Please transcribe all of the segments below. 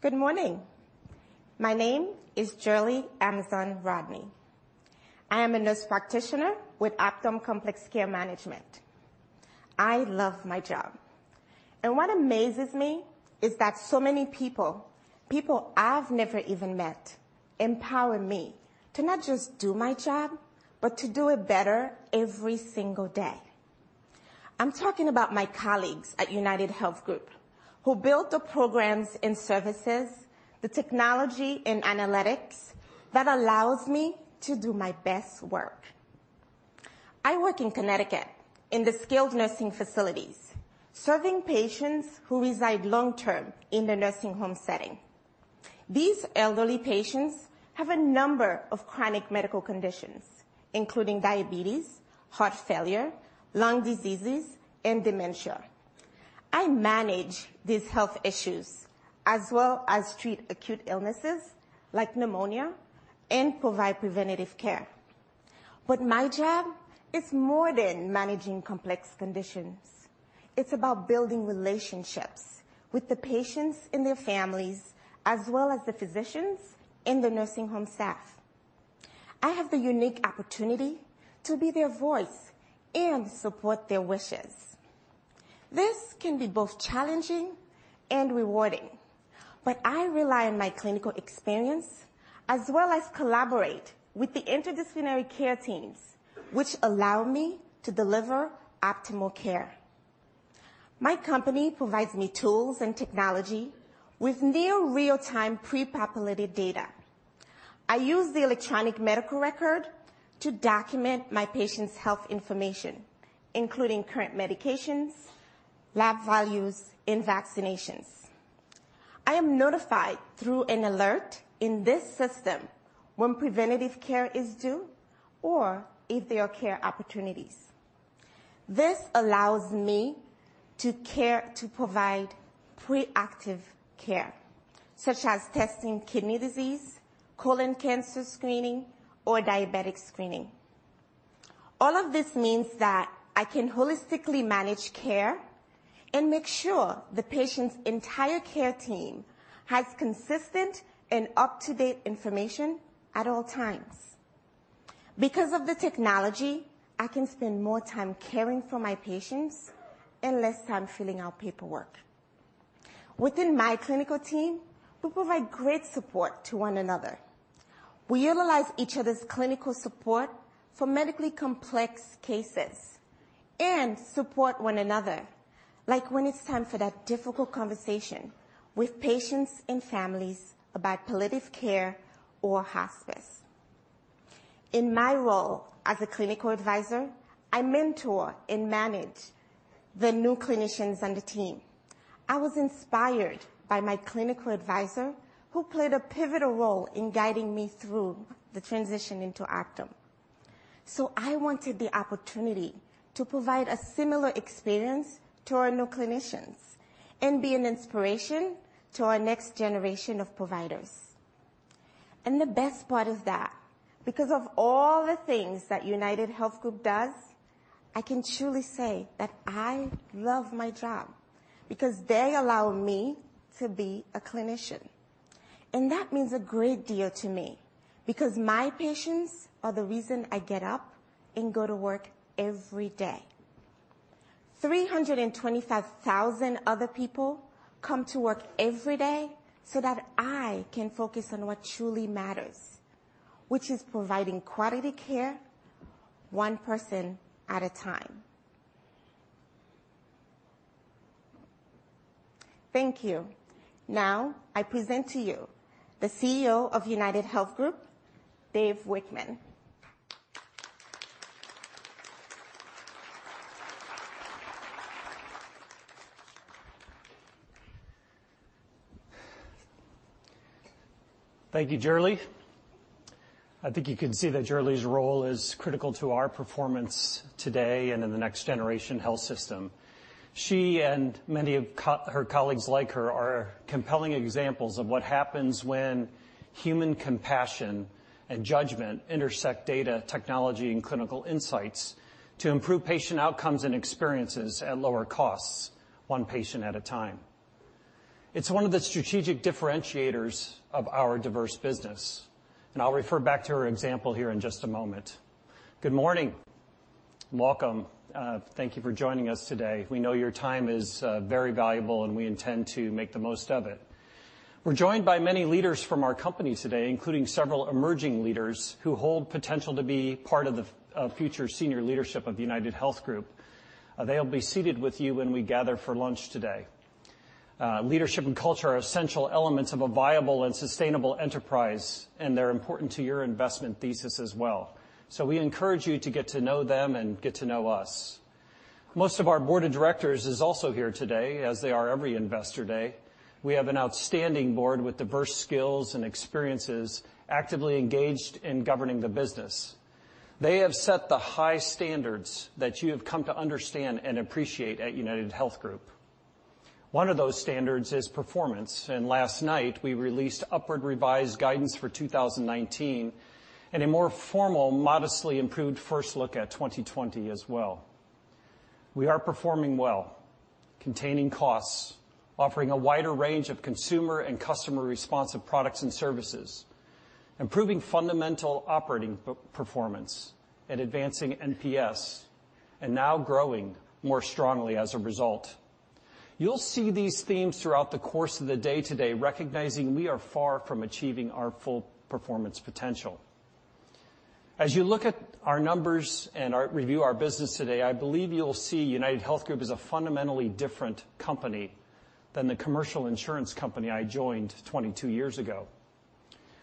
Good morning. My name is Gerlie Amazon Rodney. I am a nurse practitioner with Optum Complex Care Management. I love my job. What amazes me is that so many people I've never even met, empower me to not just do my job, but to do it better every single day. I'm talking about my colleagues at UnitedHealth Group who built the programs and services, the technology and analytics that allows me to do my best work. I work in Connecticut in the skilled nursing facilities, serving patients who reside long-term in the nursing home setting. These elderly patients have a number of chronic medical conditions, including diabetes, heart failure, lung diseases, and dementia. I manage these health issues as well as treat acute illnesses like pneumonia and provide preventative care. My job is more than managing complex conditions. It's about building relationships with the patients and their families, as well as the physicians and the nursing home staff. I have the unique opportunity to be their voice and support their wishes. This can be both challenging and rewarding. I rely on my clinical experience as well as collaborate with the interdisciplinary care teams, which allow me to deliver optimal care. My company provides me tools and technology with near real-time pre-populated data. I use the electronic medical record to document my patient's health information, including current medications, lab values, and vaccinations. I am notified through an alert in this system when preventative care is due or if there are care opportunities. This allows me to provide preactive care, such as testing kidney disease, colon cancer screening, or diabetic screening. All of this means that I can holistically manage care and make sure the patient's entire care team has consistent and up-to-date information at all times. Because of the technology, I can spend more time caring for my patients and less time filling out paperwork. Within my clinical team, we provide great support to one another. We utilize each other's clinical support for medically complex cases and support one another, like when it's time for that difficult conversation with patients and families about palliative care or hospice. In my role as a clinical advisor, I mentor and manage the new clinicians on the team. I was inspired by my clinical advisor, who played a pivotal role in guiding me through the transition into Optum. I wanted the opportunity to provide a similar experience to our new clinicians and be an inspiration to our next generation of providers. The best part is that because of all the things that UnitedHealth Group does, I can truly say that I love my job because they allow me to be a clinician. That means a great deal to me because my patients are the reason I get up and go to work every day. 325,000 other people come to work every day so that I can focus on what truly matters, which is providing quality care one person at a time. Thank you. Now I present to you the CEO of UnitedHealth Group, Dave Wichmann. Thank you, Gerlie. I think you can see that Gerlie's role is critical to our performance today and in the next generation health system. She and many of her colleagues like her are compelling examples of what happens when human compassion and judgment intersect data technology and clinical insights to improve patient outcomes and experiences at lower costs, one patient at a time. It's one of the strategic differentiators of our diverse business, and I'll refer back to her example here in just a moment. Good morning. Welcome. Thank you for joining us today. We know your time is very valuable, and we intend to make the most of it. We're joined by many leaders from our company today, including several emerging leaders who hold potential to be part of the future senior leadership of UnitedHealth Group. They'll be seated with you when we gather for lunch today. Leadership and culture are essential elements of a viable and sustainable enterprise, and they're important to your investment thesis as well. We encourage you to get to know them and get to know us. Most of our board of directors is also here today, as they are every investor day. We have an outstanding board with diverse skills and experiences actively engaged in governing the business. They have set the high standards that you have come to understand and appreciate at UnitedHealth Group. One of those standards is performance, and last night we released upward revised guidance for 2019 and a more formal, modestly improved first look at 2020 as well. We are performing well, containing costs, offering a wider range of consumer and customer-responsive products and services, improving fundamental operating performance and advancing NPS, and now growing more strongly as a result. You'll see these themes throughout the course of the day today, recognizing we are far from achieving our full performance potential. As you look at our numbers and review our business today, I believe you'll see UnitedHealth Group is a fundamentally different company than the commercial insurance company I joined 22 years ago.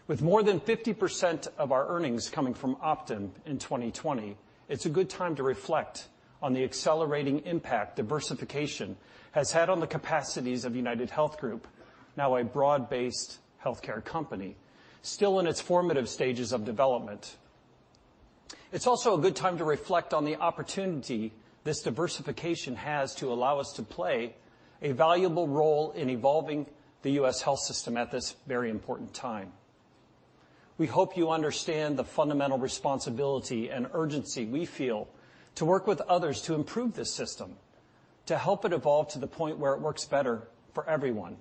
With more than 50% of our earnings coming from Optum in 2020, it's a good time to reflect on the accelerating impact diversification has had on the capacities of UnitedHealth Group, now a broad-based healthcare company, still in its formative stages of development. It's also a good time to reflect on the opportunity this diversification has to allow us to play a valuable role in evolving the U.S. health system at this very important time. We hope you understand the fundamental responsibility and urgency we feel to work with others to improve this system, to help it evolve to the point where it works better for everyone,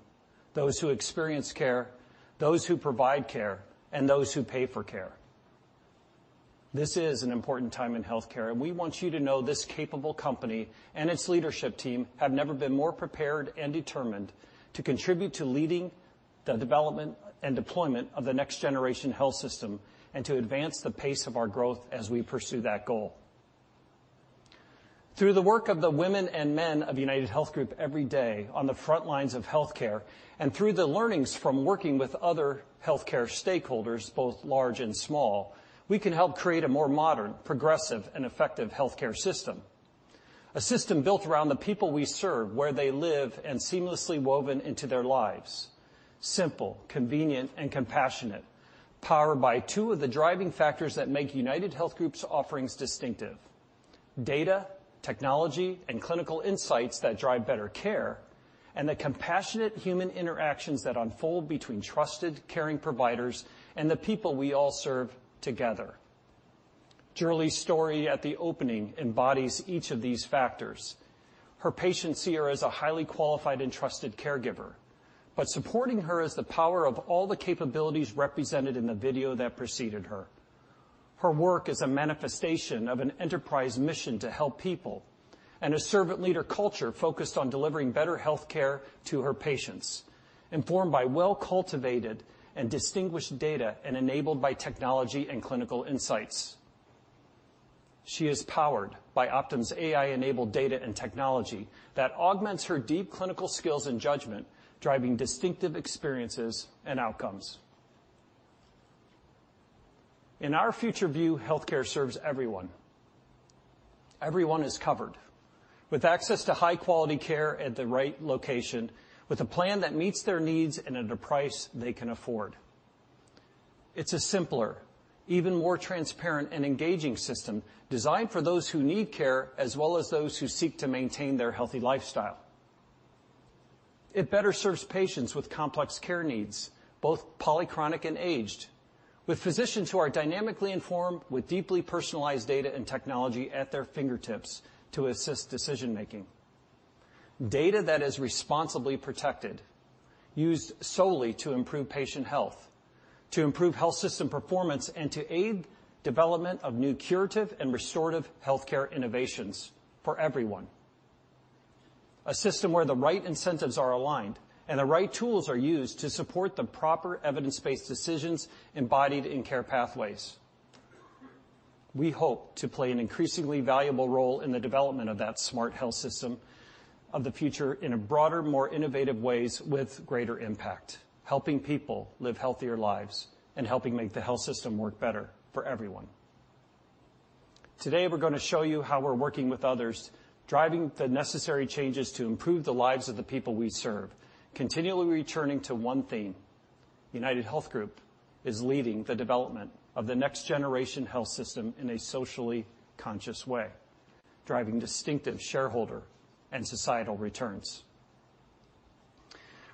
those who experience care, those who provide care, and those who pay for care. This is an important time in healthcare, and we want you to know this capable company and its leadership team have never been more prepared and determined to contribute to leading the development and deployment of the next-generation health system and to advance the pace of our growth as we pursue that goal. Through the work of the women and men of UnitedHealth Group every day on the front lines of healthcare, and through the learnings from working with other healthcare stakeholders, both large and small, we can help create a more modern, progressive, and effective healthcare system. A system built around the people we serve, where they live, and seamlessly woven into their lives. Simple, convenient, and compassionate, powered by two of the driving factors that make UnitedHealth Group's offerings distinctive. Data, technology, and clinical insights that drive better care, and the compassionate human interactions that unfold between trusted caring providers and the people we all serve together. Gerlie's story at the opening embodies each of these factors. Her patients see her as a highly qualified and trusted caregiver, but supporting her is the power of all the capabilities represented in the video that preceded her. Her work is a manifestation of an enterprise mission to help people and a servant leader culture focused on delivering better health care to her patients, informed by well-cultivated and distinguished data, and enabled by technology and clinical insights. She is powered by Optum's AI-enabled data and technology that augments her deep clinical skills and judgment, driving distinctive experiences and outcomes. In our future view, healthcare serves everyone. Everyone is covered with access to high-quality care at the right location with a plan that meets their needs and at a price they can afford. It's a simpler, even more transparent and engaging system designed for those who need care as well as those who seek to maintain their healthy lifestyle. It better serves patients with complex care needs, both polychronic and aged, with physicians who are dynamically informed with deeply personalized data and technology at their fingertips to assist decision-making. Data that is responsibly protected, used solely to improve patient health, to improve health system performance, and to aid development of new curative and restorative healthcare innovations for everyone. A system where the right incentives are aligned and the right tools are used to support the proper evidence-based decisions embodied in care pathways. We hope to play an increasingly valuable role in the development of that smart health system of the future in broader, more innovative ways with greater impact, helping people live healthier lives and helping make the health system work better for everyone. Today, we're going to show you how we're working with others, driving the necessary changes to improve the lives of the people we serve, continually returning to one theme. UnitedHealth Group is leading the development of the next-generation health system in a socially conscious way, driving distinctive shareholder and societal returns.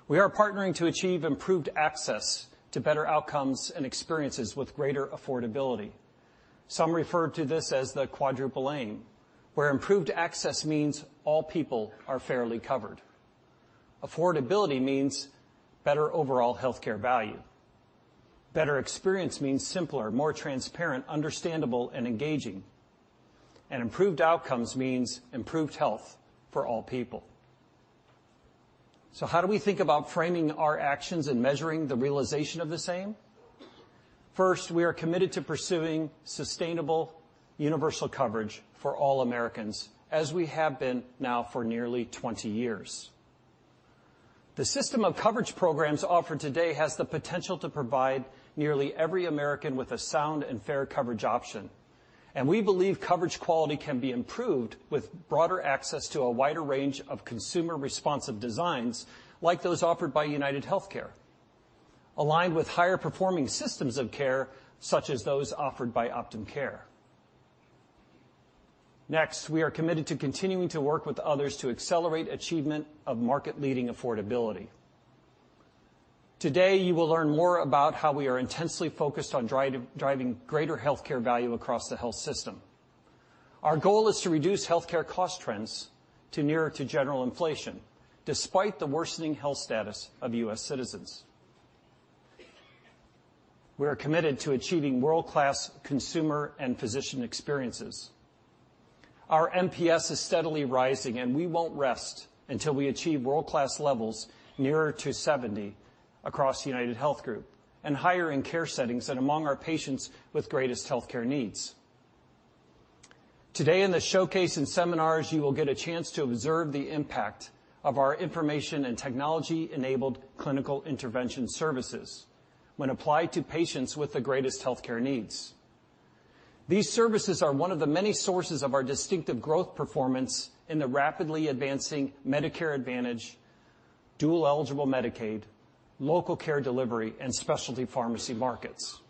We are partnering to achieve improved access to better outcomes and experiences with greater affordability. Some refer to this as the quadruple aim, where improved access means all people are fairly covered. Affordability means better overall healthcare value. Better experience means simpler, more transparent, understandable, and engaging. Improved outcomes means improved health for all people. How do we think about framing our actions and measuring the realization of the same? First, we are committed to pursuing sustainable universal coverage for all Americans, as we have been now for nearly 20 years. The system of coverage programs offered today has the potential to provide nearly every American with a sound and fair coverage option, and we believe coverage quality can be improved with broader access to a wider range of consumer-responsive designs like those offered by UnitedHealthcare, aligned with higher-performing systems of care, such as those offered by Optum Care. We are committed to continuing to work with others to accelerate achievement of market-leading affordability. You will learn more about how we are intensely focused on driving greater healthcare value across the health system. Our goal is to reduce healthcare cost trends to nearer to general inflation, despite the worsening health status of U.S. citizens. We are committed to achieving world-class consumer and physician experiences. Our NPS is steadily rising, and we won't rest until we achieve world-class levels nearer to 70 across UnitedHealth Group and higher in care settings and among our patients with greatest healthcare needs. In the showcase and seminars, you will get a chance to observe the impact of our information and technology-enabled clinical intervention services when applied to patients with the greatest healthcare needs. These services are one of the many sources of our distinctive growth performance in the rapidly advancing Medicare Advantage, dual-eligible Medicaid, local care delivery, and specialty pharmacy markets.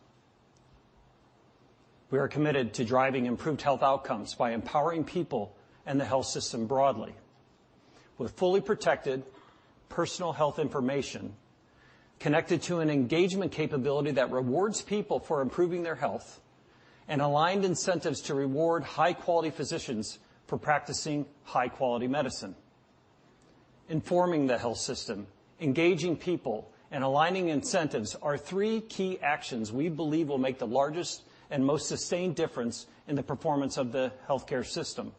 We are committed to driving improved health outcomes by empowering people and the health system broadly with fully protected personal health information connected to an engagement capability that rewards people for improving their health and aligned incentives to reward high-quality physicians for practicing high-quality medicine. Informing the health system, engaging people, and aligning incentives are three key actions we believe will make the largest and most sustained difference in the performance of the healthcare system.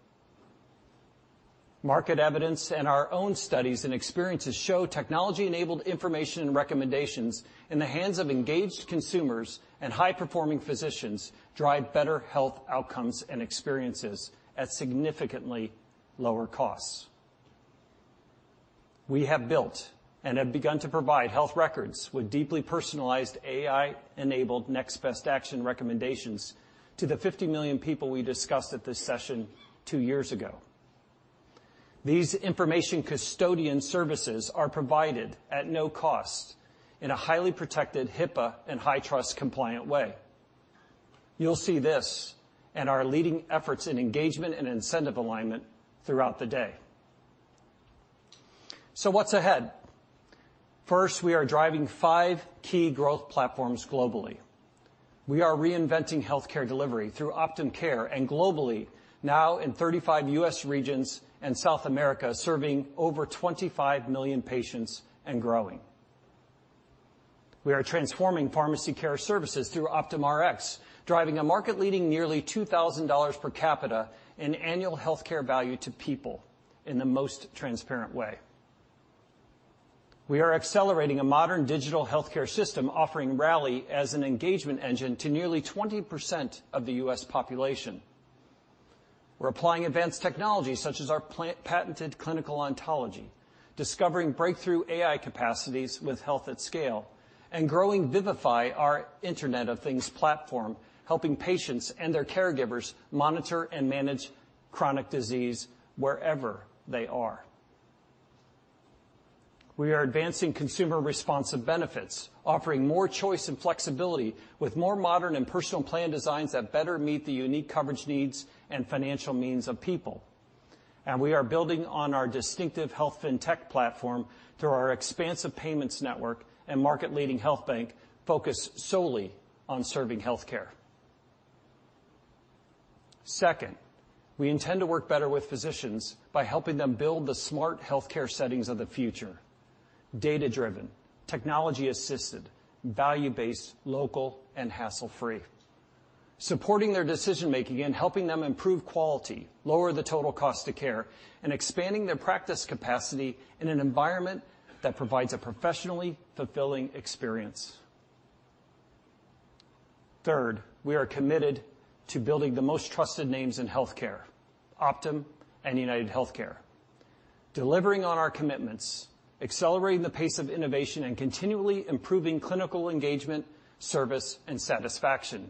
Market evidence and our own studies and experiences show technology-enabled information and recommendations in the hands of engaged consumers and high-performing physicians drive better health outcomes and experiences at significantly lower costs. We have built and have begun to provide health records with deeply personalized AI-enabled next-best-action recommendations to the 50 million people we discussed at this session two years ago. These information custodian services are provided at no cost in a highly protected HIPAA and HITRUST compliant way. You'll see this and our leading efforts in engagement and incentive alignment throughout the day. What's ahead? First, we are driving five key growth platforms globally. We are reinventing healthcare delivery through Optum Care and globally, now in 35 U.S. regions and South America, serving over 25 million patients and growing. We are transforming pharmacy care services through OptumRx, driving a market-leading nearly $2,000 per capita in annual healthcare value to people in the most transparent way. We are accelerating a modern digital healthcare system, offering Rally as an engagement engine to nearly 20% of the U.S. population. We're applying advanced technology such as our patented clinical ontology, discovering breakthrough AI capacities with Health at Scale, and growing Vivify, our Internet of Things platform, helping patients and their caregivers monitor and manage chronic disease wherever they are. We are advancing consumer-responsive benefits, offering more choice and flexibility with more modern and personal plan designs that better meet the unique coverage needs and financial means of people. We are building on our distinctive health fintech platform through our expansive payments network and market-leading health bank focused solely on serving healthcare. Second, we intend to work better with physicians by helping them build the smart healthcare settings of the future, data-driven, technology-assisted, value-based, local, and hassle-free. Supporting their decision-making and helping them improve quality, lower the total cost of care, and expanding their practice capacity in an environment that provides a professionally fulfilling experience. Third, we are committed to building the most trusted names in healthcare, Optum and UnitedHealthcare, delivering on our commitments, accelerating the pace of innovation, and continually improving clinical engagement, service, and satisfaction,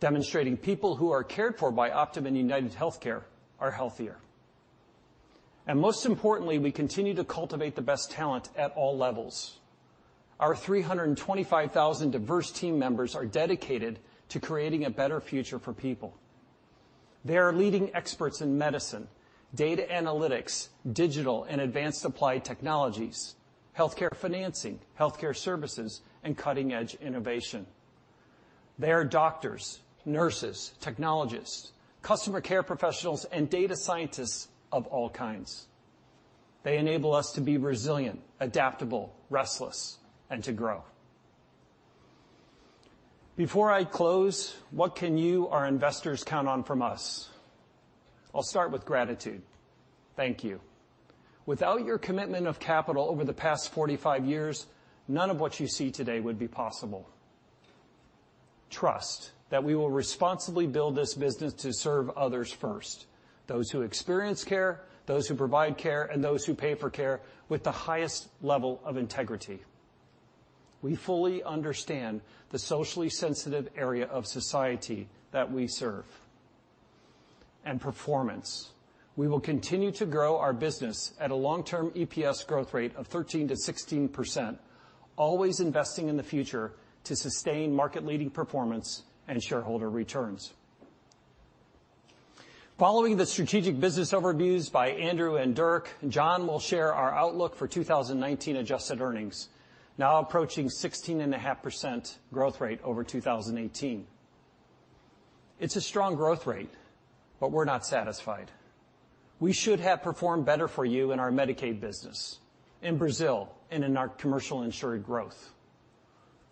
demonstrating people who are cared for by Optum and UnitedHealthcare are healthier. Most importantly, we continue to cultivate the best talent at all levels. Our 325,000 diverse team members are dedicated to creating a better future for people. They are leading experts in medicine, data analytics, digital and advanced applied technologies, healthcare financing, healthcare services, and cutting-edge innovation. They are doctors, nurses, technologists, customer care professionals, and data scientists of all kinds. They enable us to be resilient, adaptable, restless, and to grow. Before I close, what can you, our investors, count on from us? I'll start with gratitude. Thank you. Without your commitment of capital over the past 45 years, none of what you see today would be possible. Trust that we will responsibly build this business to serve others first, those who experience care, those who provide care, and those who pay for care with the highest level of integrity. We fully understand the socially sensitive area of society that we serve. Performance. We will continue to grow our business at a long-term EPS growth rate of 13%-16%, always investing in the future to sustain market-leading performance and shareholder returns. Following the strategic business overviews by Andrew and Dirk, John will share our outlook for 2019 adjusted earnings, now approaching 16.5% growth rate over 2018. It's a strong growth rate, but we're not satisfied. We should have performed better for you in our Medicaid business, in Brazil, and in our commercial insured growth.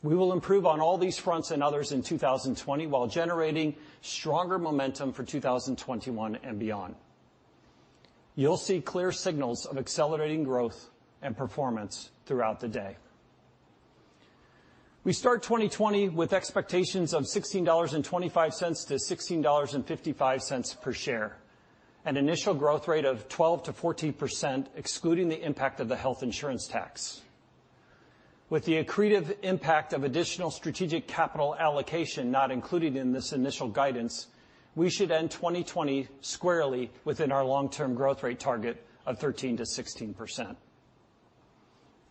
We will improve on all these fronts and others in 2020 while generating stronger momentum for 2021 and beyond. You'll see clear signals of accelerating growth and performance throughout the day. We start 2020 with expectations of $16.25-$16.55 per share, an initial growth rate of 12%-14%, excluding the impact of the health insurance tax. With the accretive impact of additional strategic capital allocation not included in this initial guidance, we should end 2020 squarely within our long-term growth rate target of 13%-16%.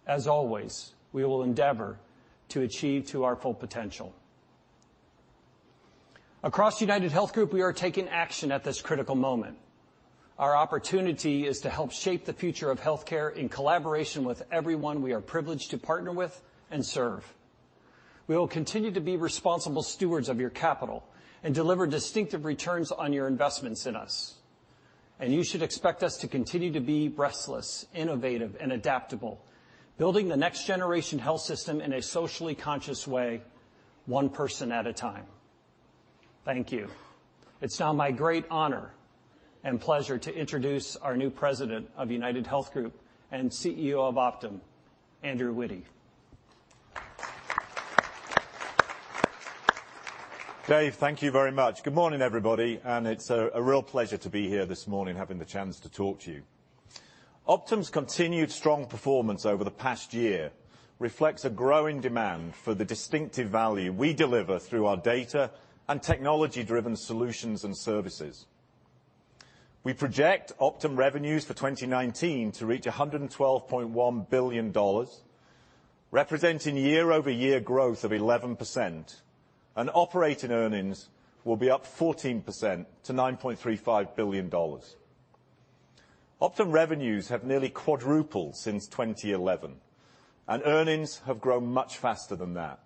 As always, we will endeavor to achieve to our full potential. Across UnitedHealth Group, we are taking action at this critical moment. Our opportunity is to help shape the future of healthcare in collaboration with everyone we are privileged to partner with and serve. We will continue to be responsible stewards of your capital and deliver distinctive returns on your investments in us. You should expect us to continue to be restless, innovative, and adaptable, building the next-generation health system in a socially conscious way, one person at a time. Thank you. It's now my great honor and pleasure to introduce our new President of UnitedHealth Group and CEO of Optum, Andrew Witty. Dave, thank you very much. Good morning, everybody. It's a real pleasure to be here this morning, having the chance to talk to you. Optum's continued strong performance over the past year reflects a growing demand for the distinctive value we deliver through our data and technology-driven solutions and services. We project Optum revenues for 2019 to reach $112.1 billion, representing year-over-year growth of 11%. Operating earnings will be up 14% to $9.35 billion. Optum revenues have nearly quadrupled since 2011. Earnings have grown much faster than that.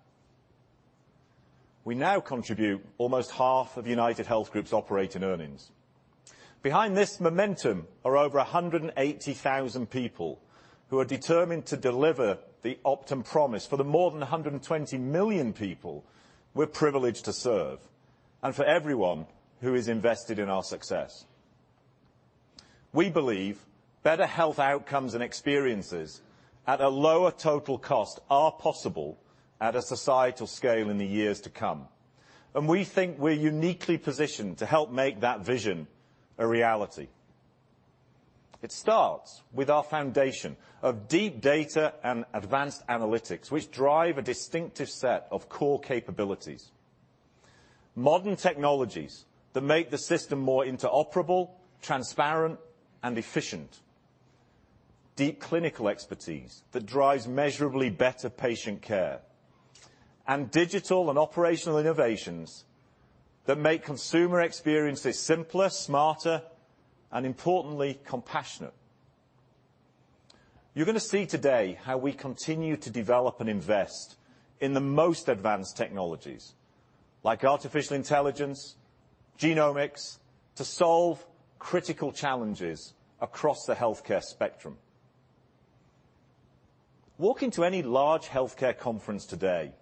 We now contribute almost half of UnitedHealth Group's operating earnings. Behind this momentum are over 180,000 people who are determined to deliver the Optum promise for the more than 120 million people we're privileged to serve, for everyone who is invested in our success. We believe better health outcomes and experiences at a lower total cost are possible at a societal scale in the years to come, and we think we're uniquely positioned to help make that vision a reality. It starts with our foundation of deep data and advanced analytics, which drive a distinctive set of core capabilities. Modern technologies that make the system more interoperable, transparent, and efficient. Deep clinical expertise that drives measurably better patient care. Digital and operational innovations that make consumer experiences simpler, smarter, and importantly, compassionate. You're going to see today how we continue to develop and invest in the most advanced technologies like artificial intelligence, genomics, to solve critical challenges across the healthcare spectrum. Walk into any large healthcare conference today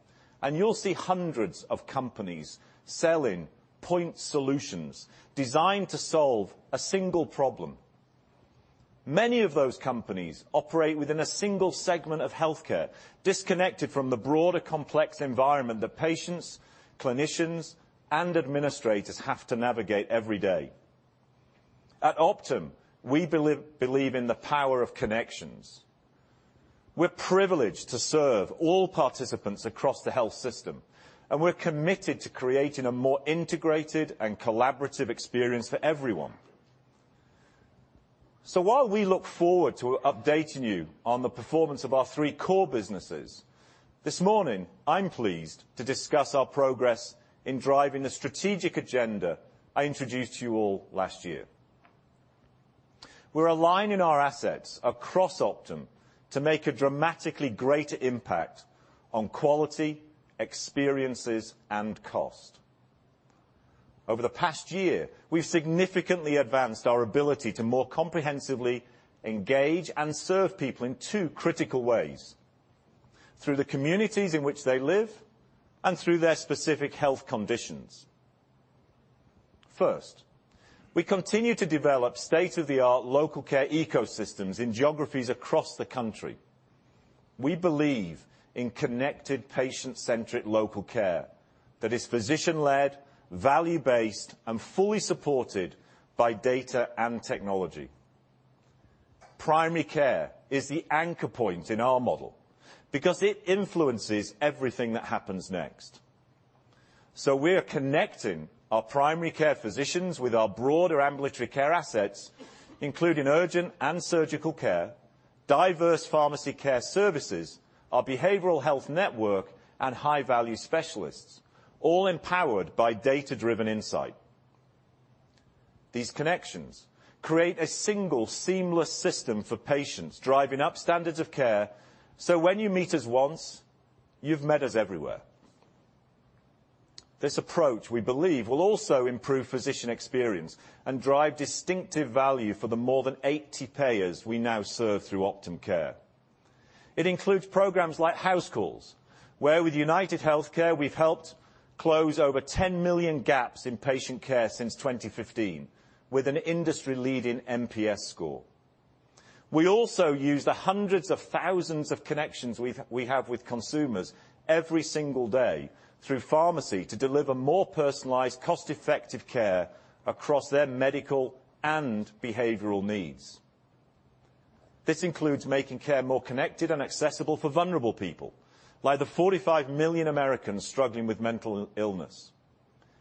and you'll see hundreds of companies selling point solutions designed to solve a single problem. Many of those companies operate within a single segment of healthcare, disconnected from the broader, complex environment that patients, clinicians, and administrators have to navigate every day. At Optum, we believe in the power of connections. We're privileged to serve all participants across the health system, and we're committed to creating a more integrated and collaborative experience for everyone. While we look forward to updating you on the performance of our three core businesses, this morning, I'm pleased to discuss our progress in driving the strategic agenda I introduced to you all last year. We're aligning our assets across Optum to make a dramatically greater impact on quality, experiences, and cost. Over the past year, we've significantly advanced our ability to more comprehensively engage and serve people in two critical ways: through the communities in which they live, and through their specific health conditions. First, we continue to develop state-of-the-art local care ecosystems in geographies across the country. We believe in connected, patient-centric local care that is physician-led, value-based, and fully supported by data and technology. Primary care is the anchor point in our model because it influences everything that happens next. We are connecting our primary care physicians with our broader ambulatory care assets, including urgent and surgical care, diverse pharmacy care services, our behavioral health network, and high-value specialists, all empowered by data-driven insight. These connections create a single seamless system for patients, driving up standards of care, so when you meet us once, you've met us everywhere. This approach, we believe, will also improve physician experience and drive distinctive value for the more than 80 payers we now serve through Optum Care. It includes programs like HouseCalls, where with UnitedHealthcare, we've helped close over 10 million gaps in patient care since 2015, with an industry-leading NPS score. We also use the hundreds of thousands of connections we have with consumers every single day through pharmacy to deliver more personalized, cost-effective care across their medical and behavioral needs. This includes making care more connected and accessible for vulnerable people, like the 45 million Americans struggling with mental illness.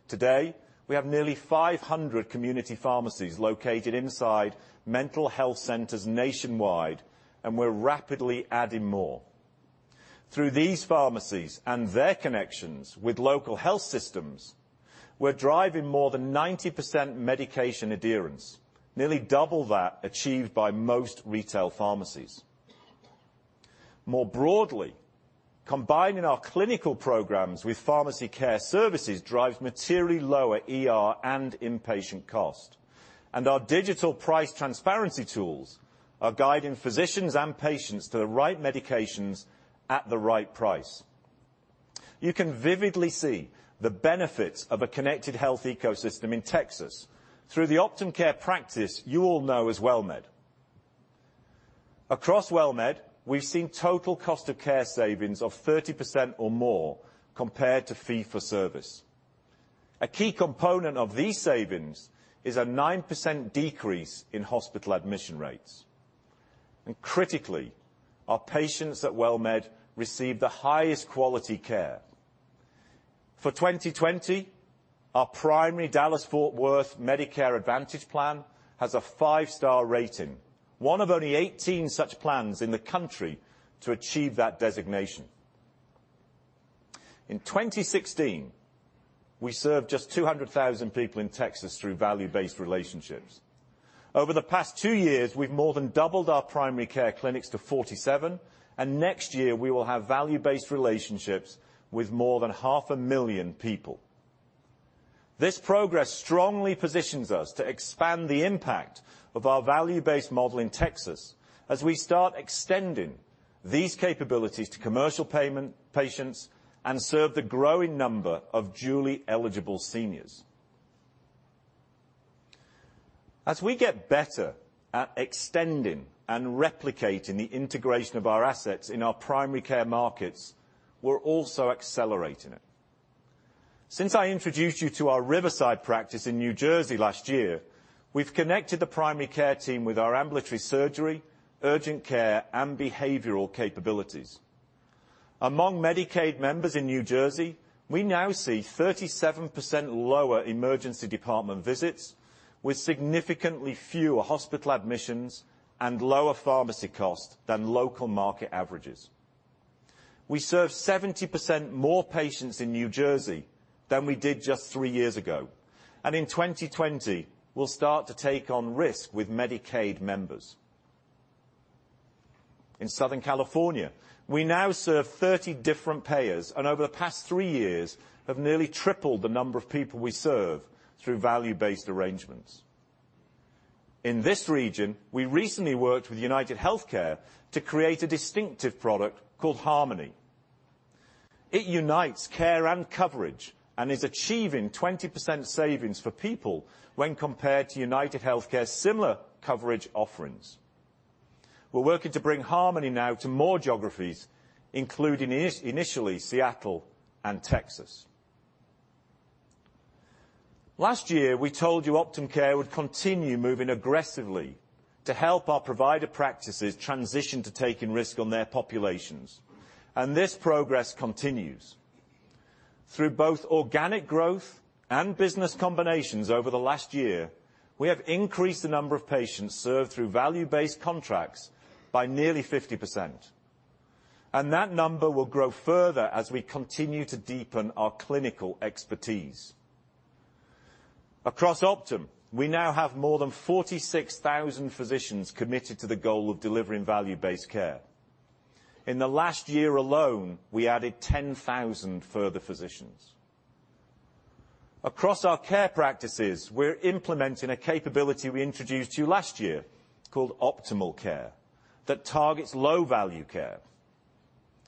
Today, we have nearly 500 community pharmacies located inside mental health centers nationwide, and we're rapidly adding more. Through these pharmacies and their connections with local health systems, we're driving more than 90% medication adherence, nearly double that achieved by most retail pharmacies. More broadly, combining our clinical programs with pharmacy care services drives materially lower ER and inpatient cost. Our digital price transparency tools are guiding physicians and patients to the right medications at the right price. You can vividly see the benefits of a connected health ecosystem in Texas through the Optum Care practice you all know as WellMed. Across WellMed, we've seen total cost of care savings of 30% or more compared to fee for service. A key component of these savings is a 9% decrease in hospital admission rates. Critically, our patients at WellMed receive the highest quality care. For 2020, our primary Dallas-Fort Worth Medicare Advantage Plan has a five-star rating, one of only 18 such plans in the country to achieve that designation. In 2016, we served just 200,000 people in Texas through value-based relationships. Over the past two years, we've more than doubled our primary care clinics to 47, and next year we will have value-based relationships with more than 500,000 people. This progress strongly positions us to expand the impact of our value-based model in Texas as we start extending these capabilities to commercial patients and serve the growing number of dually eligible seniors. As we get better at extending and replicating the integration of our assets in our primary care markets, we're also accelerating it. Since I introduced you to our Riverside practice in New Jersey last year, we've connected the primary care team with our ambulatory surgery, urgent care, and behavioral capabilities. Among Medicaid members in New Jersey, we now see 37% lower emergency department visits with significantly fewer hospital admissions and lower pharmacy costs than local market averages. We serve 70% more patients in New Jersey than we did just three years ago, and in 2020, we'll start to take on risk with Medicaid members. In Southern California, we now serve 30 different payers, and over the past three years have nearly tripled the number of people we serve through value-based arrangements. In this region, we recently worked with UnitedHealthcare to create a distinctive product called Harmony. It unites care and coverage and is achieving 20% savings for people when compared to UnitedHealthcare's similar coverage offerings. We're working to bring Harmony now to more geographies, including initially Seattle and Texas. Last year, we told you Optum Care would continue moving aggressively to help our provider practices transition to taking risk on their populations, and this progress continues. Through both organic growth and business combinations over the last year, we have increased the number of patients served through value-based contracts by nearly 50%. That number will grow further as we continue to deepen our clinical expertise. Across Optum, we now have more than 46,000 physicians committed to the goal of delivering value-based care. In the last year alone, we added 10,000 further physicians. Across our care practices, we're implementing a capability we introduced you last year called Optimal Care that targets low-value care.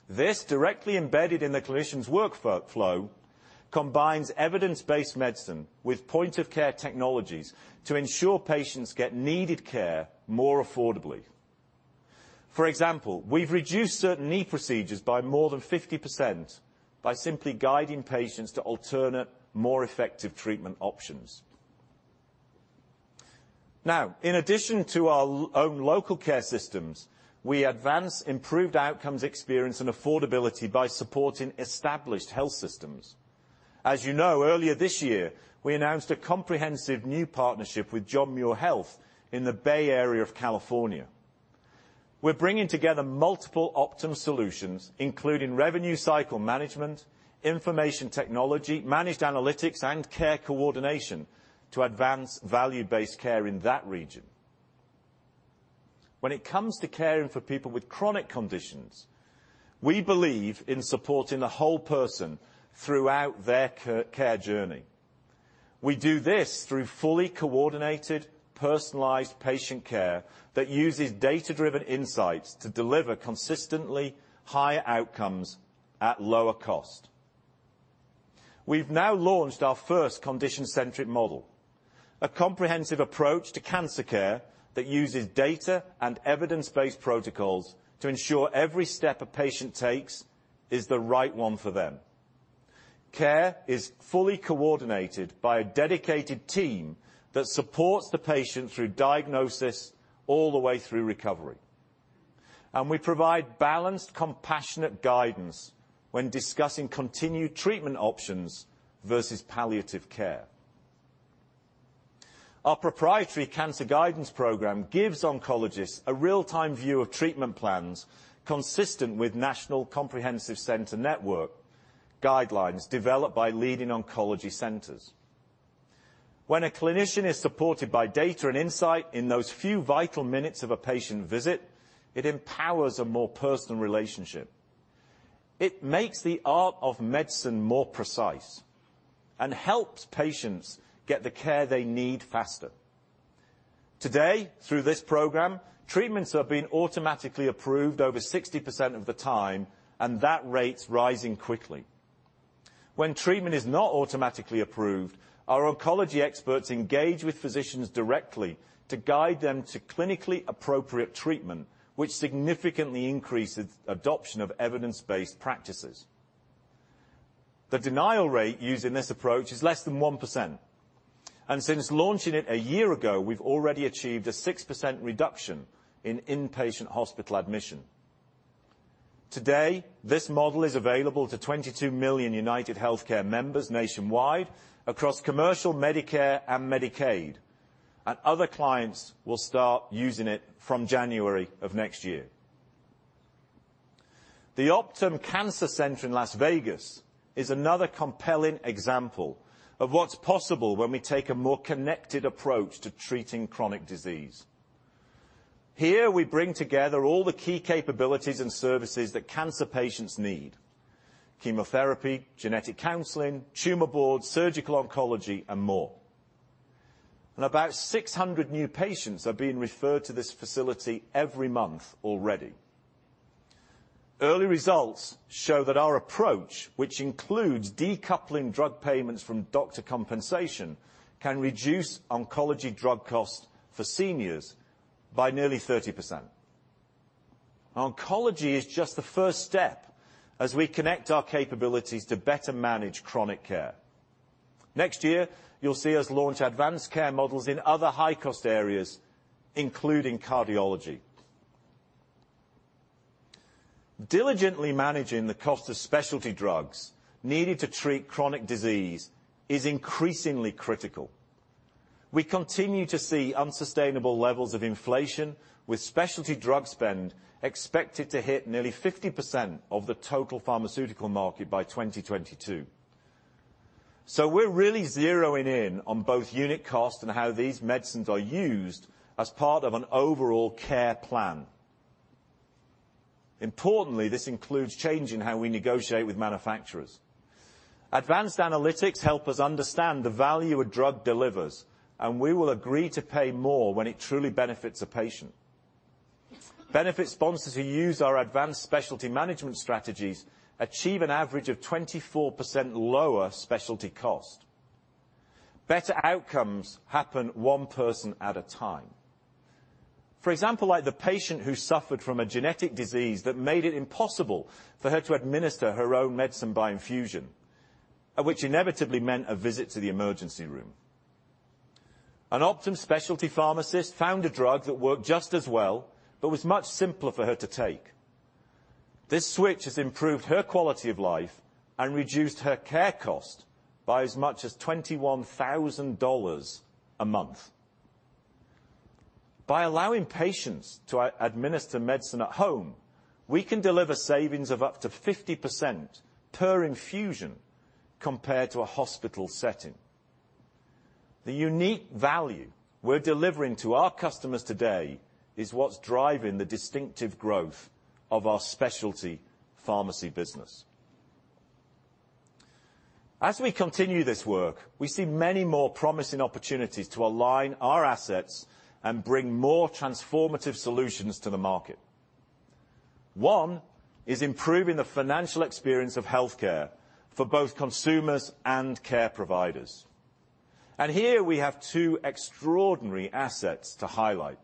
This, directly embedded in the clinician's workflow, combines evidence-based medicine with point-of-care technologies to ensure patients get needed care more affordably. For example, we've reduced certain knee procedures by more than 50% by simply guiding patients to alternate, more effective treatment options. Now, in addition to our own local care systems, we advance improved outcomes, experience, and affordability by supporting established health systems. As you know, earlier this year, we announced a comprehensive new partnership with John Muir Health in the Bay Area of California. We're bringing together multiple Optum solutions, including revenue cycle management, information technology, managed analytics, and care coordination to advance value-based care in that region. When it comes to caring for people with chronic conditions, we believe in supporting the whole person throughout their care journey. We do this through fully coordinated, personalized patient care that uses data-driven insights to deliver consistently high outcomes at lower cost. We've now launched our first condition-centric model, a comprehensive approach to cancer care that uses data and evidence-based protocols to ensure every step a patient takes is the right one for them. Care is fully coordinated by a dedicated team that supports the patient through diagnosis all the way through recovery. We provide balanced, compassionate guidance when discussing continued treatment options versus palliative care. Our proprietary cancer guidance program gives oncologists a real-time view of treatment plans consistent with National Comprehensive Cancer Network guidelines developed by leading oncology centers. When a clinician is supported by data and insight in those few vital minutes of a patient visit, it empowers a more personal relationship. It makes the art of medicine more precise and helps patients get the care they need faster. Today, through this program, treatments are being automatically approved over 60% of the time, and that rate's rising quickly. When treatment is not automatically approved, our oncology experts engage with physicians directly to guide them to clinically appropriate treatment, which significantly increases adoption of evidence-based practices. The denial rate used in this approach is less than 1%, and since launching it a year ago, we've already achieved a 6% reduction in inpatient hospital admission. Today, this model is available to 22 million UnitedHealthcare members nationwide across commercial Medicare and Medicaid, and other clients will start using it from January of next year. The Optum Cancer Center in Las Vegas is another compelling example of what's possible when we take a more connected approach to treating chronic disease. Here, we bring together all the key capabilities and services that cancer patients need: chemotherapy, genetic counseling, tumor boards, surgical oncology, and more. About 600 new patients are being referred to this facility every month already. Early results show that our approach, which includes decoupling drug payments from doctor compensation, can reduce oncology drug costs for seniors by nearly 30%. Oncology is just the first step as we connect our capabilities to better manage chronic care. Next year, you'll see us launch advanced care models in other high-cost areas, including cardiology. Diligently managing the cost of specialty drugs needed to treat chronic disease is increasingly critical. We continue to see unsustainable levels of inflation, with specialty drug spend expected to hit nearly 50% of the total pharmaceutical market by 2022. We're really zeroing in on both unit cost and how these medicines are used as part of an overall care plan. Importantly, this includes changing how we negotiate with manufacturers. Advanced analytics help us understand the value a drug delivers, and we will agree to pay more when it truly benefits a patient. Benefit sponsors who use our advanced specialty management strategies achieve an average of 24% lower specialty cost. Better outcomes happen one person at a time. For example, like the patient who suffered from a genetic disease that made it impossible for her to administer her own medicine by infusion, which inevitably meant a visit to the emergency room. An Optum specialty pharmacist found a drug that worked just as well but was much simpler for her to take. This switch has improved her quality of life and reduced her care cost by as much as $21,000 a month. By allowing patients to administer medicine at home, we can deliver savings of up to 50% per infusion compared to a hospital setting. The unique value we're delivering to our customers today is what's driving the distinctive growth of our specialty pharmacy business. As we continue this work, we see many more promising opportunities to align our assets and bring more transformative solutions to the market. One is improving the financial experience of healthcare for both consumers and care providers. Here we have two extraordinary assets to highlight.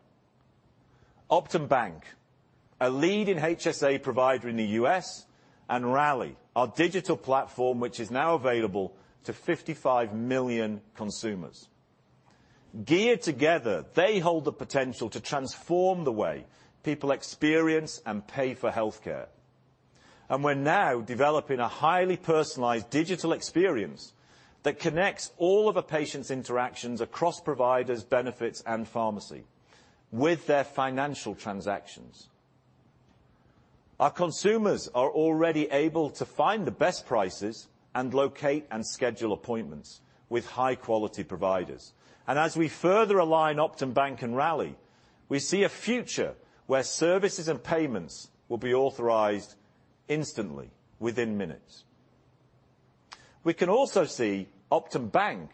Optum Bank, a leading HSA provider in the U.S., and Rally, our digital platform, which is now available to 55 million consumers. Geared together, they hold the potential to transform the way people experience and pay for healthcare. We're now developing a highly personalized digital experience that connects all of a patient's interactions across providers, benefits, and pharmacy with their financial transactions. Our consumers are already able to find the best prices and locate and schedule appointments with high-quality providers. As we further align Optum Bank and Rally, we see a future where services and payments will be authorized instantly, within minutes. We can also see Optum Bank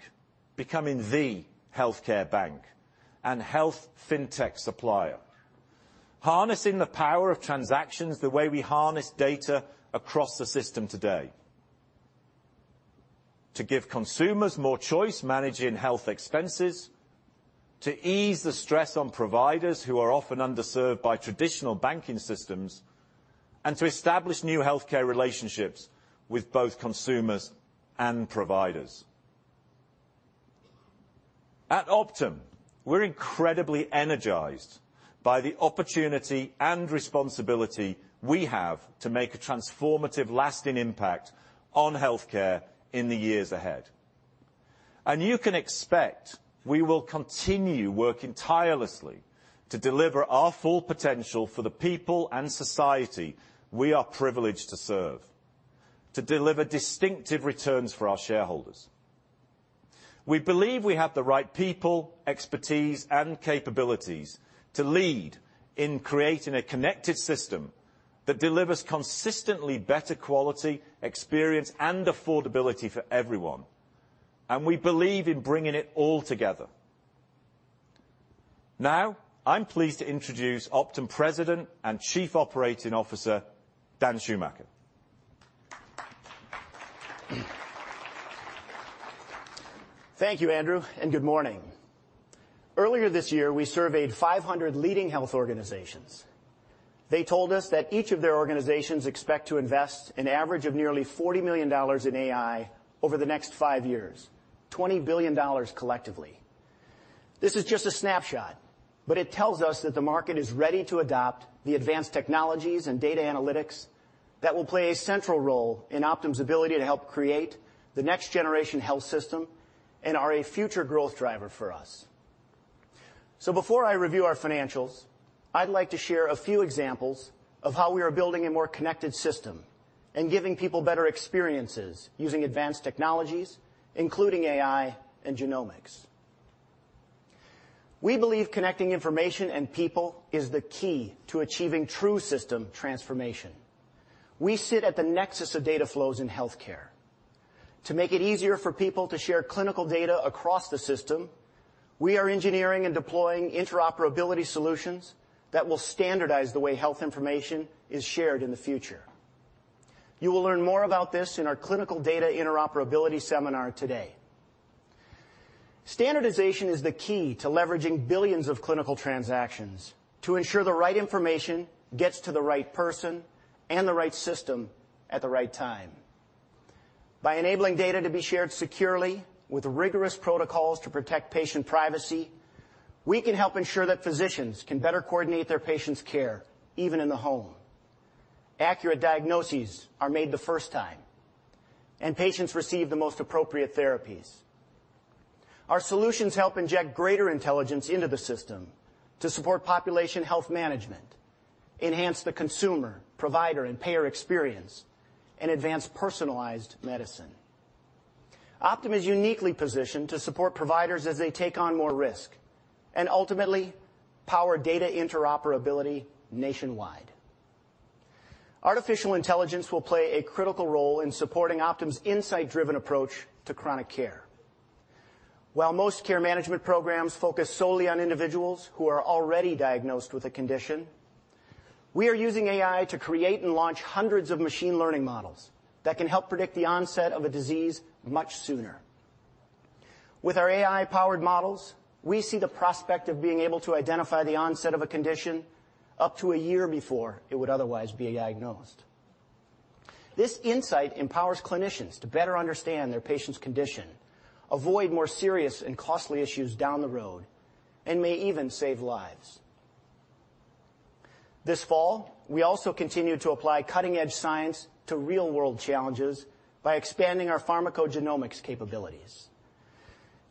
becoming the healthcare bank and health fintech supplier, harnessing the power of transactions the way we harness data across the system today, to give consumers more choice managing health expenses, to ease the stress on providers who are often underserved by traditional banking systems, and to establish new healthcare relationships with both consumers and providers. At Optum, we're incredibly energized by the opportunity and responsibility we have to make a transformative, lasting impact on healthcare in the years ahead. You can expect we will continue working tirelessly to deliver our full potential for the people and society we are privileged to serve, to deliver distinctive returns for our shareholders. We believe we have the right people, expertise, and capabilities to lead in creating a connected system that delivers consistently better quality, experience, and affordability for everyone. We believe in bringing it all together. Now, I'm pleased to introduce Optum President and Chief Operating Officer, Dan Schumacher. Thank you, Andrew, and good morning. Earlier this year, we surveyed 500 leading health organizations. They told us that each of their organizations expect to invest an average of nearly $40 million in AI over the next five years, $20 billion collectively. This is just a snapshot, but it tells us that the market is ready to adopt the advanced technologies and data analytics that will play a central role in Optum's ability to help create the next-generation health system and are a future growth driver for us. Before I review our financials, I'd like to share a few examples of how we are building a more connected system and giving people better experiences using advanced technologies, including AI and genomics. We believe connecting information and people is the key to achieving true system transformation. We sit at the nexus of data flows in healthcare. To make it easier for people to share clinical data across the system, we are engineering and deploying interoperability solutions that will standardize the way health information is shared in the future. You will learn more about this in our clinical data interoperability seminar today. Standardization is the key to leveraging billions of clinical transactions to ensure the right information gets to the right person and the right system at the right time. By enabling data to be shared securely with rigorous protocols to protect patient privacy, we can help ensure that physicians can better coordinate their patients' care, even in the home. Accurate diagnoses are made the first time, and patients receive the most appropriate therapies. Our solutions help inject greater intelligence into the system to support population health management, enhance the consumer, provider, and payer experience, and advance personalized medicine. Optum is uniquely positioned to support providers as they take on more risk and ultimately power data interoperability nationwide. Artificial intelligence will play a critical role in supporting Optum's insight-driven approach to chronic care. While most care management programs focus solely on individuals who are already diagnosed with a condition, we are using AI to create and launch hundreds of machine learning models that can help predict the onset of a disease much sooner. With our AI-powered models, we see the prospect of being able to identify the onset of a condition up to a year before it would otherwise be diagnosed. This insight empowers clinicians to better understand their patient's condition, avoid more serious and costly issues down the road, and may even save lives. This fall, we also continue to apply cutting-edge science to real-world challenges by expanding our pharmacogenomics capabilities.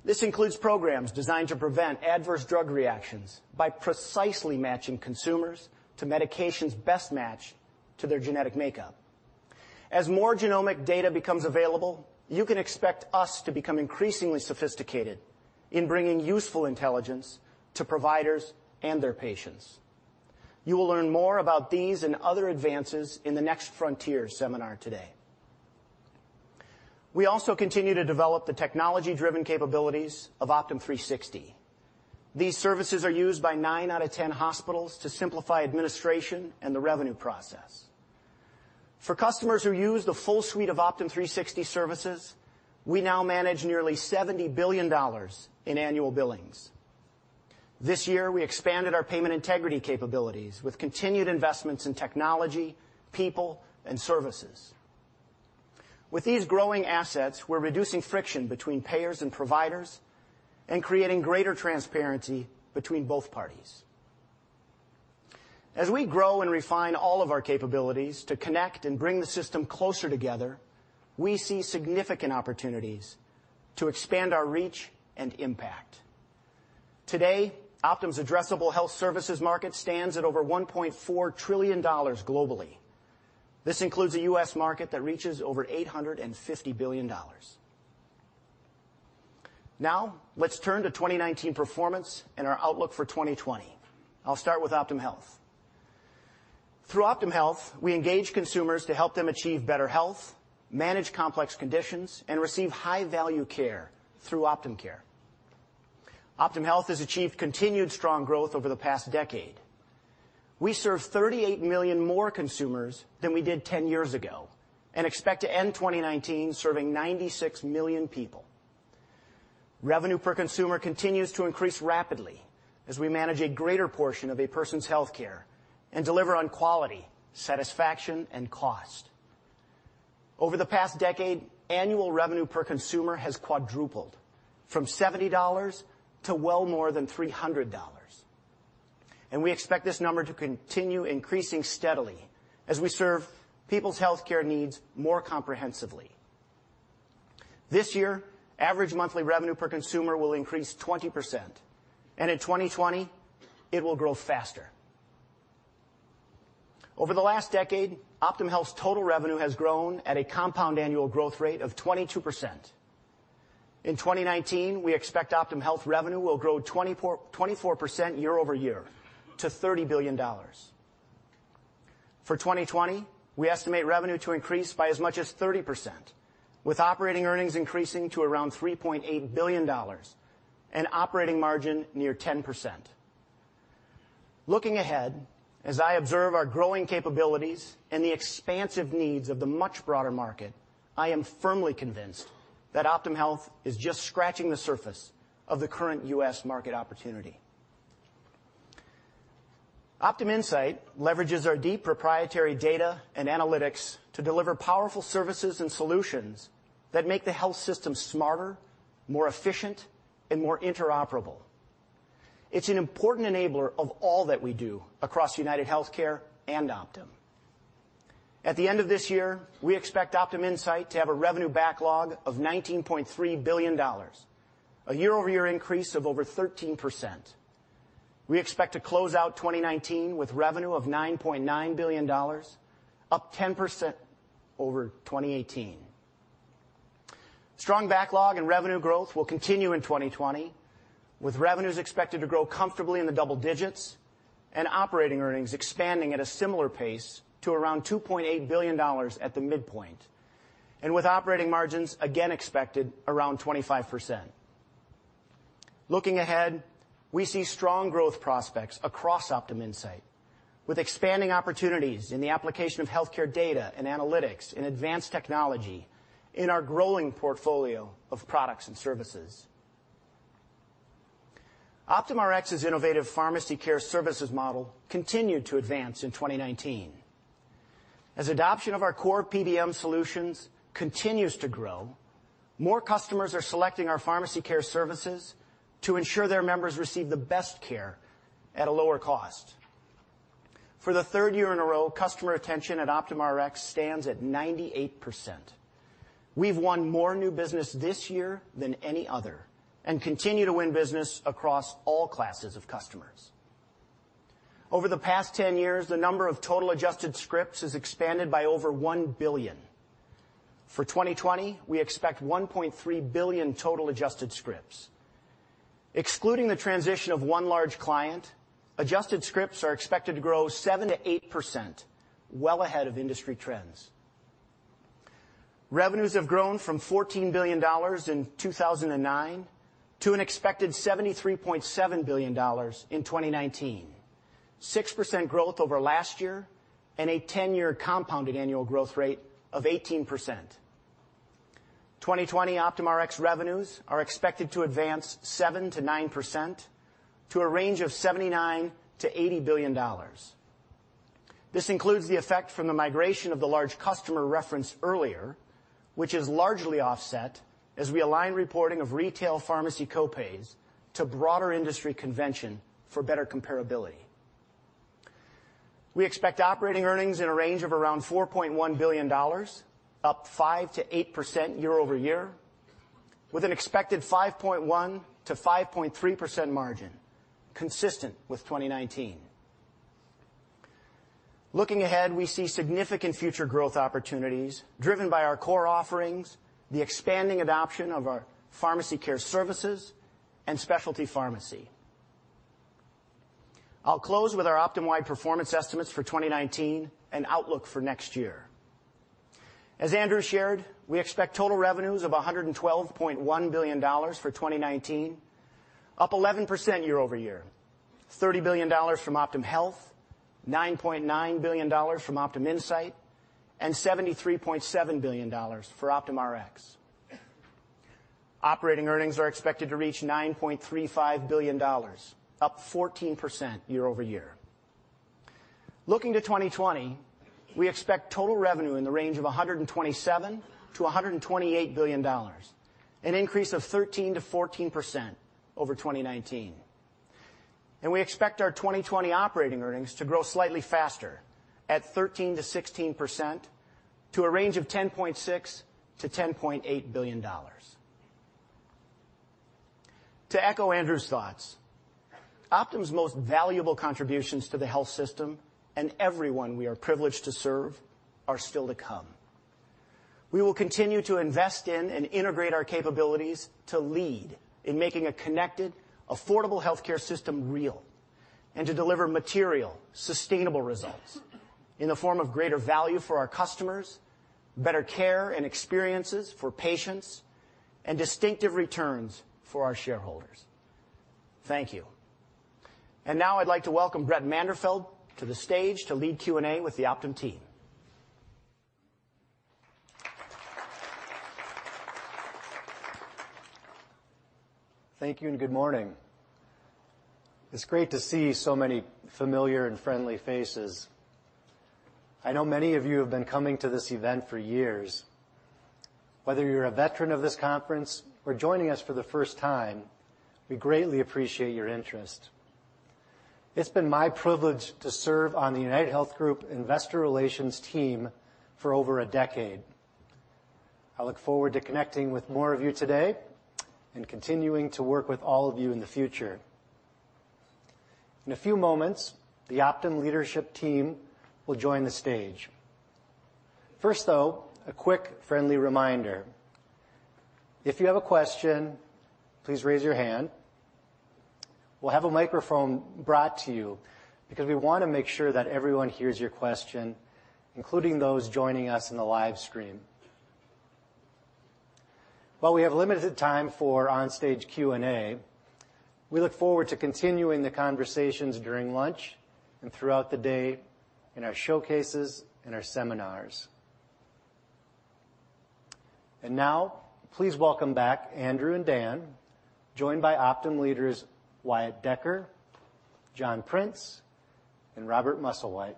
This includes programs designed to prevent adverse drug reactions by precisely matching consumers to medications best matched to their genetic makeup. As more genomic data becomes available, you can expect us to become increasingly sophisticated in bringing useful intelligence to providers and their patients. You will learn more about these and other advances in the Next Frontier seminar today. We also continue to develop the technology-driven capabilities of Optum360. These services are used by nine out of 10 hospitals to simplify administration and the revenue process. For customers who use the full suite of Optum360 services, we now manage nearly $70 billion in annual billings. This year, we expanded our payment integrity capabilities with continued investments in technology, people, and services. With these growing assets, we're reducing friction between payers and providers and creating greater transparency between both parties. As we grow and refine all of our capabilities to connect and bring the system closer together, we see significant opportunities to expand our reach and impact. Today, Optum's addressable health services market stands at over $1.4 trillion globally. This includes a US Market that reaches over $850 billion. Now, let's turn to 2019 performance and our outlook for 2020. I'll start with Optum Health. Through Optum Health, we engage consumers to help them achieve better health, manage complex conditions, and receive high-value care through Optum Care. Optum Health has achieved continued strong growth over the past decade. We serve 38 million more consumers than we did 10 years ago and expect to end 2019 serving 96 million people. Revenue per consumer continues to increase rapidly as we manage a greater portion of a person's healthcare and deliver on quality, satisfaction, and cost. Over the past decade, annual revenue per consumer has quadrupled from $70 to well more than $300. We expect this number to continue increasing steadily as we serve people's healthcare needs more comprehensively. This year, average monthly revenue per consumer will increase 20%, and in 2020, it will grow faster. Over the last decade, Optum Health's total revenue has grown at a compound annual growth rate of 22%. In 2019, we expect Optum Health revenue will grow 24% year-over-year to $30 billion. For 2020, we estimate revenue to increase by as much as 30%, with operating earnings increasing to around $3.8 billion and operating margin near 10%. Looking ahead, as I observe our growing capabilities and the expansive needs of the much broader market, I am firmly convinced that Optum Health is just scratching the surface of the current US Market opportunity. OptumInsight leverages our deep proprietary data and analytics to deliver powerful services and solutions that make the health system smarter, more efficient, and more interoperable. It's an important enabler of all that we do across UnitedHealthcare and Optum. At the end of this year, we expect OptumInsight to have a revenue backlog of $19.3 billion, a year-over-year increase of over 13%. We expect to close out 2019 with revenue of $9.9 billion, up 10% over 2018. Strong backlog and revenue growth will continue in 2020 with revenues expected to grow comfortably in the double digits and operating earnings expanding at a similar pace to around $2.8 billion at the midpoint, and with operating margins again expected around 25%. Looking ahead, we see strong growth prospects across OptumInsight with expanding opportunities in the application of healthcare data and analytics in advanced technology in our growing portfolio of products and services. OptumRx's innovative pharmacy care services model continued to advance in 2019. As adoption of our core PBM solutions continues to grow, more customers are selecting our pharmacy care services to ensure their members receive the best care at a lower cost. For the third year in a row, customer retention at OptumRx stands at 98%. We've won more new business this year than any other and continue to win business across all classes of customers. Over the past 10 years, the number of total adjusted scripts has expanded by over $1 billion. For 2020, we expect $1.3 billion total adjusted scripts. Excluding the transition of one large client, adjusted scripts are expected to grow 7%-8%, well ahead of industry trends. Revenues have grown from $14 billion in 2009 to an expected $73.7 billion in 2019, 6% growth over last year and a 10-year compounded annual growth rate of 18%. 2020 OptumRx revenues are expected to advance 7%-9% to a range of $79 billion-$80 billion. This includes the effect from the migration of the large customer referenced earlier, which is largely offset as we align reporting of retail pharmacy co-pays to broader industry convention for better comparability. We expect operating earnings in a range of around $4.1 billion, up 5%-8% year-over-year, with an expected 5.1%-5.3% margin, consistent with 2019. Looking ahead, we see significant future growth opportunities driven by our core offerings, the expanding adoption of our pharmacy care services, and specialty pharmacy. I'll close with our Optum-wide performance estimates for 2019 and outlook for next year. As Andrew shared, we expect total revenues of $112.1 billion for 2019, up 11% year-over-year. $30 billion from Optum Health, $9.9 billion from OptumInsight, and $73.7 billion for OptumRx. Operating earnings are expected to reach $9.35 billion, up 14% year-over-year. Looking to 2020, we expect total revenue in the range of $127 billion-$128 billion, an increase of 13%-14% over 2019. We expect our 2020 operating earnings to grow slightly faster, at 13%-16%, to a range of $10.6 billion-$10.8 billion. To echo Andrew's thoughts, Optum's most valuable contributions to the health system and everyone we are privileged to serve are still to come. We will continue to invest in and integrate our capabilities to lead in making a connected, affordable healthcare system real, and to deliver material, sustainable results in the form of greater value for our customers, better care and experiences for patients, and distinctive returns for our shareholders. Thank you. Now I'd like to welcome Brett Manderfeld to the stage to lead Q&A with the Optum team. Thank you, and good morning. It's great to see so many familiar and friendly faces. I know many of you have been coming to this event for years. Whether you're a veteran of this conference or joining us for the first time, we greatly appreciate your interest. It's been my privilege to serve on the UnitedHealth Group Investor Relations team for over a decade. I look forward to connecting with more of you today and continuing to work with all of you in the future. In a few moments, the Optum leadership team will join the stage. First, though, a quick friendly reminder. If you have a question, please raise your hand. We'll have a microphone brought to you because we want to make sure that everyone hears your question, including those joining us in the live stream. While we have limited time for onstage Q&A, we look forward to continuing the conversations during lunch and throughout the day in our showcases and our seminars. Now, please welcome back Andrew and Dan, joined by Optum leaders Wyatt Decker, John Prince, and Robert Musslewhite.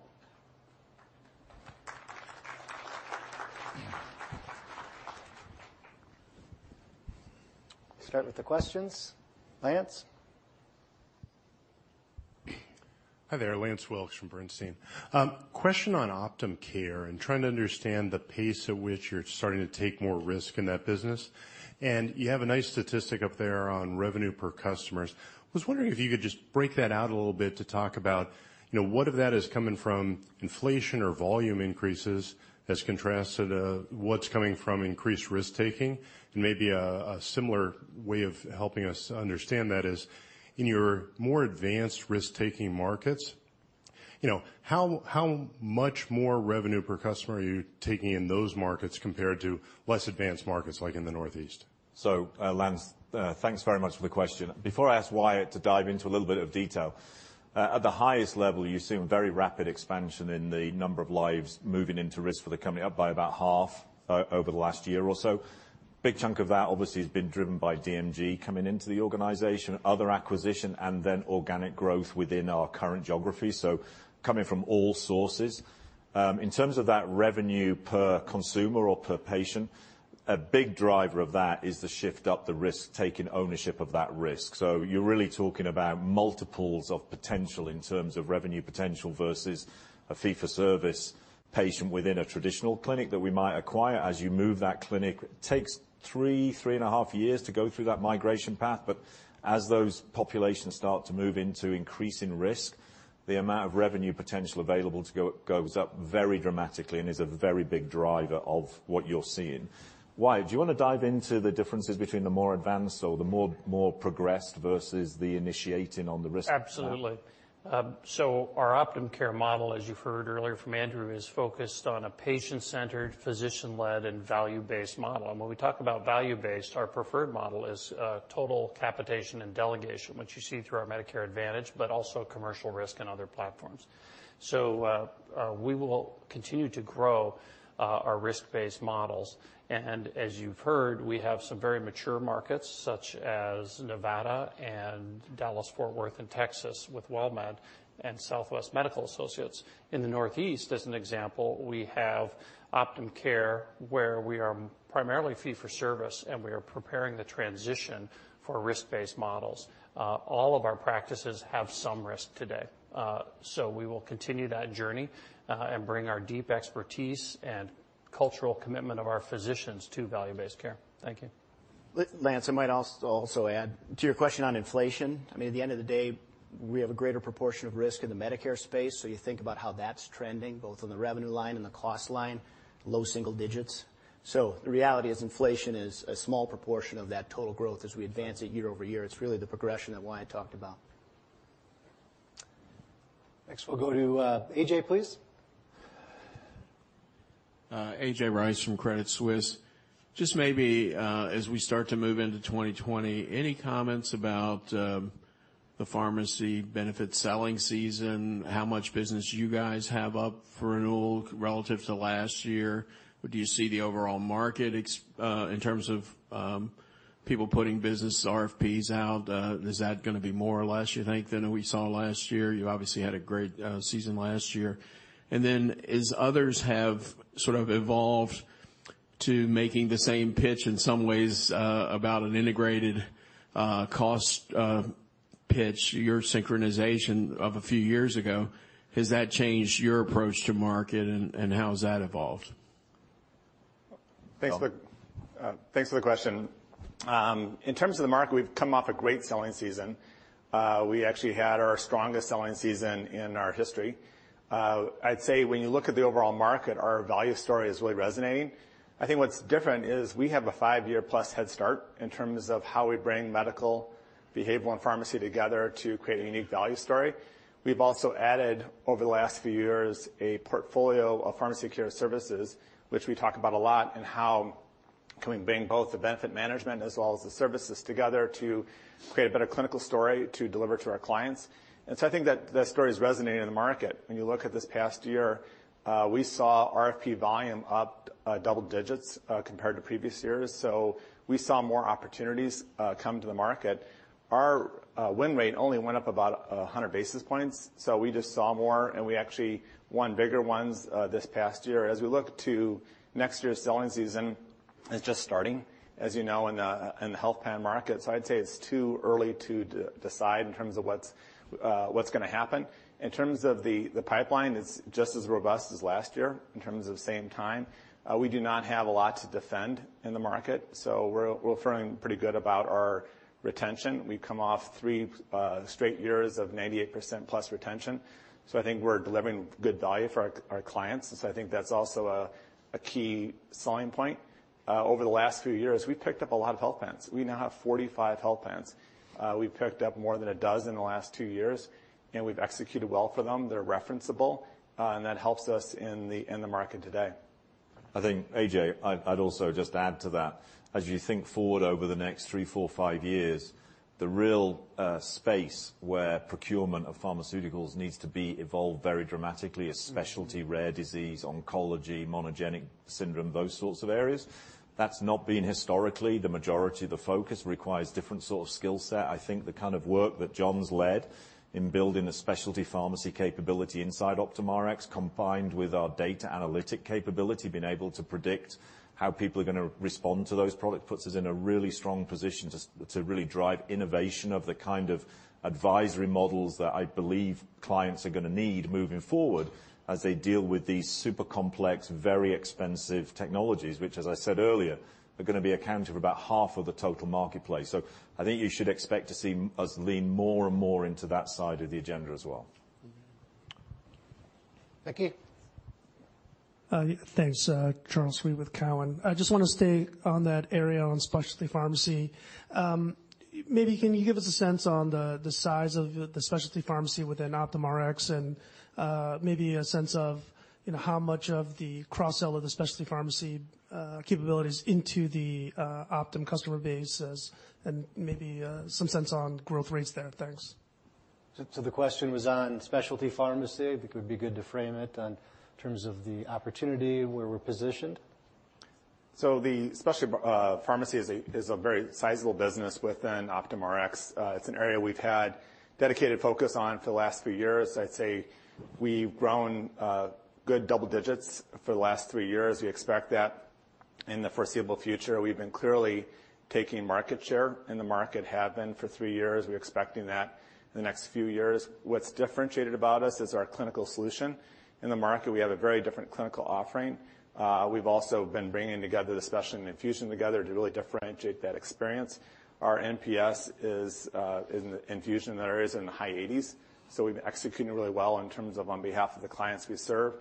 Start with the questions. Lance? Hi there. Lance Wilkes from Bernstein. Question on Optum Care and trying to understand the pace at which you're starting to take more risk in that business. You have a nice statistic up there on revenue per customers. I was wondering if you could just break that out a little bit to talk about what of that is coming from inflation or volume increases as contrasted to what's coming from increased risk-taking, and maybe a similar way of helping us understand that is, in your more advanced risk-taking markets, how much more revenue per customer are you taking in those markets compared to less advanced markets like in the Northeast? Lance, thanks very much for the question. Before I ask Wyatt to dive into a little bit of detail, at the highest level, you see very rapid expansion in the number of lives moving into risk for the company, up by about half over the last year or so. Big chunk of that obviously has been driven by DMG coming into the organization, other acquisition, and then organic growth within our current geography, so coming from all sources. In terms of that revenue per consumer or per patient, a big driver of that is the shift up the risk, taking ownership of that risk. You're really talking about multiples of potential in terms of revenue potential versus a fee-for-service patient within a traditional clinic that we might acquire. As you move that clinic, takes three and a half years to go through that migration path. As those populations start to move into increasing risk, the amount of revenue potential available goes up very dramatically and is a very big driver of what you're seeing. Wyatt, do you want to dive into the differences between the more advanced or the more progressed versus the initiating on the risk front? Absolutely. Our Optum Care model, as you've heard earlier from Andrew, is focused on a patient-centered, physician-led, and value-based model. When we talk about value-based, our preferred model is total capitation and delegation, which you see through our Medicare Advantage, but also commercial risk and other platforms. We will continue to grow our risk-based models. As you've heard, we have some very mature markets such as Nevada and Dallas-Fort Worth in Texas with WellMed and Southwest Medical Associates. In the Northeast, as an example, we have Optum Care where we are primarily fee for service, and we are preparing the transition for risk-based models. All of our practices have some risk today. We will continue that journey, and bring our deep expertise and cultural commitment of our physicians to value-based care. Thank you. Lance, I might also add to your question on inflation. At the end of the day, we have a greater proportion of risk in the Medicare space, so you think about how that's trending, both on the revenue line and the cost line, low single digits. The reality is inflation is a small proportion of that total growth as we advance it year-over-year. It's really the progression that Wyatt talked about. Next, we'll go to A.J., please. A.J. Rice from Credit Suisse. Just maybe, as we start to move into 2020, any comments about the pharmacy benefit selling season, how much business you guys have up for renewal relative to last year? Do you see the overall market in terms of people putting business RFPs out? Is that going to be more or less, you think, than we saw last year? You obviously had a great season last year. Then, as others have sort of evolved to making the same pitch in some ways about an integrated cost pitch, your synchronization of a few years ago, has that changed your approach to market and how has that evolved? Thanks for the question. In terms of the market, we've come off a great selling season. We actually had our strongest selling season in our history. I'd say when you look at the overall market, our value story is really resonating. I think what's different is we have a five-year-plus head start in terms of how we bring medical, behavioral, and pharmacy together to create a unique value story. We've also added, over the last few years, a portfolio of pharmacy care services, which we talk about a lot, and how can we bring both the benefit management as well as the services together to create a better clinical story to deliver to our clients. I think that that story is resonating in the market. When you look at this past year, we saw RFP volume up double digits compared to previous years. We saw more opportunities come to the market. Our win rate only went up about 100 basis points, so we just saw more, and we actually won bigger ones this past year. As we look to next year's selling season, it's just starting, as you know, in the health plan market. I'd say it's too early to decide in terms of what's going to happen. In terms of the pipeline, it's just as robust as last year in terms of same time. We do not have a lot to defend in the market, so we're feeling pretty good about our retention. We've come off three straight years of 98%-plus retention, so I think we're delivering good value for our clients. I think that's also a key selling point. Over the last few years, we've picked up a lot of health plans. We now have 45 health plans. We've picked up more than a dozen in the last two years, and we've executed well for them. They're referenceable, and that helps us in the market today. I think, A.J., I'd also just add to that. You think forward over the next three, four, five years, the real space where procurement of pharmaceuticals needs to be evolved very dramatically is specialty, rare disease, oncology, monogenic syndrome, those sorts of areas. That's not been historically the majority of the focus. It requires different sort of skill set. I think the kind of work that John's led in building the specialty pharmacy capability inside OptumRx, combined with our data analytic capability, being able to predict how people are going to respond to those products, puts us in a really strong position to really drive innovation of the kind of advisory models that I believe clients are going to need moving forward as they deal with these super complex, very expensive technologies, which, as I said earlier, are going to be accounting for about half of the total marketplace. I think you should expect to see us lean more and more into that side of the agenda as well. Becky? Thanks. Charles Rhyee with Cowen. I just want to stay on that area, on specialty pharmacy. Maybe can you give us a sense on the size of the specialty pharmacy within OptumRx and maybe a sense of how much of the cross-sell of the specialty pharmacy capabilities into the Optum customer base is, and maybe some sense on growth rates there? Thanks. The question was on specialty pharmacy. I think it would be good to frame it in terms of the opportunity where we're positioned. The specialty pharmacy is a very sizable business within OptumRx. It's an area we've had dedicated focus on for the last few years. I'd say we've grown a good double digits for the last three years. We expect that in the foreseeable future. We've been clearly taking market share, and the market have been for three years. We're expecting that in the next few years. What's differentiated about us is our clinical solution. In the market, we have a very different clinical offering. We've also been bringing together the specialty and infusion together to really differentiate that experience. Our NPS in the infusion areas in the high 80s. We've been executing really well in terms of on behalf of the clients we serve.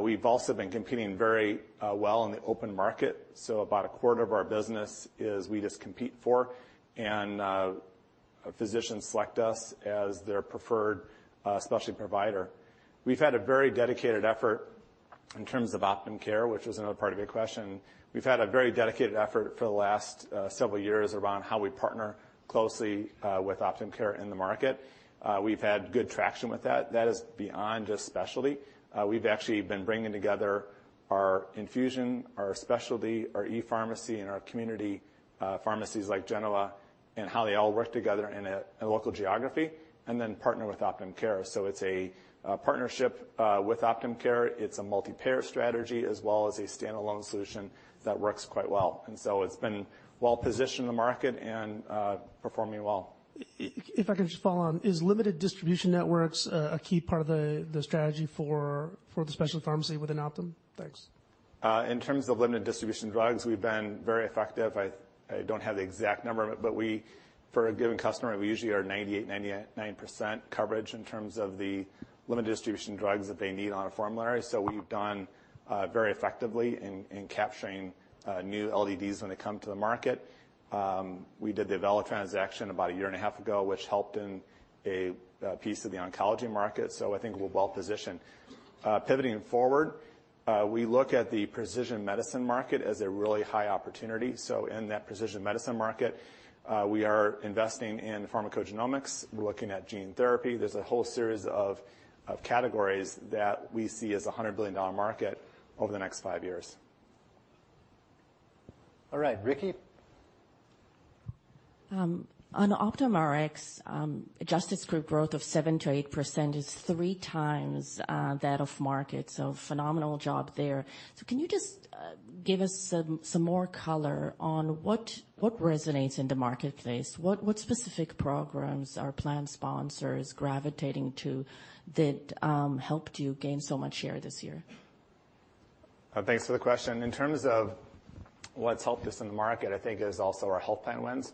We've also been competing very well in the open market. About a quarter of our business is we just compete for, and physicians select us as their preferred specialty provider. We've had a very dedicated effort in terms of Optum Care, which was another part of your question. We've had a very dedicated effort for the last several years around how we partner closely with Optum Care in the market. We've had good traction with that. That is beyond just specialty. We've actually been bringing together our infusion, our specialty, our ePharmacy, and our community pharmacies like Genoa, and how they all work together in a local geography, and then partner with Optum Care. It's a partnership with Optum Care. It's a multi-payer strategy as well as a standalone solution that works quite well. It's been well positioned in the market and performing well. If I could just follow on. Is limited distribution networks a key part of the strategy for the specialty pharmacy within Optum? Thanks. In terms of limited distribution drugs, we've been very effective. I don't have the exact number, but for a given customer, we usually are 98%, 99% coverage in terms of the limited distribution drugs that they need on a formulary. We've done very effectively in capturing new LDDs when they come to the market. We did the Avella transaction about a year and a half ago, which helped in a piece of the oncology market. I think we're well positioned. Pivoting forward, we look at the precision medicine market as a really high opportunity. In that precision medicine market, we are investing in pharmacogenomics. We're looking at gene therapy. There's a whole series of categories that we see as a $100 billion market over the next five years. All right. Ricky? On OptumRx, adjusted group growth of 7%-8% is 3x that of market, phenomenal job there. Can you just give us some more color on what resonates in the marketplace? What specific programs are plan sponsors gravitating to that helped you gain so much share this year? Thanks for the question. In terms of what's helped us in the market, I think it is also our health plan wins.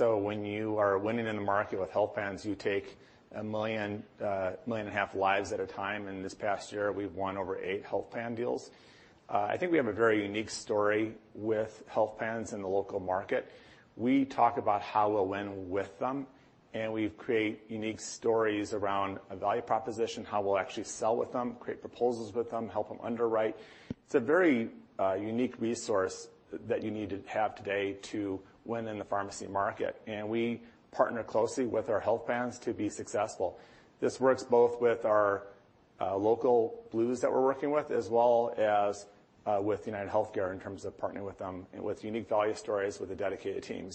When you are winning in the market with health plans, you take a million and a half lives at a time, and this past year, we've won over eight health plan deals. I think we have a very unique story with health plans in the local market. We talk about how we'll win with them, we create unique stories around a value proposition, how we'll actually sell with them, create proposals with them, help them underwrite. It's a very unique resource that you need to have today to win in the pharmacy market, we partner closely with our health plans to be successful. This works both with our local blues that we're working with, as well as with UnitedHealthcare in terms of partnering with them with unique value stories with a dedicated team.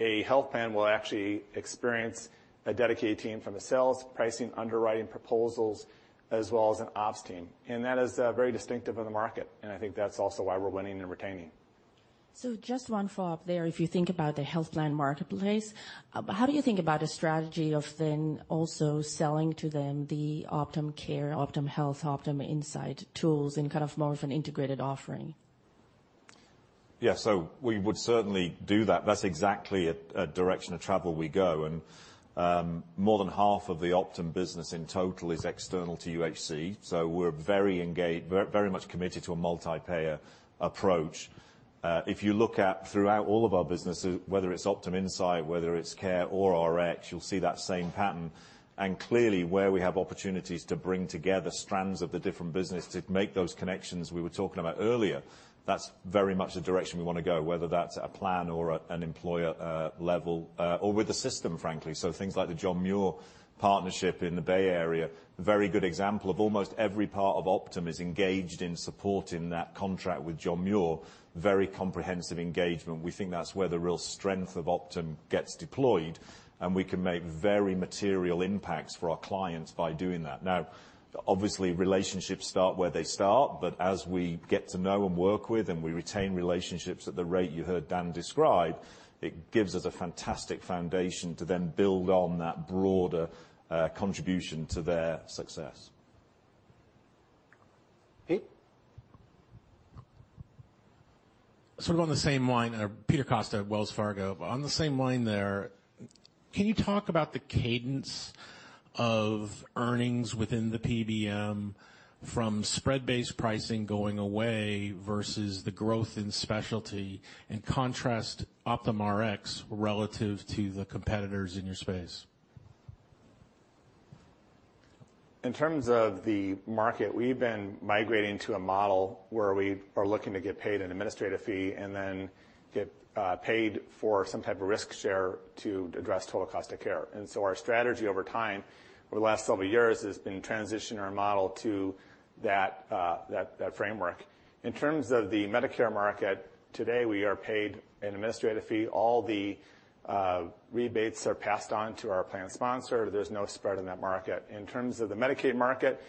A health plan will actually experience a dedicated team from the sales, pricing, underwriting proposals, as well as an ops team. That is very distinctive in the market, and I think that's also why we're winning and retaining. Just one follow-up there. If you think about the health plan marketplace, how do you think about a strategy of then also selling to them the Optum Care, Optum Health, OptumInsight tools in more of an integrated offering? Yeah. We would certainly do that. That's exactly a direction of travel we go, and more than half of the Optum business in total is external to UHC. We're very much committed to a multi-payer approach. If you look at throughout all of our businesses, whether it's OptumInsight, whether it's Care or Rx, you'll see that same pattern. Clearly, where we have opportunities to bring together strands of the different business to make those connections we were talking about earlier, that's very much the direction we want to go, whether that's a plan or an employer level, or with the system, frankly. Things like the John Muir partnership in the Bay Area, a very good example of almost every part of Optum is engaged in supporting that contract with John Muir. Very comprehensive engagement. We think that's where the real strength of Optum gets deployed, and we can make very material impacts for our clients by doing that. Obviously, relationships start where they start, but as we get to know and work with, and we retain relationships at the rate you heard Dan describe, it gives us a fantastic foundation to then build on that broader contribution to their success. Pete? Sort of on the same line. Peter Costa at Wells Fargo. On the same line there, can you talk about the cadence of earnings within the PBM from spread-based pricing going away versus the growth in specialty, and contrast OptumRx relative to the competitors in your space? In terms of the market, we've been migrating to a model where we are looking to get paid an administrative fee and then get paid for some type of risk share to address total cost of care. Our strategy over time, over the last several years, has been transition our model to that framework. In terms of the Medicare market, today we are paid an administrative fee. All the rebates are passed on to our plan sponsor. There's no spread in that market. In terms of the Medicaid market,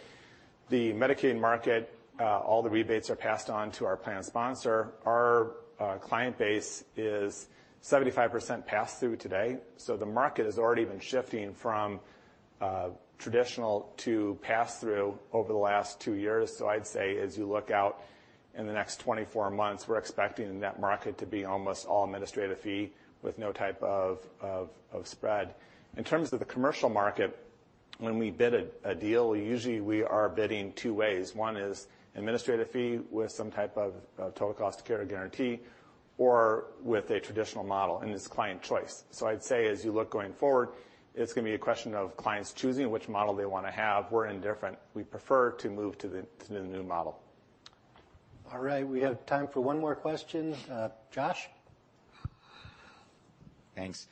all the rebates are passed on to our plan sponsor. Our client base is 75% pass-through today, so the market has already been shifting from traditional to pass-through over the last two years. I'd say as you look out in the next 24 months, we're expecting that market to be almost all administrative fee with no type of spread. In terms of the commercial market, when we bid a deal, usually we are bidding two ways. One is administrative fee with some type of total cost of care guarantee or with a traditional model, and it's client choice. I'd say as you look going forward, it's going to be a question of clients choosing which model they want to have. We're indifferent. We prefer to move to the new model. All right. We have time for one more question. Josh? Thanks.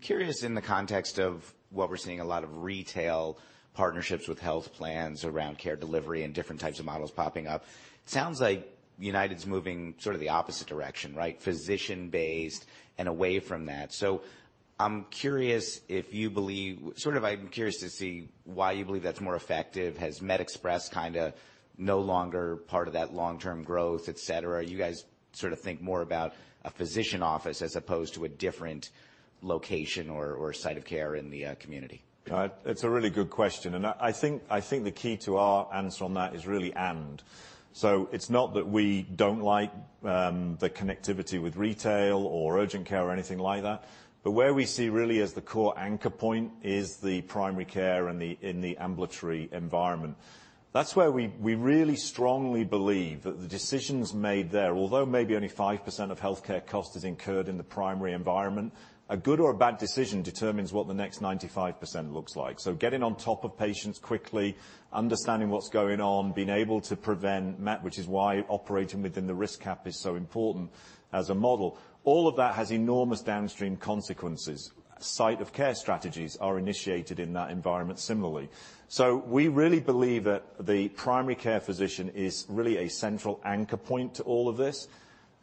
Curious in the context of what we're seeing a lot of retail partnerships with health plans around care delivery and different types of models popping up. It sounds like United's moving sort of the opposite direction, right? Physician-based and away from that. I'm curious to see why you believe that's more effective. Has MedExpress kind of no longer part of that long-term growth, et cetera? You guys sort of think more about a physician office as opposed to a different location or site of care in the community? It's a really good question. I think the key to our answer on that is really and. It's not that we don't like the connectivity with retail or urgent care or anything like that, but where we see really as the core anchor point is the primary care in the ambulatory environment. That's where we really strongly believe that the decisions made there, although maybe only 5% of healthcare cost is incurred in the primary environment, a good or a bad decision determines what the next 95% looks like. Getting on top of patients quickly, understanding what's going on, being able to prevent, which is why operating within the risk cap is so important. As a model. All of that has enormous downstream consequences. Site of care strategies are initiated in that environment similarly. We really believe that the primary care physician is really a central anchor point to all of this.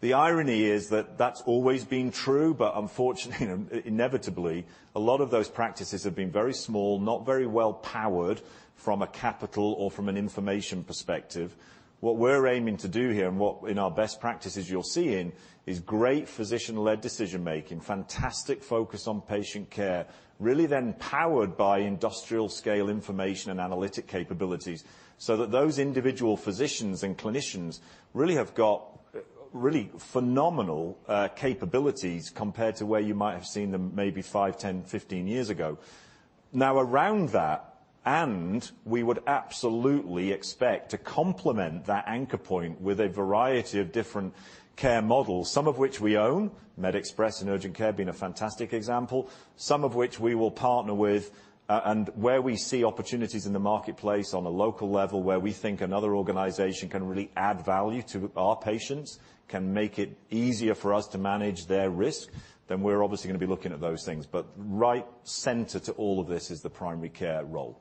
The irony is that that's always been true, but unfortunately, inevitably, a lot of those practices have been very small, not very well powered from a capital or from an information perspective. What we're aiming to do here and what in our best practices you're seeing is great physician-led decision-making, fantastic focus on patient care, really then powered by industrial-scale information and analytic capabilities, so that those individual physicians and clinicians really have got really phenomenal capabilities compared to where you might have seen them maybe five, 10, 15 years ago. Around that and we would absolutely expect to complement that anchor point with a variety of different care models, some of which we own, MedExpress and Urgent Care being a fantastic example, some of which we will partner with, where we see opportunities in the marketplace on a local level where we think another organization can really add value to our patients, can make it easier for us to manage their risk, we're obviously going to be looking at those things. Right center to all of this is the primary care role.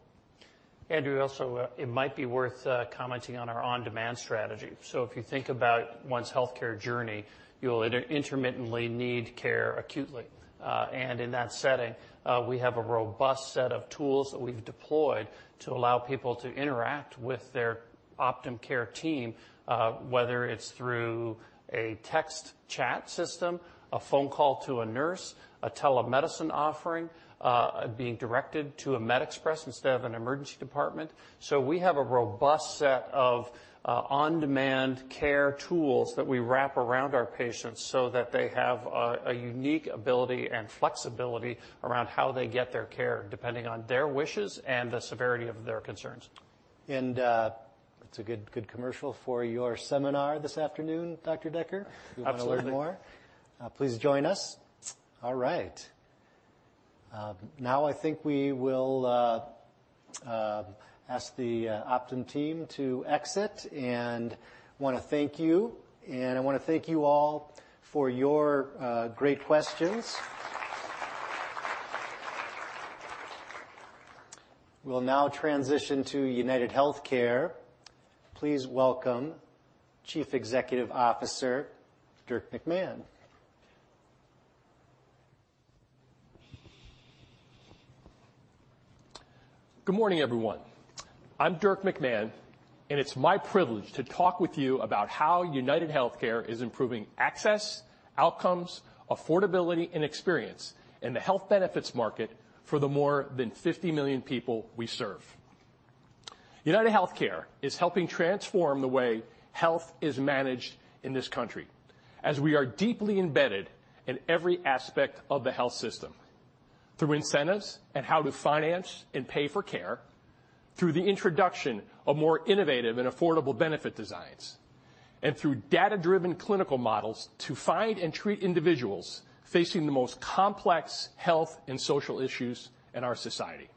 Andrew, also, it might be worth commenting on our on-demand strategy. If you think about one's healthcare journey, you'll intermittently need care acutely. In that setting, we have a robust set of tools that we've deployed to allow people to interact with their Optum Care team, whether it's through a text chat system, a phone call to a nurse, a telemedicine offering, being directed to a MedExpress instead of an emergency department. We have a robust set of on-demand care tools that we wrap around our patients so that they have a unique ability and flexibility around how they get their care, depending on their wishes and the severity of their concerns. It's a good commercial for your seminar this afternoon, Dr. Decker. Absolutely. If you want to learn more, please join us. All right. Now I think we will ask the Optum team to exit, and want to thank you, and I want to thank you all for your great questions. We will now transition to UnitedHealthcare. Please welcome Chief Executive Officer, Dirk McMahon. Good morning, everyone. I'm Dirk McMahon, and it's my privilege to talk with you about how UnitedHealthcare is improving access, outcomes, affordability, and experience in the health benefits market for the more than 50 million people we serve. UnitedHealthcare is helping transform the way health is managed in this country, as we are deeply embedded in every aspect of the health system, through incentives and how to finance and pay for care, through the introduction of more innovative and affordable benefit designs, and through data-driven clinical models to find and treat individuals facing the most complex health and social issues in our society.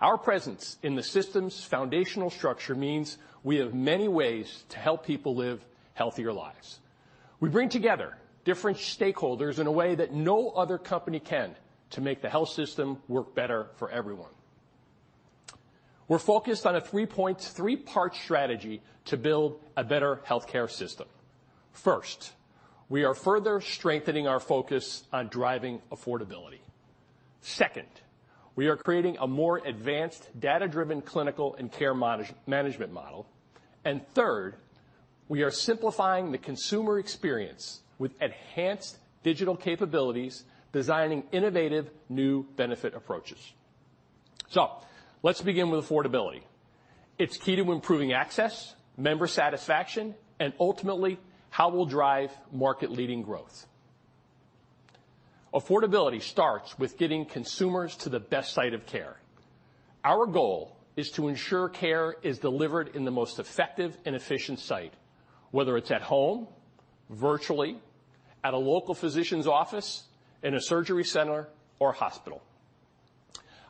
Our presence in the system's foundational structure means we have many ways to help people live healthier lives. We bring together different stakeholders in a way that no other company can to make the health system work better for everyone. We're focused on a three-part strategy to build a better healthcare system. First, we are further strengthening our focus on driving affordability. Second, we are creating a more advanced data-driven clinical and care management model. Third, we are simplifying the consumer experience with enhanced digital capabilities, designing innovative new benefit approaches. Let's begin with affordability. It's key to improving access, member satisfaction, and ultimately how we'll drive market-leading growth. Affordability starts with getting consumers to the best site of care. Our goal is to ensure care is delivered in the most effective and efficient site, whether it's at home, virtually, at a local physician's office, in a surgery center, or hospital.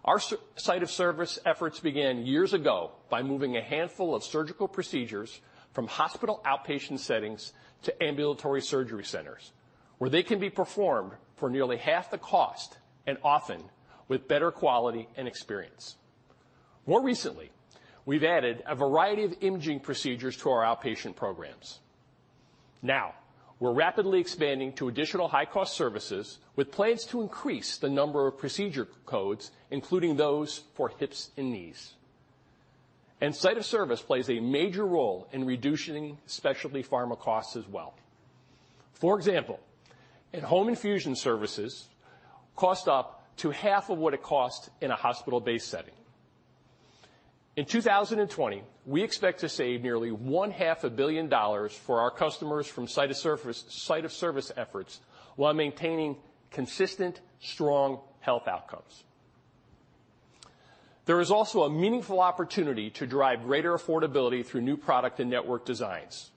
Our site of service efforts began years ago by moving a handful of surgical procedures from hospital outpatient settings to ambulatory surgery centers, where they can be performed for nearly half the cost and often with better quality and experience. More recently, we've added a variety of imaging procedures to our outpatient programs. Now, we're rapidly expanding to additional high-cost services with plans to increase the number of procedure codes, including those for hips and knees. Site of service plays a major role in reducing specialty pharma costs as well. For example, in-home infusion services cost up to half of what it costs in a hospital-based setting. In 2020, we expect to save nearly $500 million for our customers from site of service efforts while maintaining consistent, strong health outcomes. There is also a meaningful opportunity to drive greater affordability through new product and network designs.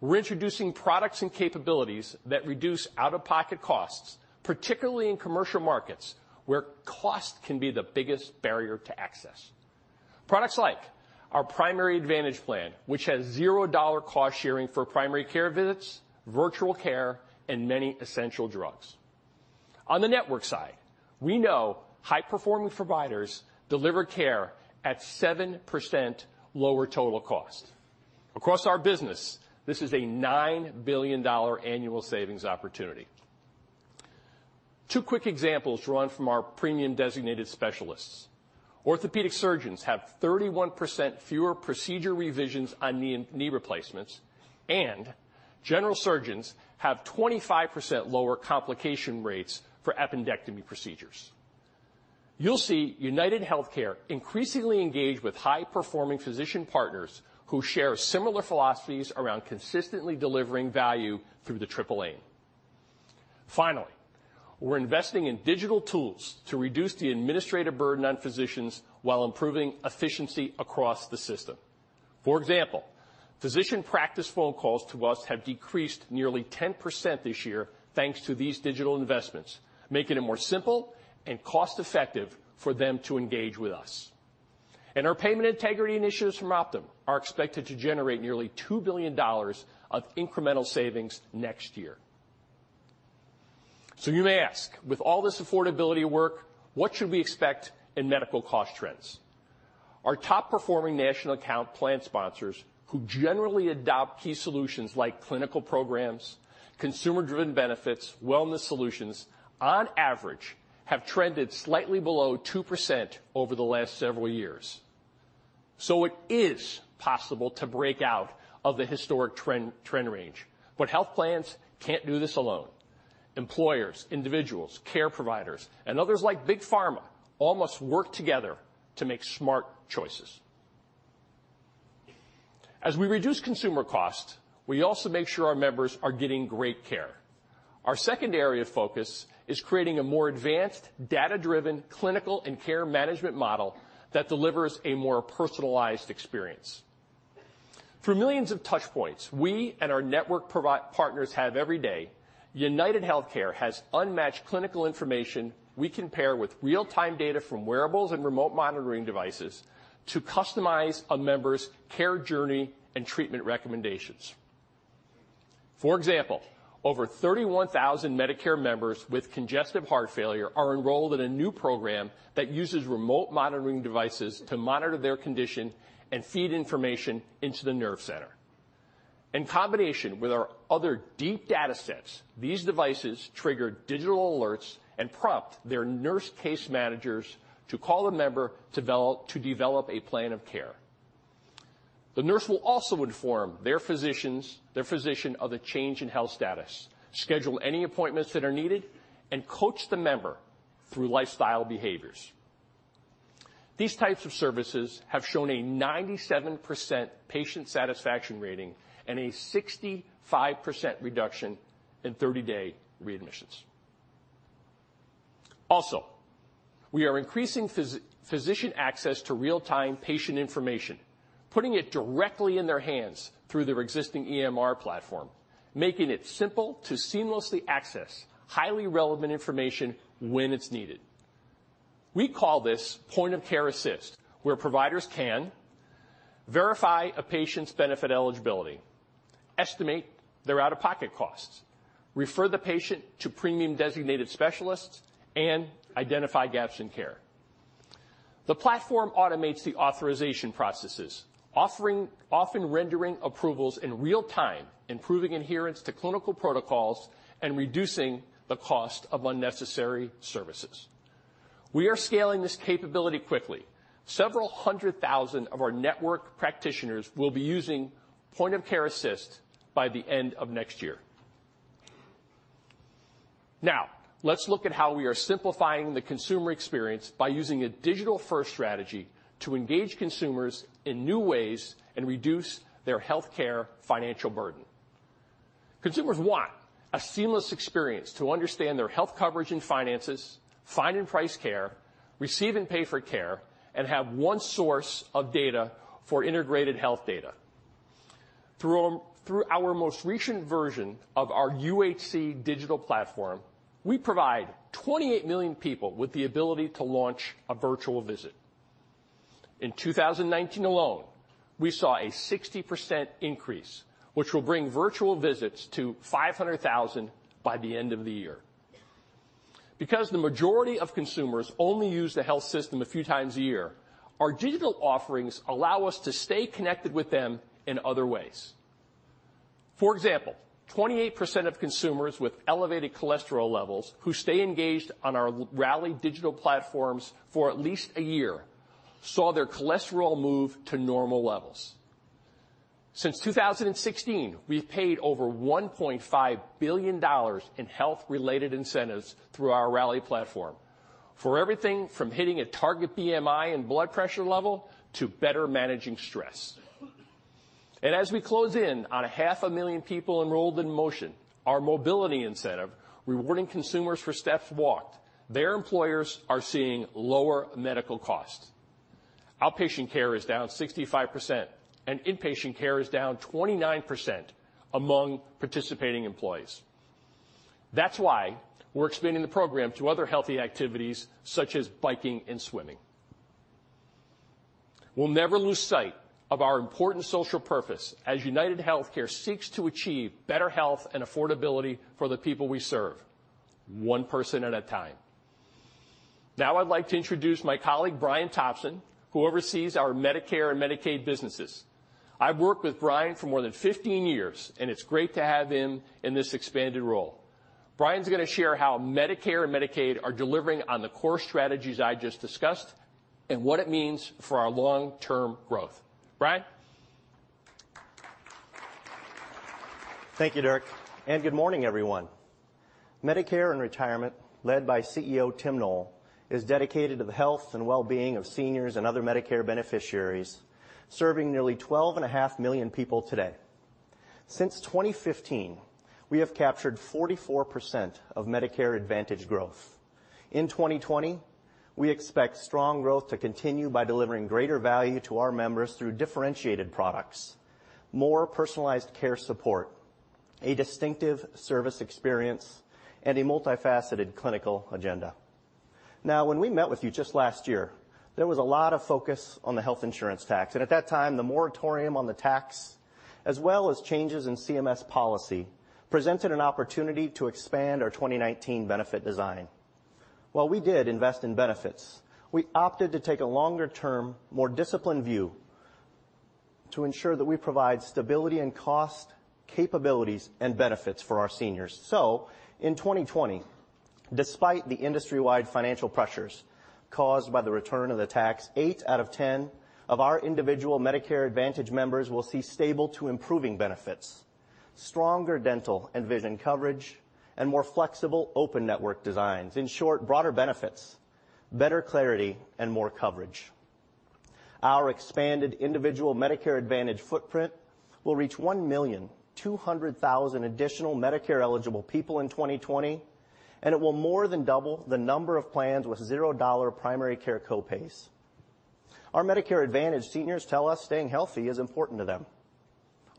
We're introducing products and capabilities that reduce out-of-pocket costs, particularly in commercial markets, where cost can be the biggest barrier to access. Products like our Primary Advantage plan, which has $0 cost sharing for primary care visits, virtual care, and many essential drugs. On the network side, we know high-performing providers deliver care at 7% lower total cost. Across our business, this is a $9 billion annual savings opportunity. Two quick examples drawn from our premium designated specialists. Orthopedic surgeons have 31% fewer procedure revisions on knee replacements, and general surgeons have 25% lower complication rates for appendectomy procedures. You'll see UnitedHealthcare increasingly engage with high-performing physician partners who share similar philosophies around consistently delivering value through the triple aim. Finally, we're investing in digital tools to reduce the administrative burden on physicians while improving efficiency across the system. For example, physician practice phone calls to us have decreased nearly 10% this year thanks to these digital investments, making it more simple and cost-effective for them to engage with us. Our payment integrity initiatives from Optum are expected to generate nearly $2 billion of incremental savings next year. You may ask, with all this affordability work, what should we expect in medical cost trends? Our top-performing national account plan sponsors who generally adopt key solutions like clinical programs, consumer-driven benefits, wellness solutions, on average, have trended slightly below 2% over the last several years. It is possible to break out of the historic trend range. Health plans can't do this alone. Employers, individuals, care providers, and others like Big Pharma all must work together to make smart choices. As we reduce consumer cost, we also make sure our members are getting great care. Our second area of focus is creating a more advanced data-driven clinical and care management model that delivers a more personalized experience. Through millions of touch points we and our network partners have every day, UnitedHealthcare has unmatched clinical information we can pair with real-time data from wearables and remote monitoring devices to customize a member's care journey and treatment recommendations. For example, over 31,000 Medicare members with congestive heart failure are enrolled in a new program that uses remote monitoring devices to monitor their condition and feed information into the nerve center. In combination with our other deep data sets, these devices trigger digital alerts and prompt their nurse case managers to call a member to develop a plan of care. The nurse will also inform their physician of the change in health status, schedule any appointments that are needed, and coach the member through lifestyle behaviors. These types of services have shown a 97% patient satisfaction rating and a 65% reduction in 30-day readmissions. We are increasing physician access to real-time patient information, putting it directly in their hands through their existing EMR platform, making it simple to seamlessly access highly relevant information when it's needed. We call this Point of Care Assist, where providers can verify a patient's benefit eligibility, estimate their out-of-pocket costs, refer the patient to premium designated specialists, and identify gaps in care. The platform automates the authorization processes, often rendering approvals in real time, improving adherence to clinical protocols, and reducing the cost of unnecessary services. We are scaling this capability quickly. Several hundred thousand of our network practitioners will be using Point of Care Assist by the end of next year. Now, let's look at how we are simplifying the consumer experience by using a digital-first strategy to engage consumers in new ways and reduce their healthcare financial burden. Consumers want a seamless experience to understand their health coverage and finances, find and price care, receive and pay for care, and have one source of data for integrated health data. Through our most recent version of our UHC digital platform, we provide 28 million people with the ability to launch a virtual visit. In 2019 alone, we saw a 60% increase, which will bring virtual visits to 500,000 by the end of the year. Because the majority of consumers only use the health system a few times a year, our digital offerings allow us to stay connected with them in other ways. For example, 28% of consumers with elevated cholesterol levels who stay engaged on our Rally digital platforms for at least a year saw their cholesterol move to normal levels. Since 2016, we've paid over $1.5 billion in health-related incentives through our Rally platform for everything from hitting a target BMI and blood pressure level to better managing stress. As we close in on a 500,000 people enrolled in Motion, our mobility incentive rewarding consumers for steps walked, their employers are seeing lower medical costs. Outpatient care is down 65% and inpatient care is down 29% among participating employees. That's why we're expanding the program to other healthy activities such as biking and swimming. We'll never lose sight of our important social purpose as UnitedHealthcare seeks to achieve better health and affordability for the people we serve, one person at a time. I'd like to introduce my colleague, Brian Thompson, who oversees our Medicare and Medicaid businesses. I've worked with Brian for more than 15 years, it's great to have him in this expanded role. Brian's going to share how Medicare and Medicaid are delivering on the core strategies I just discussed and what it means for our long-term growth. Brian? Thank you, Dirk. Good morning, everyone. Medicare & Retirement, led by CEO Tim Noel, is dedicated to the health and well-being of seniors and other Medicare beneficiaries, serving nearly 12.5 million people today. Since 2015, we have captured 44% of Medicare Advantage growth. In 2020, we expect strong growth to continue by delivering greater value to our members through differentiated products, more personalized care support, a distinctive service experience, and a multifaceted clinical agenda. Now, when we met with you just last year, there was a lot of focus on the health insurance tax, and at that time, the moratorium on the tax, as well as changes in CMS policy, presented an opportunity to expand our 2019 benefit design. While we did invest in benefits, we opted to take a longer-term, more disciplined view to ensure that we provide stability and cost capabilities and benefits for our seniors. In 2020, despite the industry-wide financial pressures caused by the return of the health insurance tax, eight out of 10 of our individual Medicare Advantage members will see stable to improving benefits, stronger dental and vision coverage, and more flexible open network designs. In short, broader benefits, better clarity and more coverage. Our expanded individual Medicare Advantage footprint will reach 1,200,000 additional Medicare-eligible people in 2020, and it will more than double the number of plans with $0 primary care copays. Our Medicare Advantage seniors tell us staying healthy is important to them.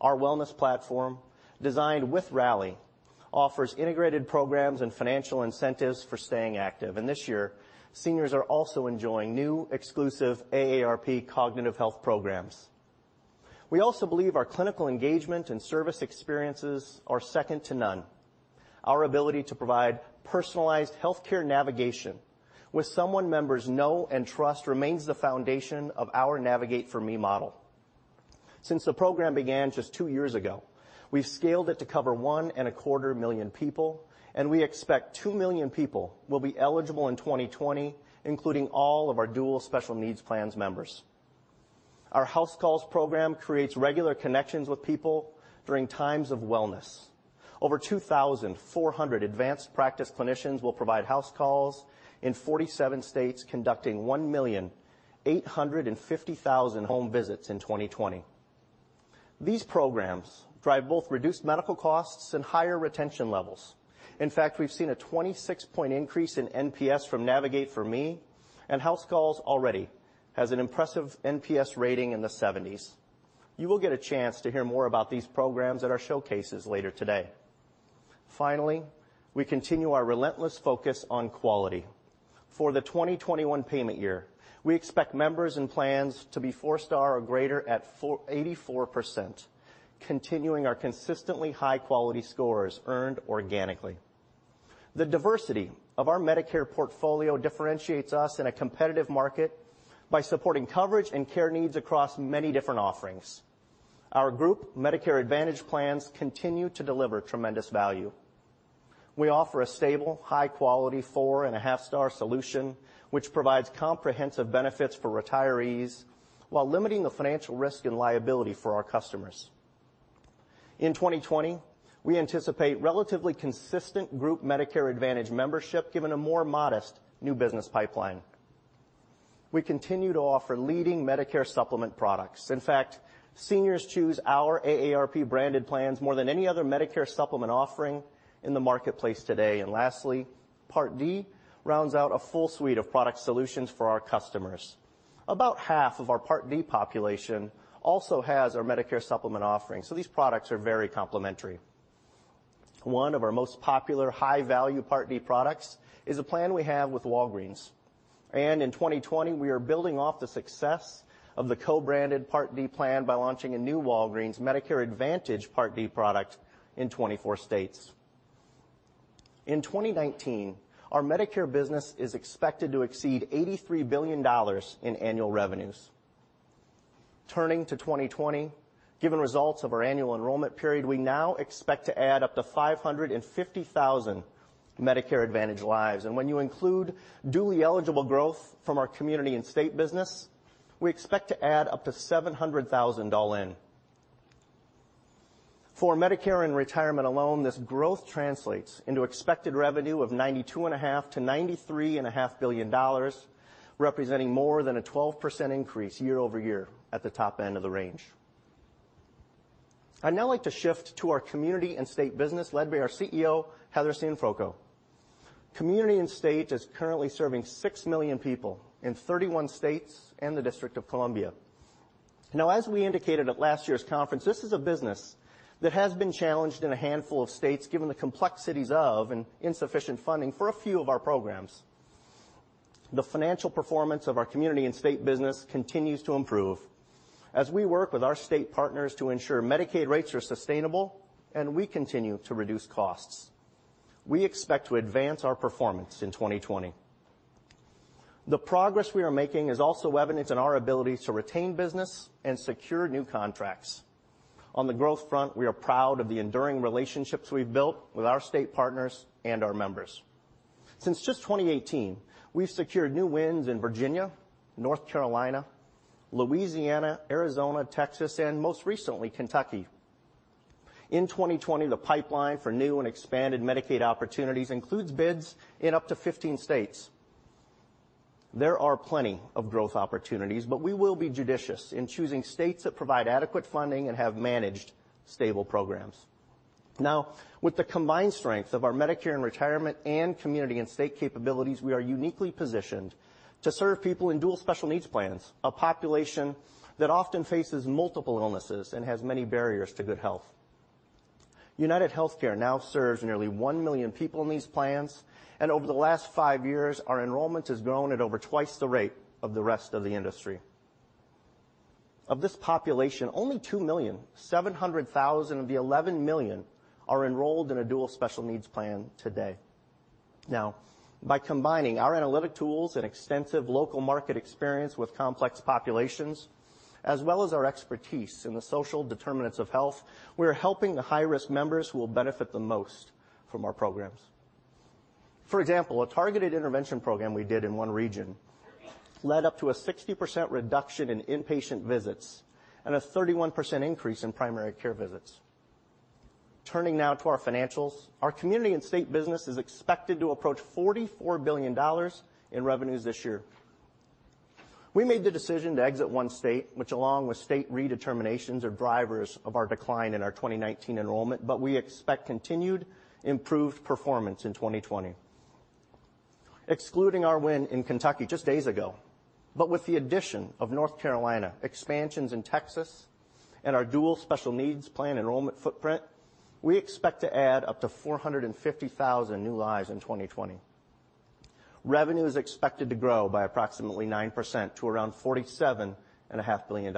Our wellness platform, designed with Rally, offers integrated programs and financial incentives for staying active. This year, seniors are also enjoying new exclusive AARP cognitive health programs. We also believe our clinical engagement and service experiences are second to none. Our ability to provide personalized healthcare navigation with someone members know and trust remains the foundation of our Navigate4Me model. Since the program began just two years ago, we've scaled it to cover 1.25 million people, and we expect 2 million people will be eligible in 2020, including all of our dual special needs plans members. Our HouseCalls program creates regular connections with people during times of wellness. Over 2,400 advanced practice clinicians will provide house calls in 47 states, conducting 1,850,000 home visits in 2020. These programs drive both reduced medical costs and higher retention levels. In fact, we've seen a 26-point increase in NPS from Navigate4Me and HouseCalls already has an impressive NPS rating in the 70s. You will get a chance to hear more about these programs at our showcases later today. Finally, we continue our relentless focus on quality. For the 2021 payment year, we expect members and plans to be four star or greater at 84%, continuing our consistently high-quality scores earned organically. The diversity of our Medicare portfolio differentiates us in a competitive market by supporting coverage and care needs across many different offerings. Our group Medicare Advantage plans continue to deliver tremendous value. We offer a stable, high-quality 4.5 star solution which provides comprehensive benefits for retirees while limiting the financial risk and liability for our customers. In 2020, we anticipate relatively consistent group Medicare Advantage membership given a more modest new business pipeline. We continue to offer leading Medicare supplement products. In fact, seniors choose our AARP-branded plans more than any other Medicare supplement offering in the marketplace today. Lastly, Part D rounds out a full suite of product solutions for our customers. About half of our Part D population also has our Medicare supplement offerings, so these products are very complementary. One of our most popular high-value Part D products is a plan we have with Walgreens. In 2020, we are building off the success of the co-branded Part D plan by launching a new Walgreens Medicare Advantage Part D product in 24 states. In 2019, our Medicare business is expected to exceed $83 billion in annual revenues. Turning to 2020, given results of our annual enrollment period, we now expect to add up to 550,000 Medicare Advantage lives. When you include dually eligible growth from our Community & State business, we expect to add up to 700,000 all in. For Medicare & Retirement alone, this growth translates into expected revenue of $92.5 billion-$93.5 billion, representing more than a 12% increase year-over-year at the top end of the range. I'd now like to shift to our Community & State business led by our CEO, Heather Cianfrocco. Community & State is currently serving 6 million people in 31 states and the District of Columbia. As we indicated at last year's conference, this is a business that has been challenged in a handful of states given the complexities of and insufficient funding for a few of our programs. The financial performance of our Community and State business continues to improve as we work with our state partners to ensure Medicaid rates are sustainable and we continue to reduce costs. We expect to advance our performance in 2020. The progress we are making is also evident in our ability to retain business and secure new contracts. On the growth front, we are proud of the enduring relationships we've built with our state partners and our members. Since just 2018, we've secured new wins in Virginia, North Carolina, Louisiana, Arizona, Texas, and most recently, Kentucky. In 2020, the pipeline for new and expanded Medicaid opportunities includes bids in up to 15 states. There are plenty of growth opportunities, but we will be judicious in choosing states that provide adequate funding and have managed stable programs. With the combined strength of our Medicare & Retirement and Community & State capabilities, we are uniquely positioned to serve people in dual special needs plans, a population that often faces multiple illnesses and has many barriers to good health. UnitedHealthcare now serves nearly 1 million people in these plans, and over the last five years, our enrollment has grown at over twice the rate of the rest of the industry. Of this population, only 2.7 million of the 11 million are enrolled in a dual special needs plan today. By combining our analytic tools and extensive local market experience with complex populations, as well as our expertise in the social determinants of health, we are helping the high-risk members who will benefit the most from our programs. For example, a targeted intervention program we did in one region led up to a 60% reduction in in-patient visits and a 31% increase in primary care visits. Turning now to our financials, our Community & State business is expected to approach $44 billion in revenues this year. We made the decision to exit one state, which along with state redeterminations are drivers of our decline in our 2019 enrollment. We expect continued improved performance in 2020. Excluding our win in Kentucky just days ago, but with the addition of North Carolina, expansions in Texas, and our dual special needs plan enrollment footprint, we expect to add up to 450,000 new lives in 2020. Revenue is expected to grow by approximately 9% to around $47.5 billion.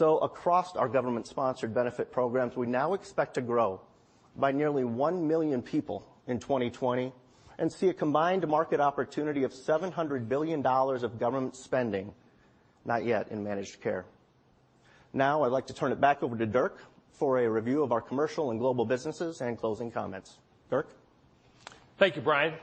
Across our government-sponsored benefit programs, we now expect to grow by nearly 1 million people in 2020 and see a combined market opportunity of $700 billion of government spending, not yet in managed care. I'd like to turn it back over to Dirk for a review of our commercial and global businesses and closing comments. Dirk? Thank you, Brian.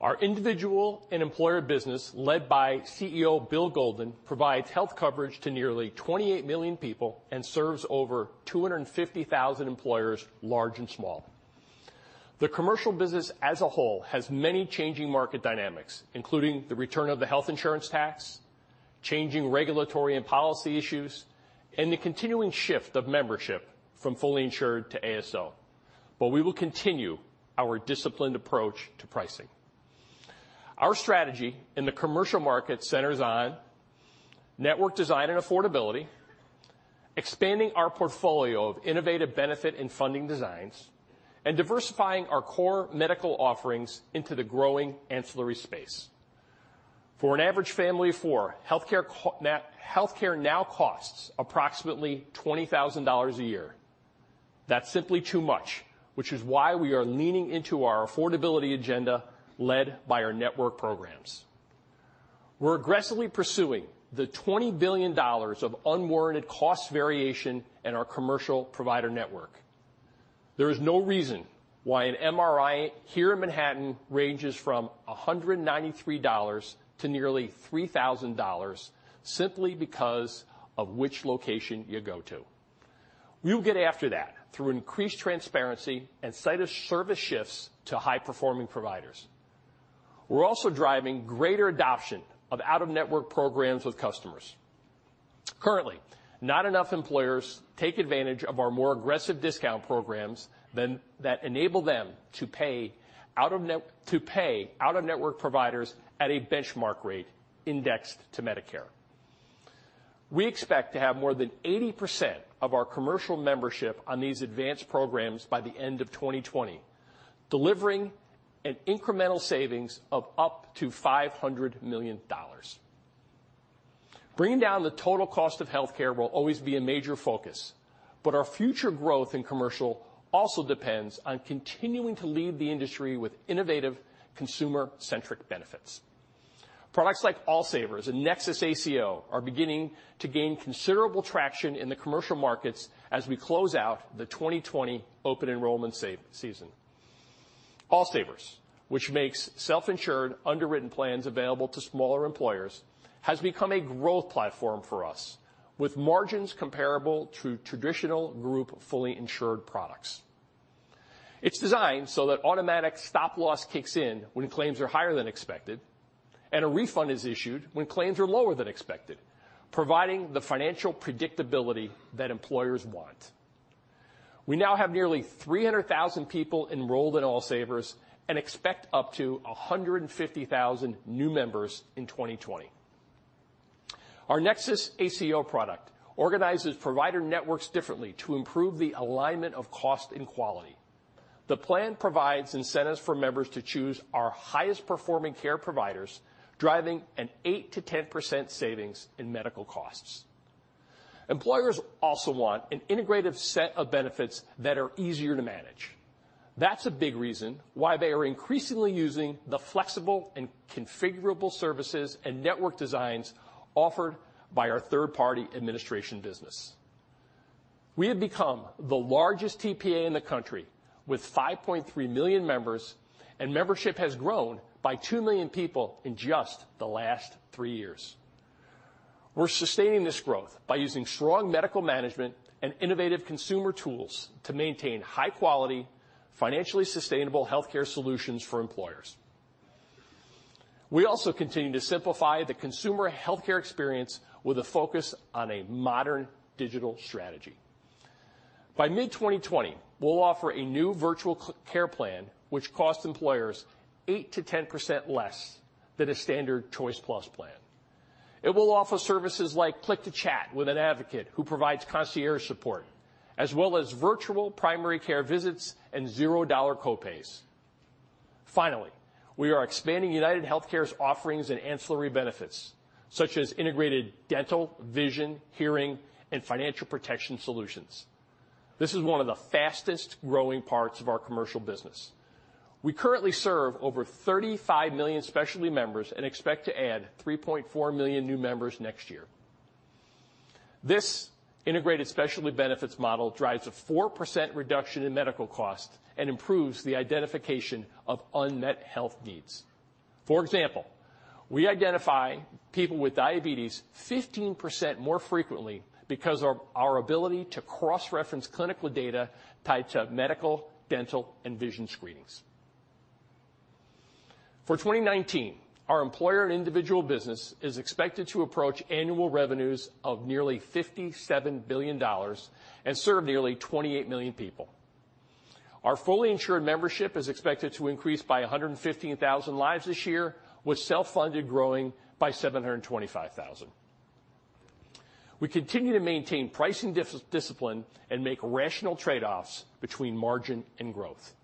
Our individual and employer business, led by CEO Bill Golden, provides health coverage to nearly 28 million people and serves over 250,000 employers, large and small. The commercial business as a whole has many changing market dynamics, including the return of the health insurance tax, changing regulatory and policy issues, and the continuing shift of membership from fully insured to ASO. We will continue our disciplined approach to pricing. Our strategy in the commercial market centers on network design and affordability, expanding our portfolio of innovative benefit and funding designs, and diversifying our core medical offerings into the growing ancillary space. For an average family of four, healthcare now costs approximately $20,000 a year. That's simply too much, which is why we are leaning into our affordability agenda led by our network programs. We're aggressively pursuing the $20 billion of unwarranted cost variation in our commercial provider network. There is no reason why an MRI here in Manhattan ranges from $193 to nearly $3,000 simply because of which location you go to. We will get after that through increased transparency and site of service shifts to high-performing providers. We're also driving greater adoption of out-of-network programs with customers. Currently, not enough employers take advantage of our more aggressive discount programs that enable them to pay out-of-network providers at a benchmark rate indexed to Medicare. We expect to have more than 80% of our commercial membership on these advanced programs by the end of 2020, delivering an incremental savings of up to $500 million. Bringing down the total cost of healthcare will always be a major focus, but our future growth in commercial also depends on continuing to lead the industry with innovative consumer-centric benefits. Products like All Savers and NexusACO are beginning to gain considerable traction in the commercial markets as we close out the 2020 open enrollment season. All Savers, which makes self-insured, underwritten plans available to smaller employers, has become a growth platform for us, with margins comparable to traditional group fully insured products. It's designed so that automatic stop-loss kicks in when claims are higher than expected, and a refund is issued when claims are lower than expected, providing the financial predictability that employers want. We now have nearly 300,000 people enrolled in All Savers and expect up to 150,000 new members in 2020. Our NexusACO product organizes provider networks differently to improve the alignment of cost and quality. The plan provides incentives for members to choose our highest-performing care providers, driving an 8%-10% savings in medical costs. Employers also want an integrated set of benefits that are easier to manage. That's a big reason why they are increasingly using the flexible and configurable services and network designs offered by our third-party administration business. We have become the largest TPA in the country with 5.3 million members, and membership has grown by 2 million people in just the last three years. We're sustaining this growth by using strong medical management and innovative consumer tools to maintain high-quality, financially sustainable healthcare solutions for employers. We also continue to simplify the consumer healthcare experience with a focus on a modern digital strategy. By mid-2020, we'll offer a new virtual care plan, which costs employers 8%-10% less than a standard Choice Plus plan. It will offer services like click to chat with an advocate who provides concierge support, as well as virtual primary care visits and $0 copays. Finally, we are expanding UnitedHealthcare's offerings and ancillary benefits, such as integrated dental, vision, hearing, and financial protection solutions. This is one of the fastest-growing parts of our commercial business. We currently serve over 35 million specialty members and expect to add 3.4 million new members next year. This integrated specialty benefits model drives a 4% reduction in medical costs and improves the identification of unmet health needs. For example, we identify people with diabetes 15% more frequently because of our ability to cross-reference clinical data tied to medical, dental, and vision screenings. For 2019, our employer and individual business is expected to approach annual revenues of nearly $57 billion and serve nearly 28 million people. Our fully insured membership is expected to increase by 115,000 lives this year, with self-funded growing by 725,000. We continue to maintain pricing discipline and make rational trade-offs between margin and growth.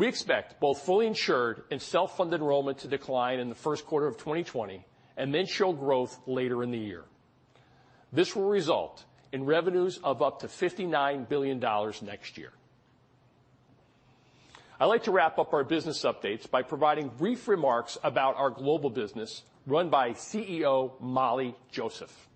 We expect both fully insured and self-funded enrollment to decline in the first quarter of 2020 and then show growth later in the year. This will result in revenues of up to $59 billion next year. I'd like to wrap up our business updates by providing brief remarks about our global business run by CEO Molly Joseph.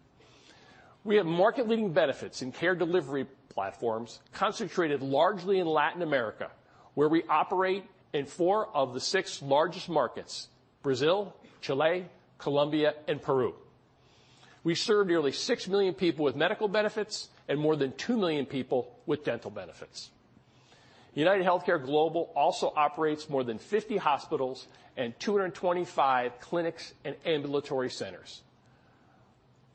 We have market-leading benefits and care delivery platforms concentrated largely in Latin America, where we operate in four of the six largest markets: Brazil, Chile, Colombia, and Peru. We serve nearly 6 million people with medical benefits and more than 2 million people with dental benefits. UnitedHealthcare Global also operates more than 50 hospitals and 225 clinics and ambulatory centers.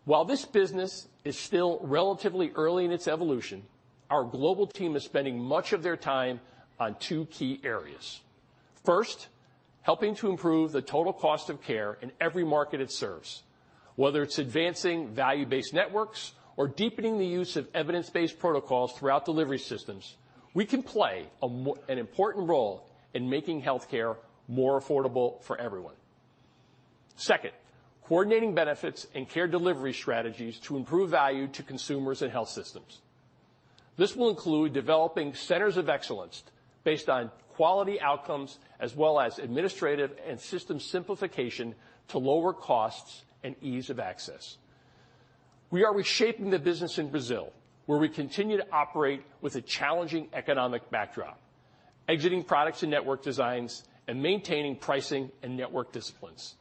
While this business is still relatively early in its evolution, our global team is spending much of their time on two key areas. First, helping to improve the total cost of care in every market it serves, whether it's advancing value-based networks or deepening the use of evidence-based protocols throughout delivery systems. We can play an important role in making healthcare more affordable for everyone. Second, coordinating benefits and care delivery strategies to improve value to consumers and health systems. This will include developing centers of excellence based on quality outcomes as well as administrative and system simplification to lower costs and ease of access. We are reshaping the business in Brazil, where we continue to operate with a challenging economic backdrop, exiting products and network designs, and maintaining pricing and network disciplines.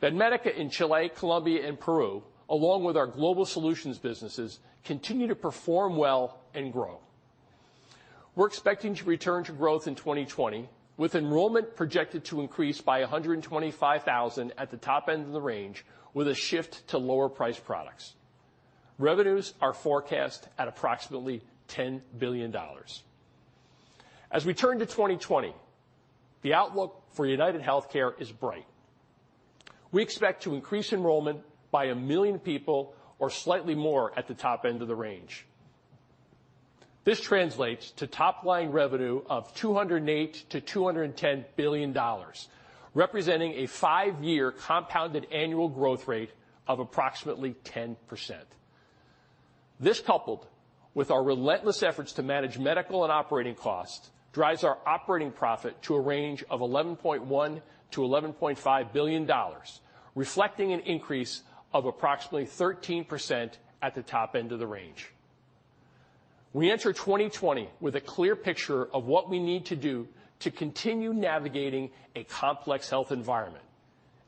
Banmédica in Chile, Colombia, and Peru, along with our global solutions businesses, continue to perform well and grow. We're expecting to return to growth in 2020, with enrollment projected to increase by 125,000 at the top end of the range, with a shift to lower-priced products. Revenues are forecast at approximately $10 billion. As we turn to 2020, the outlook for UnitedHealthcare is bright. We expect to increase enrollment by 1 million people or slightly more at the top end of the range. This translates to top-line revenue of $208 billion-$210 billion, representing a five-year compounded annual growth rate of approximately 10%. This, coupled with our relentless efforts to manage medical and operating costs, drives our operating profit to a range of $11.1 billion-$11.5 billion, reflecting an increase of approximately 13% at the top end of the range. We enter 2020 with a clear picture of what we need to do to continue navigating a complex health environment.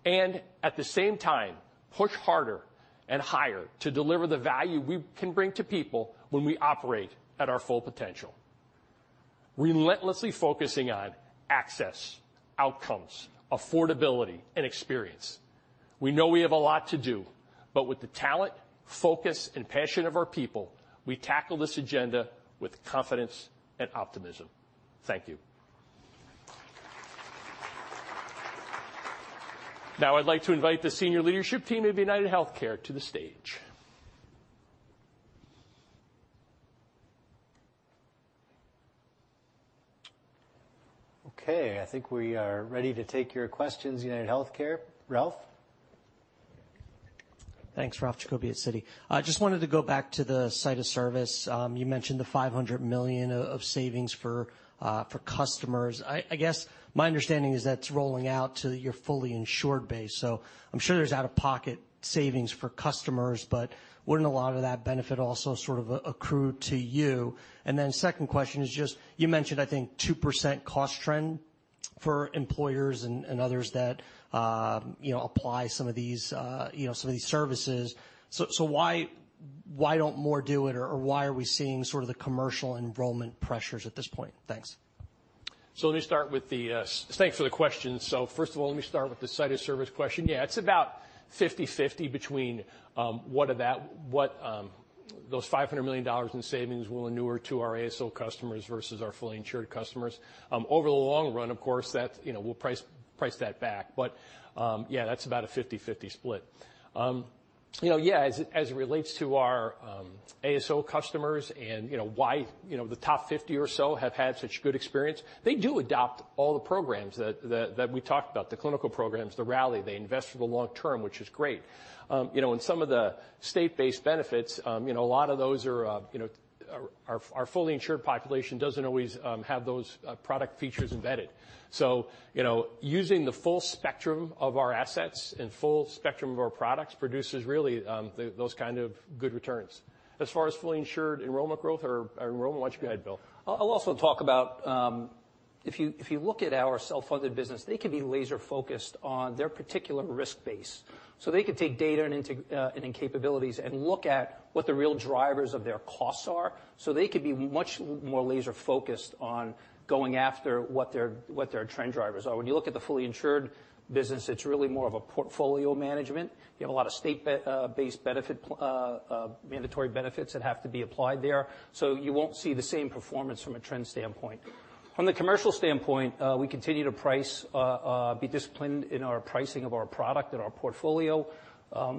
At the same time, push harder and higher to deliver the value we can bring to people when we operate at our full potential. Relentlessly focusing on access, outcomes, affordability, and experience. We know we have a lot to do, but with the talent, focus, and passion of our people, we tackle this agenda with confidence and optimism. Thank you. Now I'd like to invite the senior leadership team of UnitedHealthcare to the stage. Okay, I think we are ready to take your questions, UnitedHealthcare. Ralph? Thanks. Ralph Giacobbe at Citi. I just wanted to go back to the site of service. You mentioned the $500 million of savings for customers. I guess my understanding is that's rolling out to your fully insured base, so I'm sure there's out-of-pocket savings for customers, but wouldn't a lot of that benefit also sort of accrue to you? Second question is just, you mentioned, I think, 2% cost trend for employers and others that apply some of these services. Why don't more do it, or why are we seeing sort of the commercial enrollment pressures at this point? Thanks. Let me start with the, thanks for the question. First of all, let me start with the site of service question. Yeah, it's about 50/50 between what those $500 million in savings will inure to our ASO customers versus our fully insured customers. Over the long run, of course, we'll price that back. Yeah. That's about a 50/50 split. As it relates to our ASO customers and why the top 50 or so have had such good experience, they do adopt all the programs that we talked about, the clinical programs, the Rally. They invest for the long term, which is great. In some of the state-based benefits, our fully insured population doesn't always have those product features embedded. Using the full spectrum of our assets and full spectrum of our products produces really those kind of good returns. As far as fully insured enrollment growth or enrollment, why don't you go ahead, Bill? I'll also talk about, if you look at our self-funded business, they can be laser focused on their particular risk base. They could take data and capabilities and look at what the real drivers of their costs are, so they could be much more laser focused on going after what their trend drivers are. When you look at the fully insured business, it's really more of a portfolio management. You have a lot of state-based mandatory benefits that have to be applied there. You won't see the same performance from a trend standpoint. From the commercial standpoint, we continue to be disciplined in our pricing of our product and our portfolio.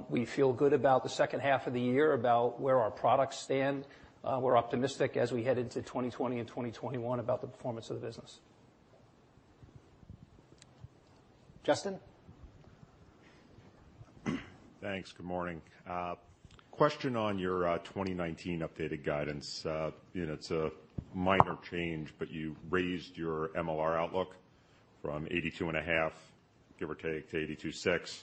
We feel good about the second half of the year, about where our products stand. We're optimistic as we head into 2020 and 2021 about the performance of the business. Justin? Thanks. Good morning. Question on your 2019 updated guidance. It's a minor change, but you raised your MLR outlook from 82.5%, give or take, to 82.6%.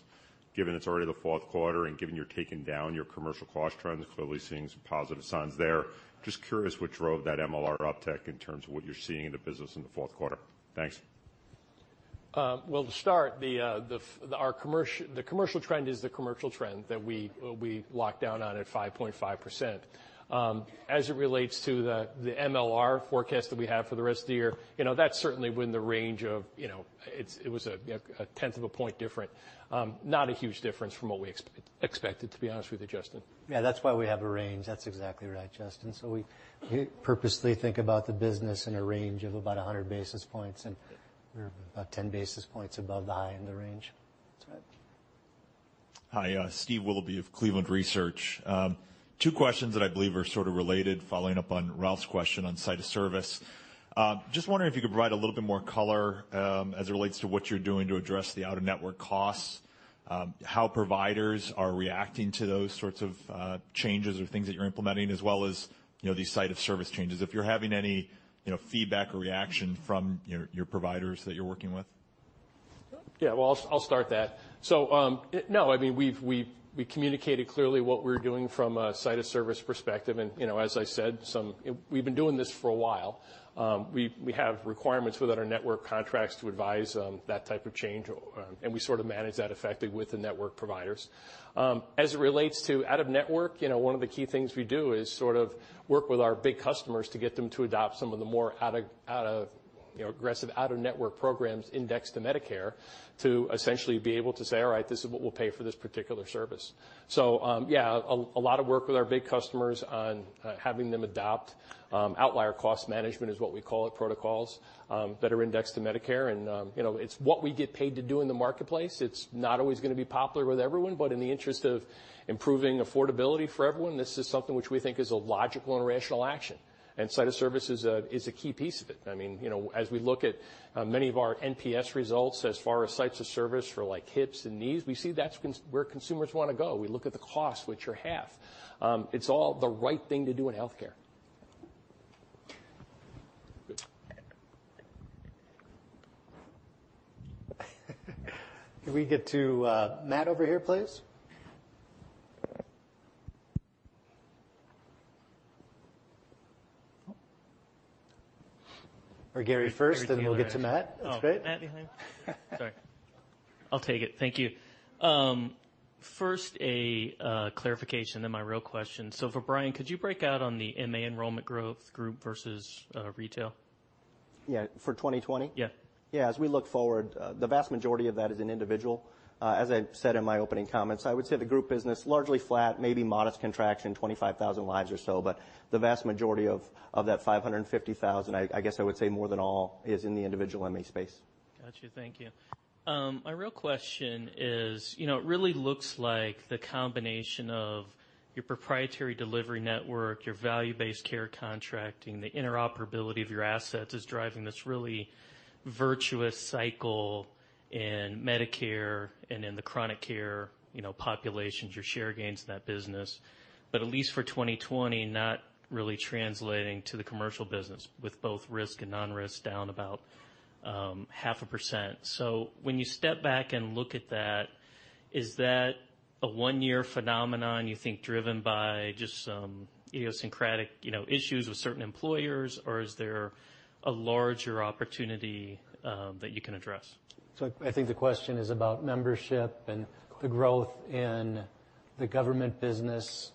Given it's already the fourth quarter and given you're taking down your Commercial cost trends, clearly seeing some positive signs there. Just curious what drove that MLR uptick in terms of what you're seeing in the business in the fourth quarter. Thanks. Well, to start, the commercial trend is the commercial trend that we locked down on at 5.5%. As it relates to the MLR forecast that we have for the rest of the year, that's certainly within the range. It was a tenth of a point different. Not a huge difference from what we expected, to be honest with you, Justin. Yeah, that's why we have a range. That's exactly right, Justin. We purposely think about the business in a range of about 100 basis points, and we're about 10 basis points above the high end of range. That's right. Hi. Steve Willoughby of Cleveland Research. Two questions that I believe are sort of related, following up on Ralph's question on site of service. Just wondering if you could provide a little bit more color, as it relates to what you're doing to address the out-of-network costs, how providers are reacting to those sorts of changes or things that you're implementing, as well as these site of service changes. If you're having any feedback or reaction from your providers that you're working with? Yeah. Well, I'll start that. No, we communicated clearly what we're doing from a site of service perspective, and as I said, we've been doing this for a while. We have requirements within our network contracts to advise on that type of change, and we sort of manage that effectively with the network providers. As it relates to out-of-network, one of the key things we do is work with our big customers to get them to adopt some of the more aggressive out-of-network programs indexed to Medicare to essentially be able to say, "All right, this is what we'll pay for this particular service." Yeah, a lot of work with our big customers on having them adopt outlier cost management is what we call it, protocols, that are indexed to Medicare and it's what we get paid to do in the marketplace. It's not always going to be popular with everyone, but in the interest of improving affordability for everyone, this is something which we think is a logical and rational action. Site of service is a key piece of it. As we look at many of our NPS results as far as sites of service for hips and knees, we see that's where consumers want to go. We look at the costs, which are half. It's all the right thing to do in healthcare. Can we get to Matt over here, please? Gary first, then we'll get to Matt. That's great. Matt behind. Sorry. I'll take it. Thank you. First, a clarification to my real question. For Brian, could you break out on the MA enrollment growth group versus retail? Yeah. For 2020? Yeah. Yeah. As we look forward, the vast majority of that is in individual. As I said in my opening comments, I would say the group business, largely flat, maybe modest contraction, 25,000 lives or so, but the vast majority of that 550,000, I guess I would say more than all is in the individual MA space. Got you. Thank you. My real question is, it really looks like the combination of your proprietary delivery network, your value-based care contracting, the interoperability of your assets is driving this really virtuous cycle in Medicare and in the chronic care populations, your share gains in that business. At least for 2020, not really translating to the commercial business with both risk and non-risk down about half a percent. When you step back and look at that, is that a one-year phenomenon you think driven by just some idiosyncratic issues with certain employers, or is there a larger opportunity, that you can address? I think the question is about membership and the growth in the government business,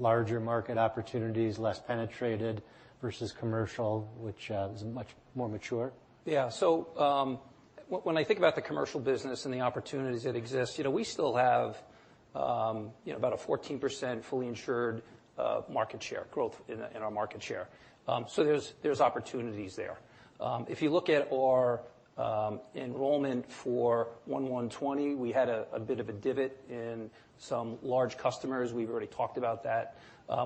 larger market opportunities, less penetrated versus commercial, which is much more mature. When I think about the commercial business and the opportunities that exist, we still have about a 14% fully insured market share growth in our market share. There's opportunities there. If you look at our enrollment for 1/1/2020, we had a bit of a divot in some large customers. We've already talked about that.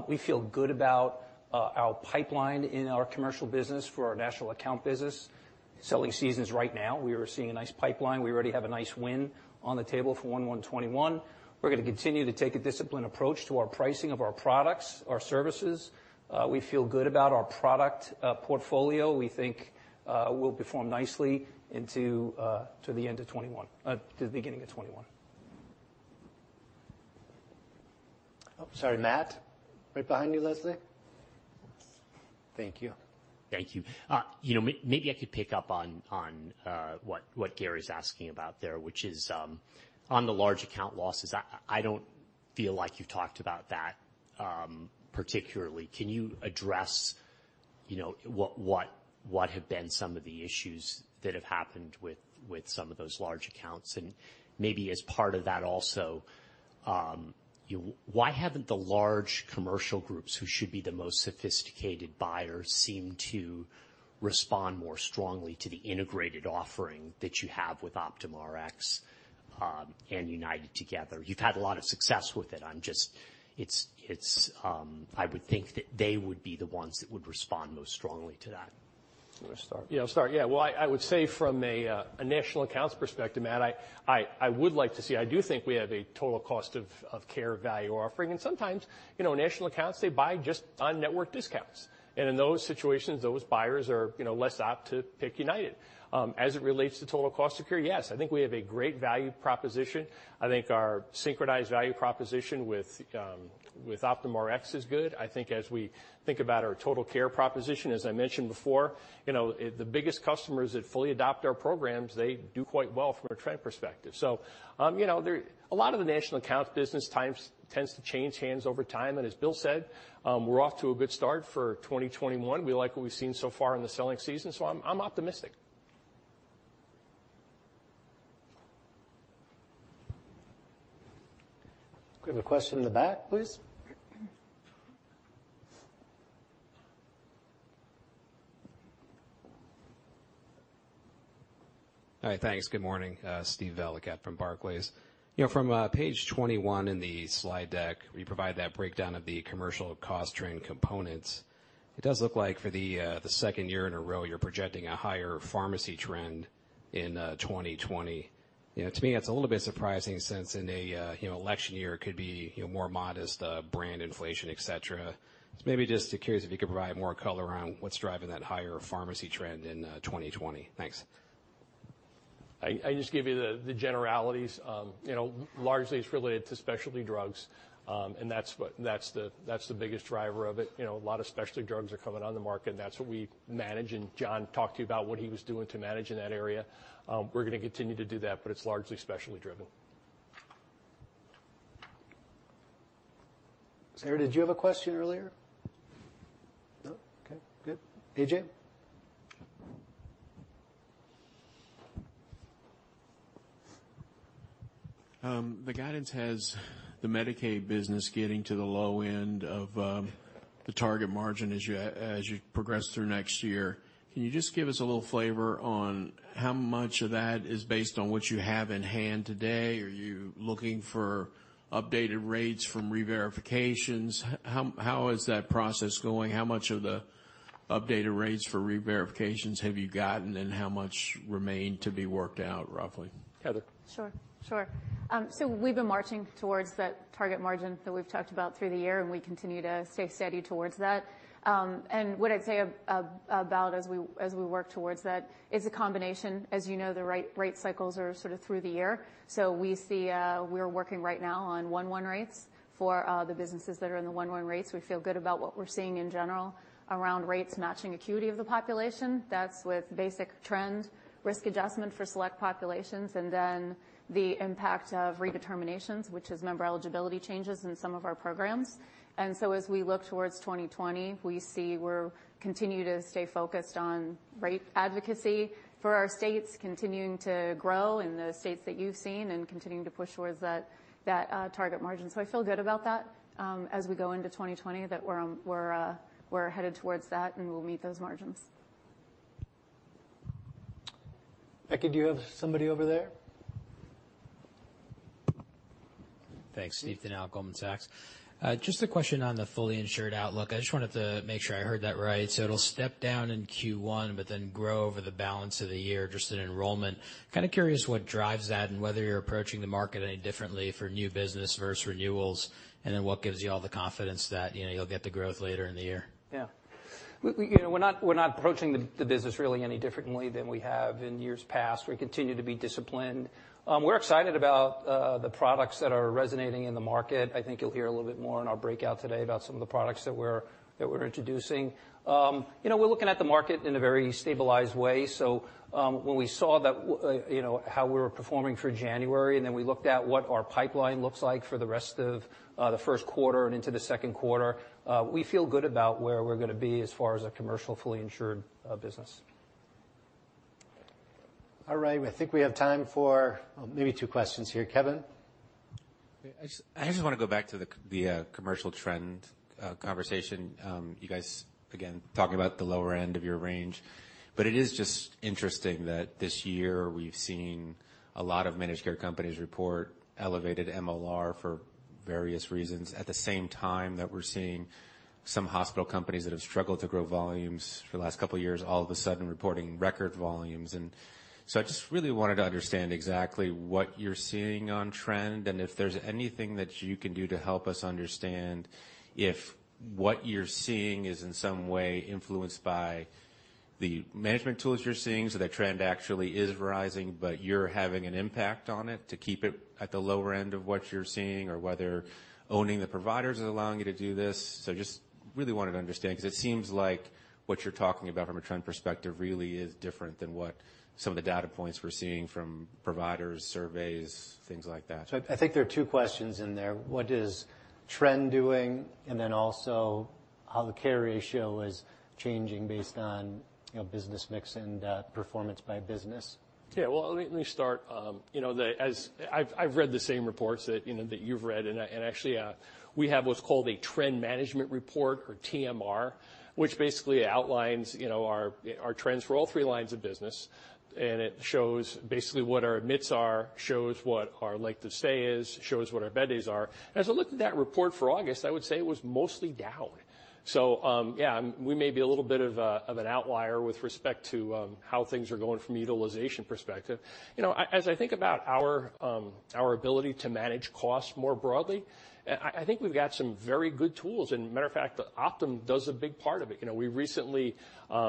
We feel good about our pipeline in our commercial business for our national account business. Selling season's right now. We are seeing a nice pipeline. We already have a nice win on the table for 1/1/2021. We're going to continue to take a disciplined approach to our pricing of our products, our services. We feel good about our product portfolio. We think we'll perform nicely into the beginning of 2021. Oh, sorry, Matt. Right behind you, Leslie. Thank you. Thank you. Maybe I could pick up on what Gary's asking about there, which is on the large account losses, I don't feel like you talked about that particularly. Can you address what have been some of the issues that have happened with some of those large accounts? Maybe as part of that also, why haven't the large commercial groups who should be the most sophisticated buyers seemed to respond more strongly to the integrated offering that you have with OptumRx and United together? You've had a lot of success with it. I would think that they would be the ones that would respond most strongly to that. You want to start? Yeah, I'll start. Yeah. Well, I would say from a national accounts perspective, Matt, I would like to see I do think we have a total cost of care value offering, and sometimes, national accounts, they buy just on network discounts. In those situations, those buyers are less apt to pick United. As it relates to total cost of care, yes, I think we have a great value proposition. I think our synchronized value proposition with OptumRx is good. I think as we think about our total care proposition, as I mentioned before, the biggest customers that fully adopt our programs, they do quite well from a trend perspective. A lot of the national account business tends to change hands over time, and as Bill said, we're off to a good start for 2021. We like what we've seen so far in the selling season. I'm optimistic. We have a question in the back, please. All right. Thanks. Good morning. Steve Valiquette from Barclays. From page 21 in the slide deck, where you provide that breakdown of the commercial cost trend components, it does look like for the second year in a row, you're projecting a higher pharmacy trend in 2020. To me, that's a little bit surprising since in an election year, it could be more modest, brand inflation, et cetera. Maybe just curious if you could provide more color around what's driving that higher pharmacy trend in 2020? Thanks. I just gave you the generalities. Largely, it's related to specialty drugs, and that's the biggest driver of it. A lot of specialty drugs are coming on the market, and that's what we manage, and John talked to you about what he was doing to manage in that area. We're going to continue to do that, but it's largely specialty driven. Sarah, did you have a question earlier? No? Okay, good. A.J.? The guidance has the Medicaid business getting to the low end of the target margin as you progress through next year. Can you just give us a little flavor on how much of that is based on what you have in hand today? Are you looking for updated rates from reverifications? How is that process going? How much of the updated rates for reverifications have you gotten, and how much remain to be worked out roughly? Heather? Sure. So we've been marching towards that target margin that we've talked about through the year, and we continue to stay steady towards that. What I'd say about as we work towards that is a combination. As you know, the rate cycles are sort of through the year. We're working right now on 1-1 rates for the businesses that are in the 1-1 rates. We feel good about what we're seeing in general around rates matching acuity of the population. That's with basic trend risk adjustment for select populations, then the impact of redeterminations, which is member eligibility changes in some of our programs. As we look towards 2020, we continue to stay focused on rate advocacy for our states continuing to grow in the states that you've seen and continuing to push towards that target margin. I feel good about that as we go into 2020, that we're headed towards that, and we'll meet those margins. Becky, do you have somebody over there? Thanks. Ethan, Goldman Sachs. Just a question on the fully insured outlook. I just wanted to make sure I heard that right. It'll step down in Q1, but then grow over the balance of the year, just in enrollment. Curious what drives that and whether you're approaching the market any differently for new business versus renewals, and then what gives you all the confidence that you'll get the growth later in the year? Yeah. We're not approaching the business really any differently than we have in years past. We continue to be disciplined. We're excited about the products that are resonating in the market. I think you'll hear a little bit more in our breakout today about some of the products that we're introducing. We're looking at the market in a very stabilized way. When we saw how we were performing for January, and then we looked at what our pipeline looks like for the rest of the first quarter and into the second quarter, we feel good about where we're going to be as far as a commercial fully insured business. All right. I think we have time for maybe two questions here. Kevin? I just want to go back to the commercial trend conversation. You guys, again, talking about the lower end of your range. It is just interesting that this year we've seen a lot of managed care companies report elevated MLR for various reasons at the same time that we're seeing some hospital companies that have struggled to grow volumes for the last couple of years, all of a sudden reporting record volumes. I just really wanted to understand exactly what you're seeing on trend, and if there's anything that you can do to help us understand if what you're seeing is in some way influenced by the management tools you're seeing, so that trend actually is rising, but you're having an impact on it to keep it at the lower end of what you're seeing, or whether owning the providers is allowing you to do this. Just really wanted to understand, because it seems like what you're talking about from a trend perspective really is different than what some of the data points we're seeing from providers, surveys, things like that. I think there are two questions in there. What is trend doing, and then also how the carry ratio is changing based on business mix and performance by business? Yeah. Well, let me start. I've read the same reports that you've read. Actually, we have what's called a trend management report or TMR, which basically outlines our trends for all three lines of business, and it shows basically what our admits are, shows what our length of stay is, shows what our bed days are. As I look at that report for August, I would say it was mostly down. Yeah, we may be a little bit of an outlier with respect to how things are going from utilization perspective. As I think about our ability to manage costs more broadly, I think we've got some very good tools. Matter of fact, Optum does a big part of it. We recently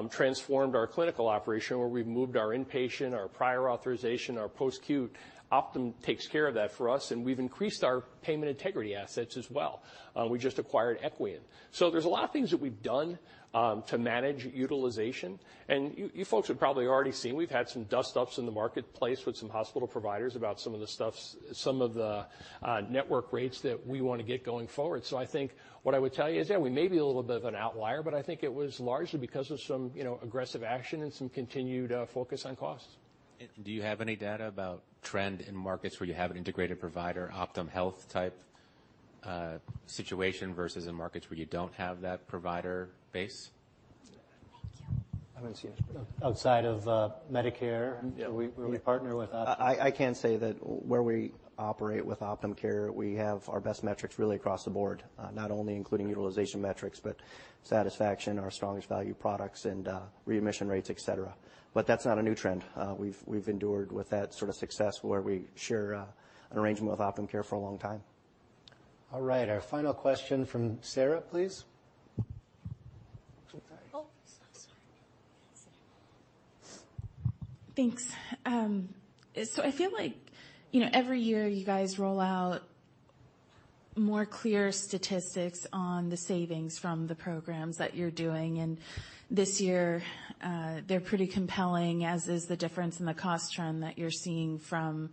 transformed our clinical operation where we moved our inpatient, our prior authorization, our post acute. Optum takes care of that for us, and we've increased our payment integrity assets as well. We just acquired Equian. There's a lot of things that we've done to manage utilization, and you folks have probably already seen, we've had some dust ups in the marketplace with some hospital providers about some of the network rates that we want to get going forward. I think what I would tell you is that we may be a little bit of an outlier, but I think it was largely because of some aggressive action and some continued focus on costs. Do you have any data about trend in markets where you have an integrated provider, Optum Health type situation versus in markets where you don't have that provider base? Thank you. Outside of Medicare where we partner with Optum. I can say that where we operate with Optum Care, we have our best metrics really across the board. Not only including utilization metrics, but satisfaction, our strongest value products, and readmission rates, et cetera. That's not a new trend. We've endured with that sort of success where we share an arrangement with Optum Care for a long time. All right. Our final question from Sarah, please. Oh, sorry. Thanks. I feel like every year you guys roll out more clear statistics on the savings from the programs that you're doing, and this year, they're pretty compelling, as is the difference in the cost trend that you're seeing from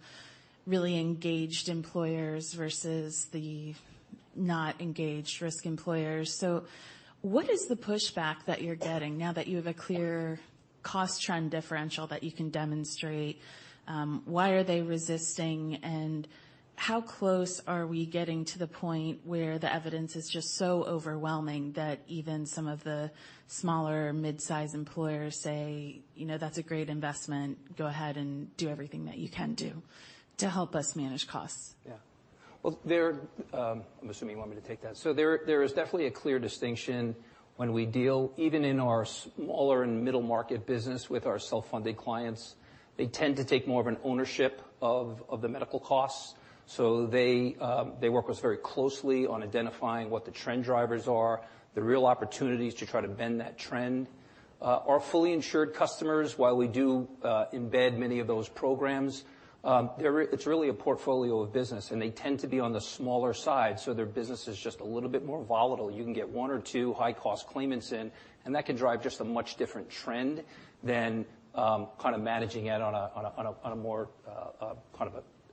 really engaged employers versus the not engaged risk employers. What is the pushback that you're getting now that you have a clear cost trend differential that you can demonstrate? Why are they resisting, and how close are we getting to the point where the evidence is just so overwhelming that even some of the smaller mid-size employers say, "That's a great investment. Go ahead and do everything that you can do to help us manage costs"? Well, there, I'm assuming you want me to take that. There is definitely a clear distinction when we deal even in our smaller and middle-market business with our self-funded clients. They tend to take more of an ownership of the medical costs. They work with us very closely on identifying what the trend drivers are, the real opportunities to try to bend that trend. Our fully insured customers, while we do embed many of those programs, it's really a portfolio of business, and they tend to be on the smaller side, so their business is just a little bit more volatile. You can get one or two high-cost claimants in, and that can drive just a much different trend than kind of managing it on a more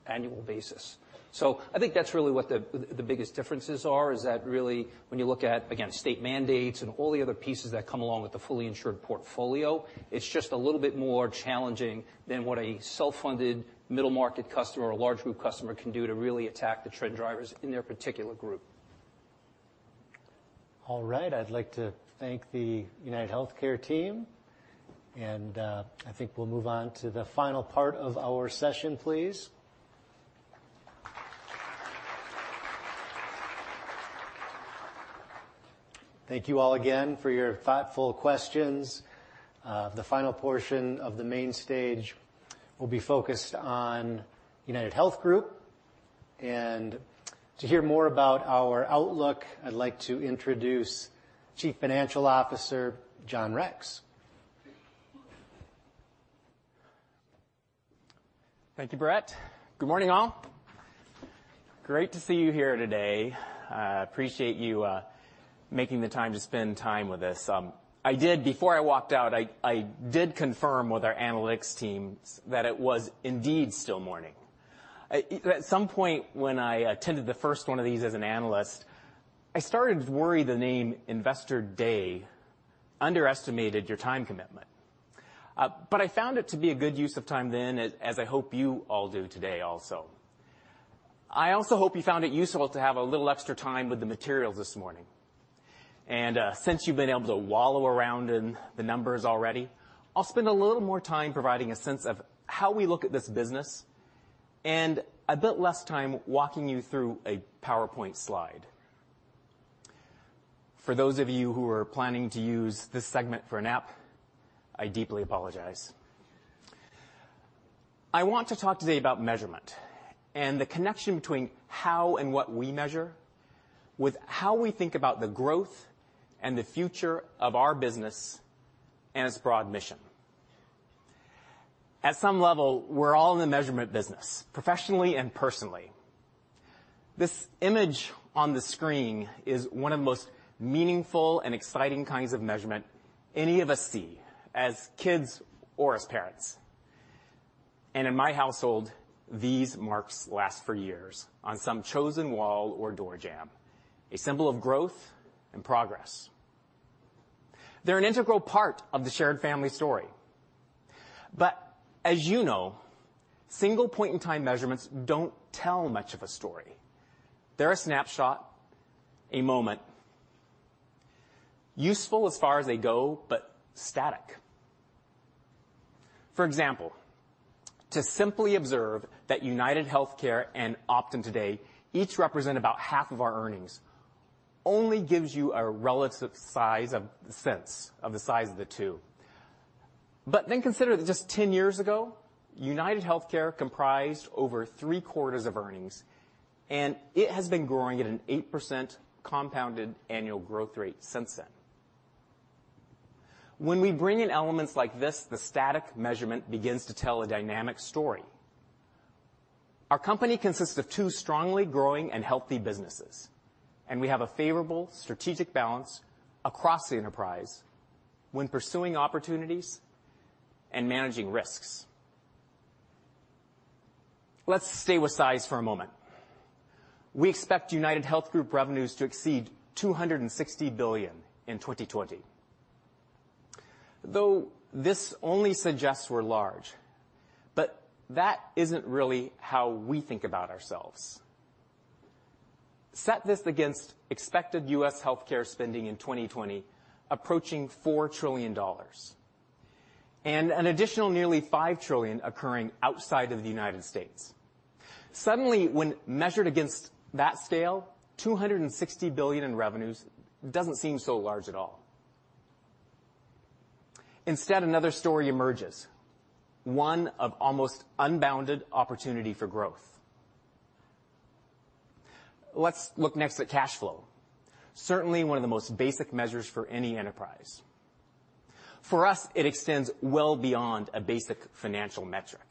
annual basis. I think that's really what the biggest differences are, is that really when you look at, again, state mandates and all the other pieces that come along with the fully insured portfolio, it's just a little bit more challenging than what a self-funded middle-market customer or a large group customer can do to really attack the trend drivers in their particular group. All right. I'd like to thank the UnitedHealthcare team, and I think we'll move on to the final part of our session, please. Thank you all again for your thoughtful questions. The final portion of the main stage will be focused on UnitedHealth Group. To hear more about our outlook, I'd like to introduce Chief Financial Officer, John Rex. Thank you, Brett. Good morning, all. Great to see you here today. I appreciate you making the time to spend time with us. Before I walked out, I did confirm with our analytics team that it was indeed still morning. At some point when I attended the first one of these as an analyst, I started to worry the name Investor Day underestimated your time commitment. I found it to be a good use of time then, as I hope you all do today also. I also hope you found it useful to have a little extra time with the materials this morning. Since you've been able to wallow around in the numbers already, I'll spend a little more time providing a sense of how we look at this business and a bit less time walking you through a PowerPoint slide. For those of you who are planning to use this segment for a nap, I deeply apologize. I want to talk today about measurement and the connection between how and what we measure with how we think about the growth and the future of our business and its broad mission. At some level, we're all in the measurement business, professionally and personally. This image on the screen is one of the most meaningful and exciting kinds of measurement any of us see as kids or as parents. In my household, these marks last for years on some chosen wall or door jamb, a symbol of growth and progress. They're an integral part of the shared family story. As you know, single point-in-time measurements don't tell much of a story. They're a snapshot, a moment. Useful as far as they go, but static. For example, to simply observe that UnitedHealthcare and Optum today each represent about half of our earnings only gives you a relative sense of the size of the two. Consider that just 10 years ago, UnitedHealthcare comprised over three-quarters of earnings, and it has been growing at an 8% compounded annual growth rate since then. When we bring in elements like this, the static measurement begins to tell a dynamic story. Our company consists of two strongly growing and healthy businesses, and we have a favorable strategic balance across the enterprise when pursuing opportunities and managing risks. Let's stay with size for a moment. We expect UnitedHealth Group revenues to exceed $260 billion in 2020. This only suggests we're large, but that isn't really how we think about ourselves. Set this against expected U.S. healthcare spending in 2020 approaching $4 trillion, and an additional nearly $5 trillion occurring outside of the United States. Suddenly, when measured against that scale, $260 billion in revenues doesn't seem so large at all. Instead, another story emerges, one of almost unbounded opportunity for growth. Let's look next at cash flow, certainly one of the most basic measures for any enterprise. For us, it extends well beyond a basic financial metric.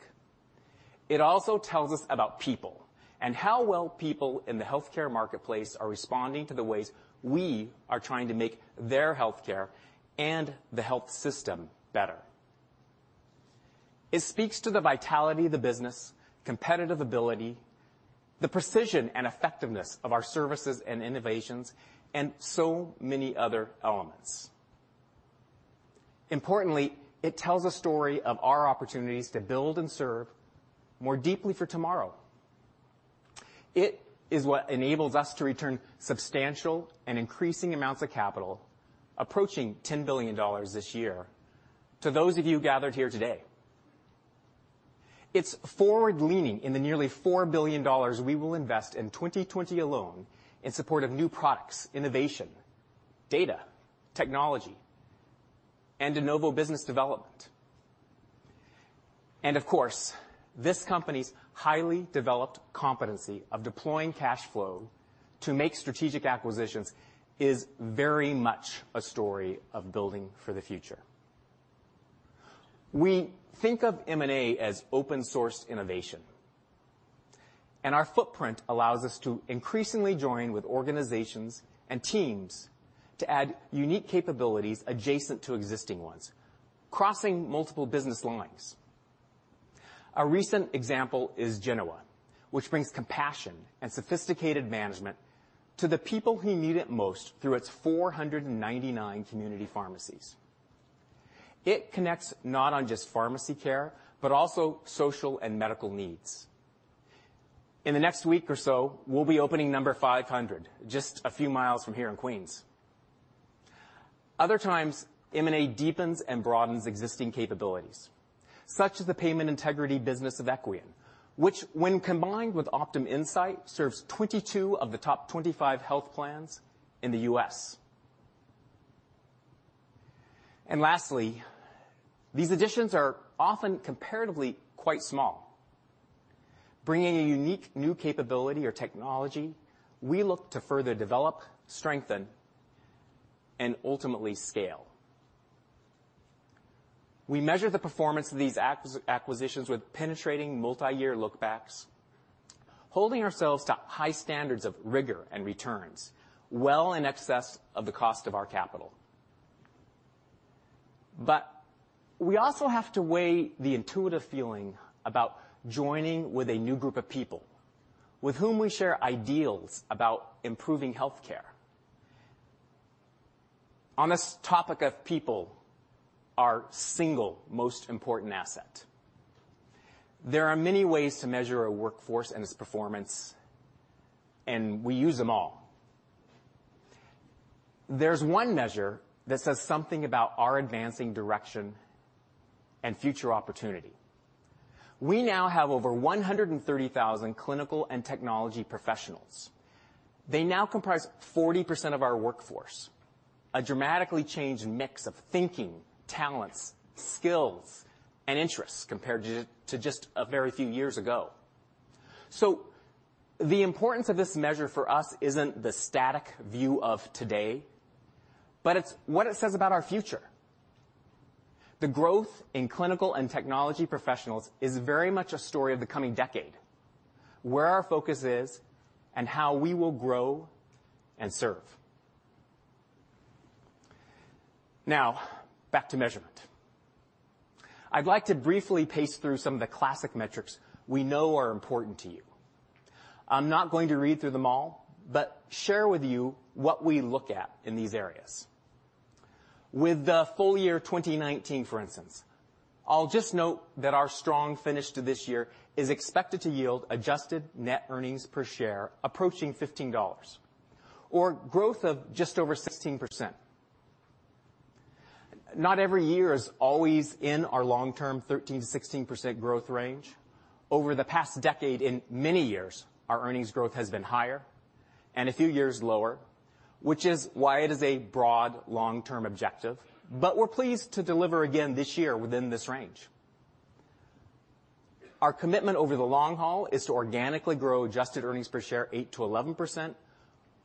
It also tells us about people and how well people in the healthcare marketplace are responding to the ways we are trying to make their healthcare and the health system better. It speaks to the vitality of the business, competitive ability, the precision and effectiveness of our services and innovations, and so many other elements. Importantly, it tells a story of our opportunities to build and serve more deeply for tomorrow. It is what enables us to return substantial and increasing amounts of capital, approaching $10 billion this year. To those of you gathered here today. It's forward-leaning in the nearly $4 billion we will invest in 2020 alone in support of new products, innovation, data, technology, and de novo business development. Of course, this company's highly developed competency of deploying cash flow to make strategic acquisitions is very much a story of building for the future. We think of M&A as open-source innovation, and our footprint allows us to increasingly join with organizations and teams to add unique capabilities adjacent to existing ones, crossing multiple business lines. A recent example is Genoa, which brings compassion and sophisticated management to the people who need it most through its 499 community pharmacies. It connects not on just pharmacy care, but also social and medical needs. In the next week or so, we'll be opening number 500, just a few miles from here in Queens. Other times, M&A deepens and broadens existing capabilities, such as the payment integrity business of Equian, which, when combined with OptumInsight, serves 22 of the top 25 health plans in the U.S. Lastly, these additions are often comparatively quite small. Bringing a unique new capability or technology, we look to further develop, strengthen, and ultimately scale. We measure the performance of these acquisitions with penetrating multi-year look-backs, holding ourselves to high standards of rigor and returns well in excess of the cost of our capital. We also have to weigh the intuitive feeling about joining with a new group of people with whom we share ideals about improving healthcare. On this topic of people, our single most important asset. There are many ways to measure a workforce and its performance, and we use them all. There's one measure that says something about our advancing direction and future opportunity. We now have over 130,000 clinical and technology professionals. They now comprise 40% of our workforce, a dramatically changed mix of thinking, talents, skills, and interests compared to just a very few years ago. The importance of this measure for us isn't the static view of today, but it's what it says about our future. The growth in clinical and technology professionals is very much a story of the coming decade, where our focus is, and how we will grow and serve. Now, back to measurement. I'd like to briefly pace through some of the classic metrics we know are important to you. I'm not going to read through them all, but share with you what we look at in these areas. With the full year 2019, for instance, I'll just note that our strong finish to this year is expected to yield adjusted net earnings per share approaching $15, or growth of just over 16%. Not every year is always in our long-term 13%-16% growth range. Over the past decade, in many years, our earnings growth has been higher and a few years lower, which is why it is a broad long-term objective. We're pleased to deliver again this year within this range. Our commitment over the long haul is to organically grow adjusted earnings per share 8%-11%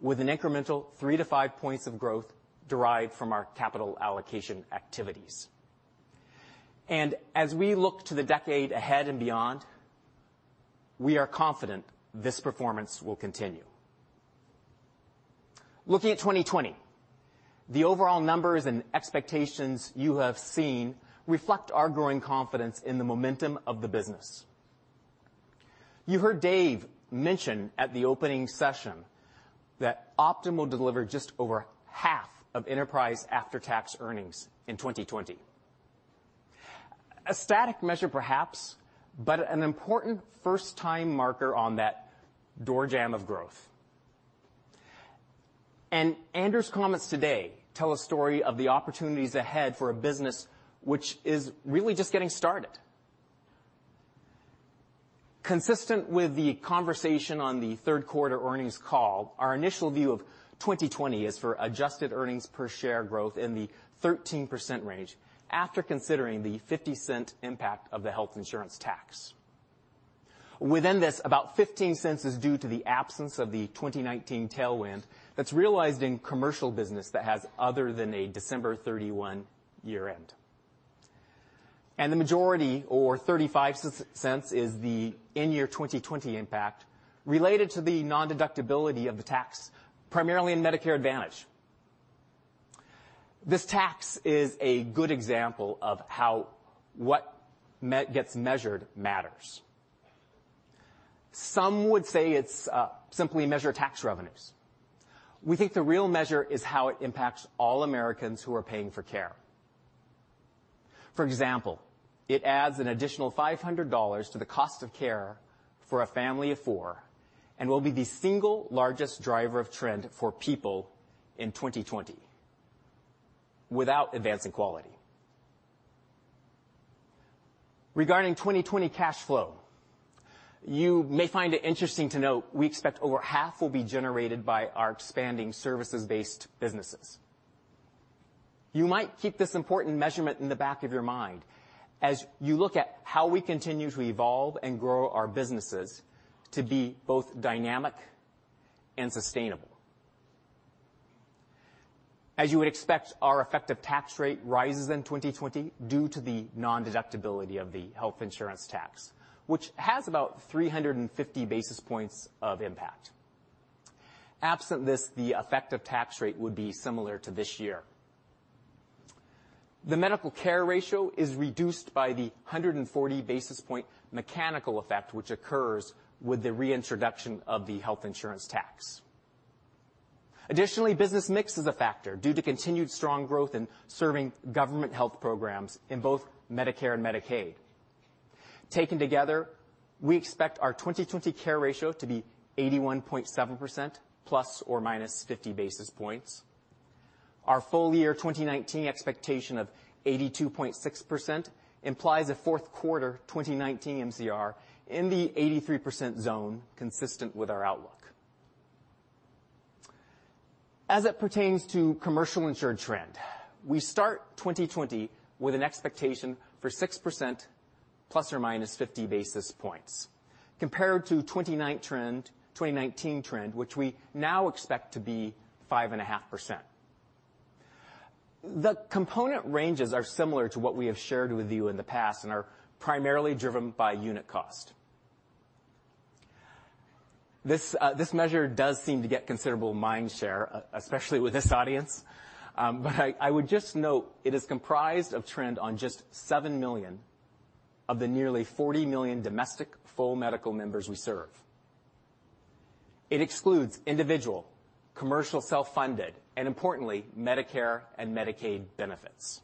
with an incremental three-five points of growth derived from our capital allocation activities. As we look to the decade ahead and beyond, we are confident this performance will continue. Looking at 2020, the overall numbers and expectations you have seen reflect our growing confidence in the momentum of the business. You heard Dave mention at the opening session that Optum will deliver just over half of enterprise after-tax earnings in 2020. A static measure, perhaps, but an important first-time marker on that doorjamb of growth. Andrew's comments today tell a story of the opportunities ahead for a business which is really just getting started. Consistent with the conversation on the third quarter earnings call, our initial view of 2020 is for adjusted earnings per share growth in the 13% range after considering the $0.50 impact of the health insurance tax. Within this, about $0.15 is due to the absence of the 2019 tailwind that's realized in commercial business that has other than a December 31 year-end. The majority or $0.35 is the in year 2020 impact related to the non-deductibility of the tax, primarily in Medicare Advantage. This tax is a good example of how what gets measured matters. Some would say it's simply measure tax revenues. We think the real measure is how it impacts all Americans who are paying for care. For example, it adds an additional $500 to the cost of care for a family of four and will be the single largest driver of trend for people in 2020 without advancing quality. Regarding 2020 cash flow, you may find it interesting to note we expect over half will be generated by our expanding services-based businesses. You might keep this important measurement in the back of your mind as you look at how we continue to evolve and grow our businesses to be both dynamic and sustainable. As you would expect, our effective tax rate rises in 2020 due to the non-deductibility of the health insurance tax, which has about 350 basis points of impact. Absent this, the effective tax rate would be similar to this year. The medical care ratio is reduced by the 140 basis point mechanical effect which occurs with the reintroduction of the health insurance tax. Additionally, business mix is a factor due to continued strong growth in serving government health programs in both Medicare and Medicaid. Taken together, we expect our 2020 care ratio to be 81.7% ±50 basis points. Our full year 2019 expectation of 82.6% implies a fourth quarter 2019 MCR in the 83% zone, consistent with our outlook. As it pertains to commercial insured trend, we start 2020 with an expectation for 6%, ± 50 basis points, compared to 2019 trend, which we now expect to be 5.5%. The component ranges are similar to what we have shared with you in the past and are primarily driven by unit cost. I would just note, it is comprised of trend on just 7 million of the nearly 40 million domestic full medical members we serve. It excludes individual, commercial self-funded, and importantly, Medicare and Medicaid benefits.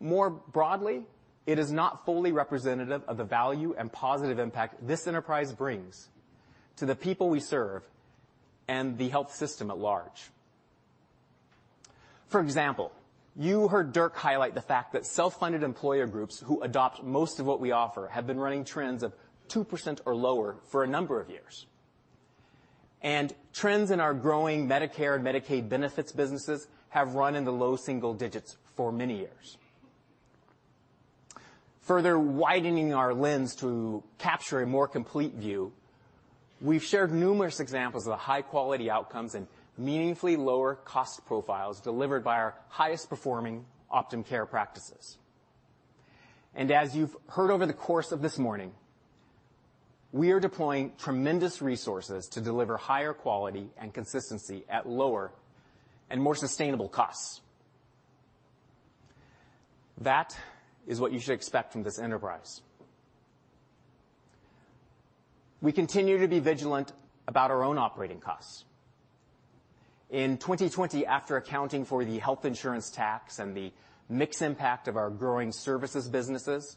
More broadly, it is not fully representative of the value and positive impact this enterprise brings to the people we serve and the health system at large. For example, you heard Dirk highlight the fact that self-funded employer groups who adopt most of what we offer have been running trends of 2% or lower for a number of years. Trends in our growing Medicare and Medicaid benefits businesses have run in the low single digits for many years. Further widening our lens to capture a more complete view, we've shared numerous examples of the high-quality outcomes and meaningfully lower cost profiles delivered by our highest performing Optum Care practices. As you've heard over the course of this morning, we are deploying tremendous resources to deliver higher quality and consistency at lower and more sustainable costs. That is what you should expect from this enterprise. We continue to be vigilant about our own operating costs. In 2020, after accounting for the health insurance tax and the mix impact of our growing services businesses,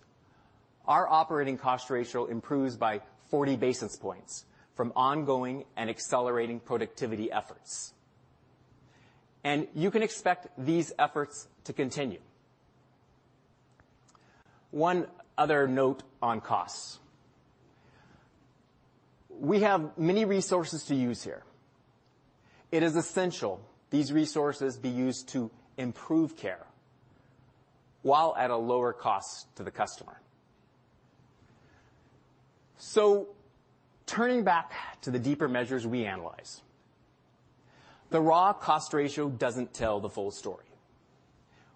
our operating cost ratio improves by 40 basis points from ongoing and accelerating productivity efforts. You can expect these efforts to continue. One other note on costs. We have many resources to use here. It is essential these resources be used to improve care while at a lower cost to the customer. Turning back to the deeper measures we analyze, the raw cost ratio doesn't tell the full story.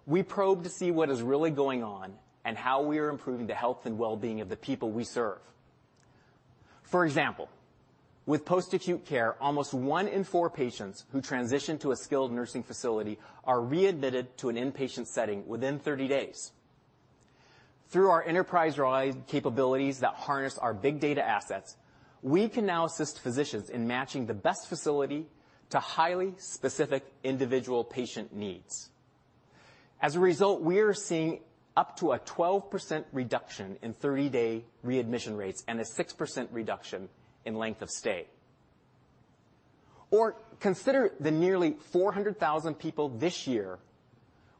We probe to see what is really going on and how we are improving the health and well-being of the people we serve. For example, with post-acute care, almost one in four patients who transition to a skilled nursing facility are readmitted to an inpatient setting within 30 days. Through our enterprise-wide capabilities that harness our big data assets, we can now assist physicians in matching the best facility to highly specific individual patient needs. As a result, we are seeing up to a 12% reduction in 30-day readmission rates and a 6% reduction in length of stay. Consider the nearly 400,000 people this year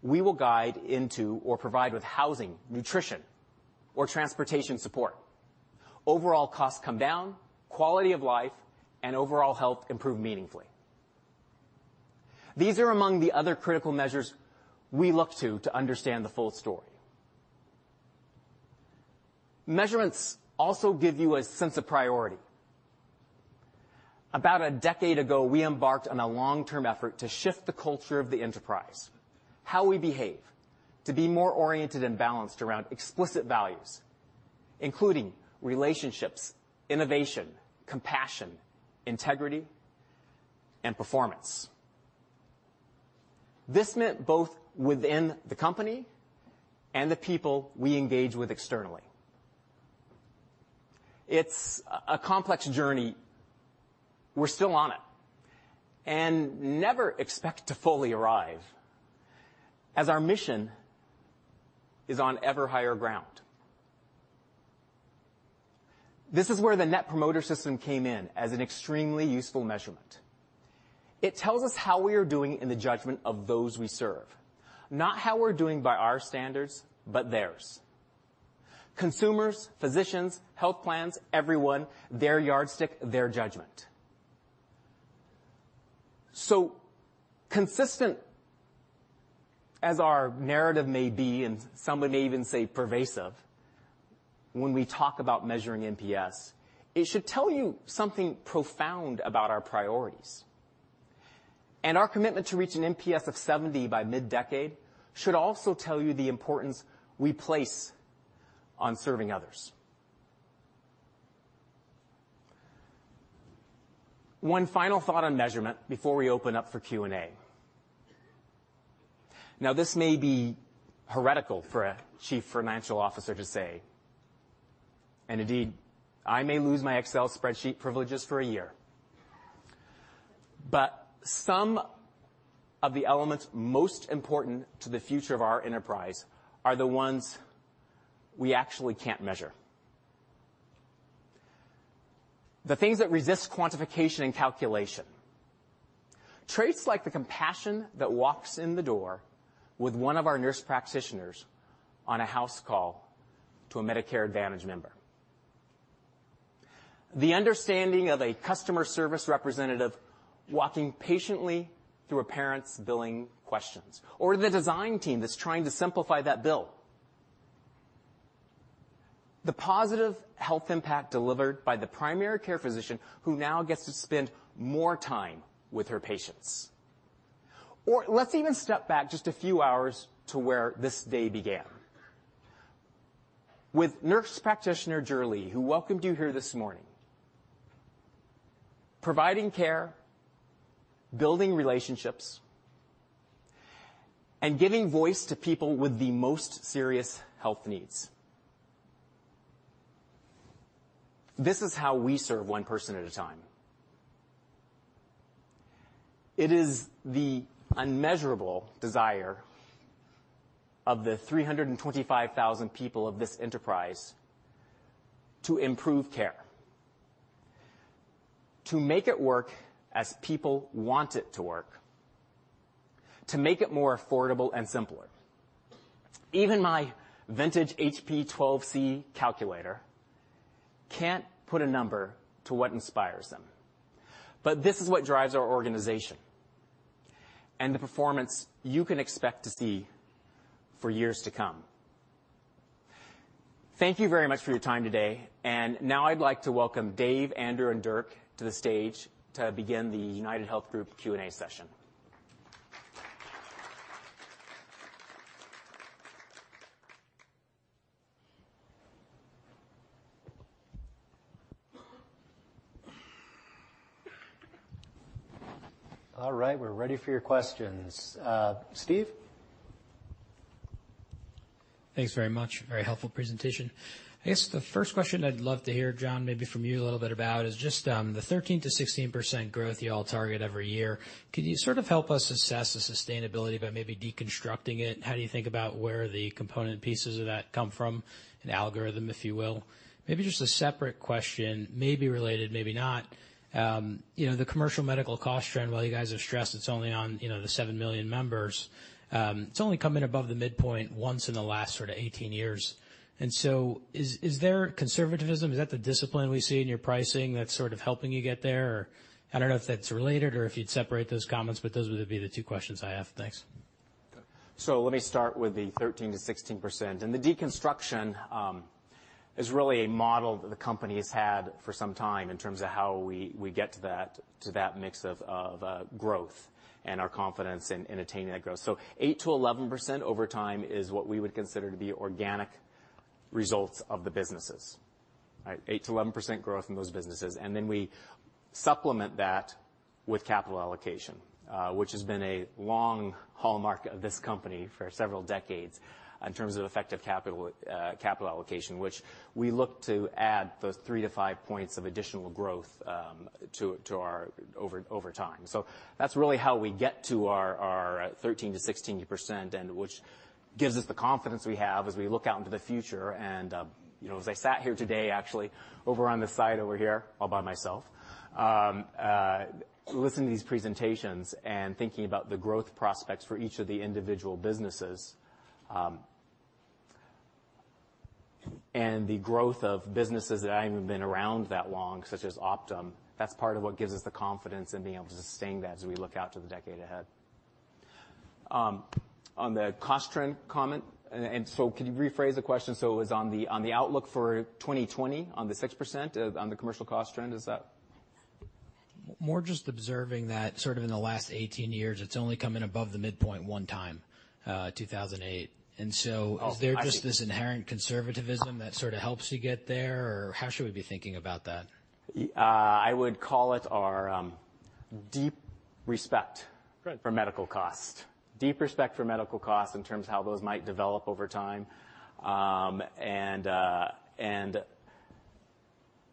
we will guide into or provide with housing, nutrition, or transportation support. Overall costs come down, quality of life, and overall health improve meaningfully. These are among the other critical measures we look to understand the full story. Measurements also give you a sense of priority. About a decade ago, we embarked on a long-term effort to shift the culture of the enterprise, how we behave to be more oriented and balanced around explicit values, including relationships, innovation, compassion, integrity, and performance. This meant both within the company and the people we engage with externally. It's a complex journey. We're still on it, and never expect to fully arrive as our mission is on ever higher ground. This is where the Net Promoter System came in as an extremely useful measurement. It tells us how we are doing in the judgment of those we serve, not how we're doing by our standards, but theirs. Consumers, physicians, health plans, everyone, their yardstick, their judgment. Consistent as our narrative may be, and some would may even say pervasive, when we talk about measuring NPS, it should tell you something profound about our priorities. Our commitment to reach an NPS of 70 by mid-decade should also tell you the importance we place on serving others. One final thought on measurement before we open up for Q&A. This may be heretical for a Chief Financial Officer to say, indeed, I may lose my Excel spreadsheet privileges for a year, some of the elements most important to the future of our enterprise are the ones we actually can't measure. The things that resist quantification and calculation. Traits like the compassion that walks in the door with one of our nurse practitioners on a HouseCall to a Medicare Advantage member. The understanding of a customer service representative walking patiently through a parent's billing questions, the design team that's trying to simplify that bill. The positive health impact delivered by the primary care physician who now gets to spend more time with her patients. Let's even step back just a few hours to where this day began. With nurse practitioner Gerlie, who welcomed you here this morning. Providing care, building relationships, and giving voice to people with the most serious health needs. This is how we serve one person at a time. It is the unmeasurable desire of the 325,000 people of this enterprise to improve care, to make it work as people want it to work, to make it more affordable and simpler. Even my vintage HP 12C calculator can't put a number to what inspires them. This is what drives our organization and the performance you can expect to see for years to come. Thank you very much for your time today, and now I'd like to welcome Dave, Andrew, and Dirk to the stage to begin the UnitedHealth Group Q&A session. All right. We're ready for your questions. Steve? Thanks very much. Very helpful presentation. I guess the first question I'd love to hear, John, maybe from you a little bit about is just the 13%-16% growth y'all target every year. Could you sort of help us assess the sustainability by maybe deconstructing it? How do you think about where the component pieces of that come from, an algorithm, if you will? Maybe just a separate question, maybe related, maybe not. The commercial medical cost trend, while you guys have stressed it's only on the 7 million members, it's only come in above the midpoint once in the last sort of 18 years. Is there conservativism? Is that the discipline we see in your pricing that's sort of helping you get there? I don't know if that's related or if you'd separate those comments, but those would be the two questions I have. Thanks. Let me start with the 13%-16%. The deconstruction is really a model that the company has had for some time in terms of how we get to that mix of growth and our confidence in attaining that growth. 8%-11% over time is what we would consider to be organic results of the businesses. 8%-11% growth in those businesses. Then we supplement that with capital allocation, which has been a long hallmark of this company for several decades in terms of effective capital allocation, which we look to add those three-five points of additional growth over time. That's really how we get to our 13%-16%, which gives us the confidence we have as we look out into the future and as I sat here today, actually over on the side over here all by myself, listening to these presentations and thinking about the growth prospects for each of the individual businesses, and the growth of businesses that I haven't been around that long, such as Optum. That's part of what gives us the confidence in being able to sustain that as we look out to the decade ahead. On the cost trend comment, could you rephrase the question so it was on the outlook for 2020 on the 6% on the commercial cost trend? More just observing that sort of in the last 18 years, it's only come in above the midpoint one time, 2008. Oh, I see. Is there just this inherent conservativism that sort of helps you get there? How should we be thinking about that? I would call it our deep respect for medical cost. Deep respect for medical cost in terms of how those might develop over time.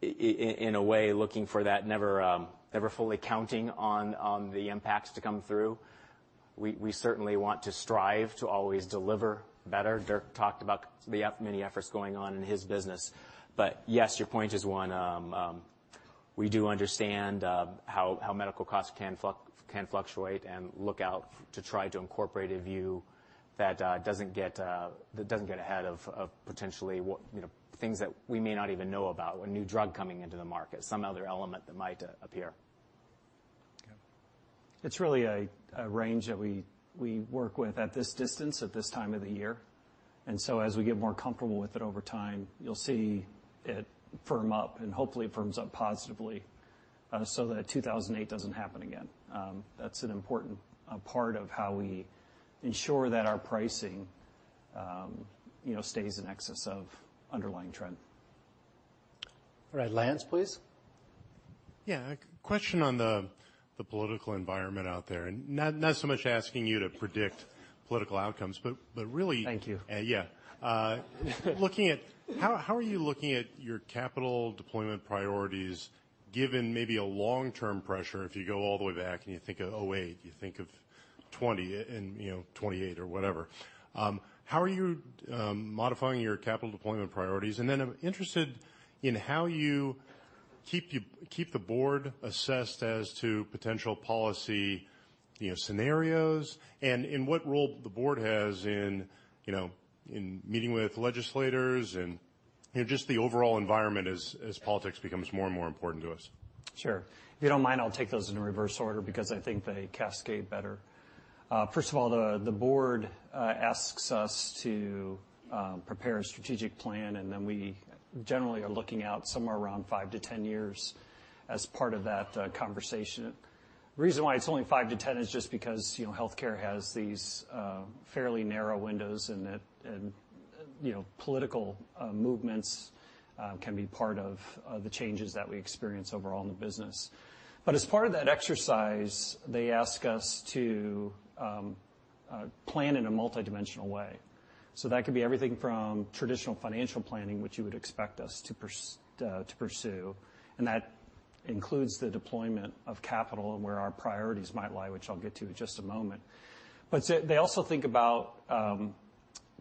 In a way, looking for that never fully counting on the impacts to come through. We certainly want to strive to always deliver better. Dirk talked about the many efforts going on in his business. Yes, your point is one. We do understand how medical costs can fluctuate, and look out to try to incorporate a view that doesn't get ahead of potentially things that we may not even know about, a new drug coming into the market, some other element that might appear. Okay. It's really a range that we work with at this distance, at this time of the year. As we get more comfortable with it over time, you'll see it firm up, and hopefully it firms up positively so that 2008 doesn't happen again. That's an important part of how we ensure that our pricing stays in excess of underlying trend. All right. Lance, please. Yeah. A question on the political environment out there, not so much asking you to predict political outcomes, but really. Thank you. How are you looking at your capital deployment priorities, given maybe a long-term pressure? If you go all the way back and you think of 2008, you think of 2020 and 2028 or whatever? How are you modifying your capital deployment priorities? I'm interested in how you keep the board assessed as to potential policy scenarios, and in what role the board has in meeting with legislators and just the overall environment as politics becomes more and more important to us. Sure. If you don't mind, I'll take those in reverse order because I think they cascade better. First of all, the board asks us to prepare a strategic plan. We generally are looking out somewhere around 5-10 years as part of that conversation. The reason why it's only 5-10 is just because healthcare has these fairly narrow windows. Political movements can be part of the changes that we experience overall in the business. As part of that exercise, they ask us to plan in a multidimensional way. That could be everything from traditional financial planning, which you would expect us to pursue. That includes the deployment of capital and where our priorities might lie, which I'll get to in just a moment. They also think about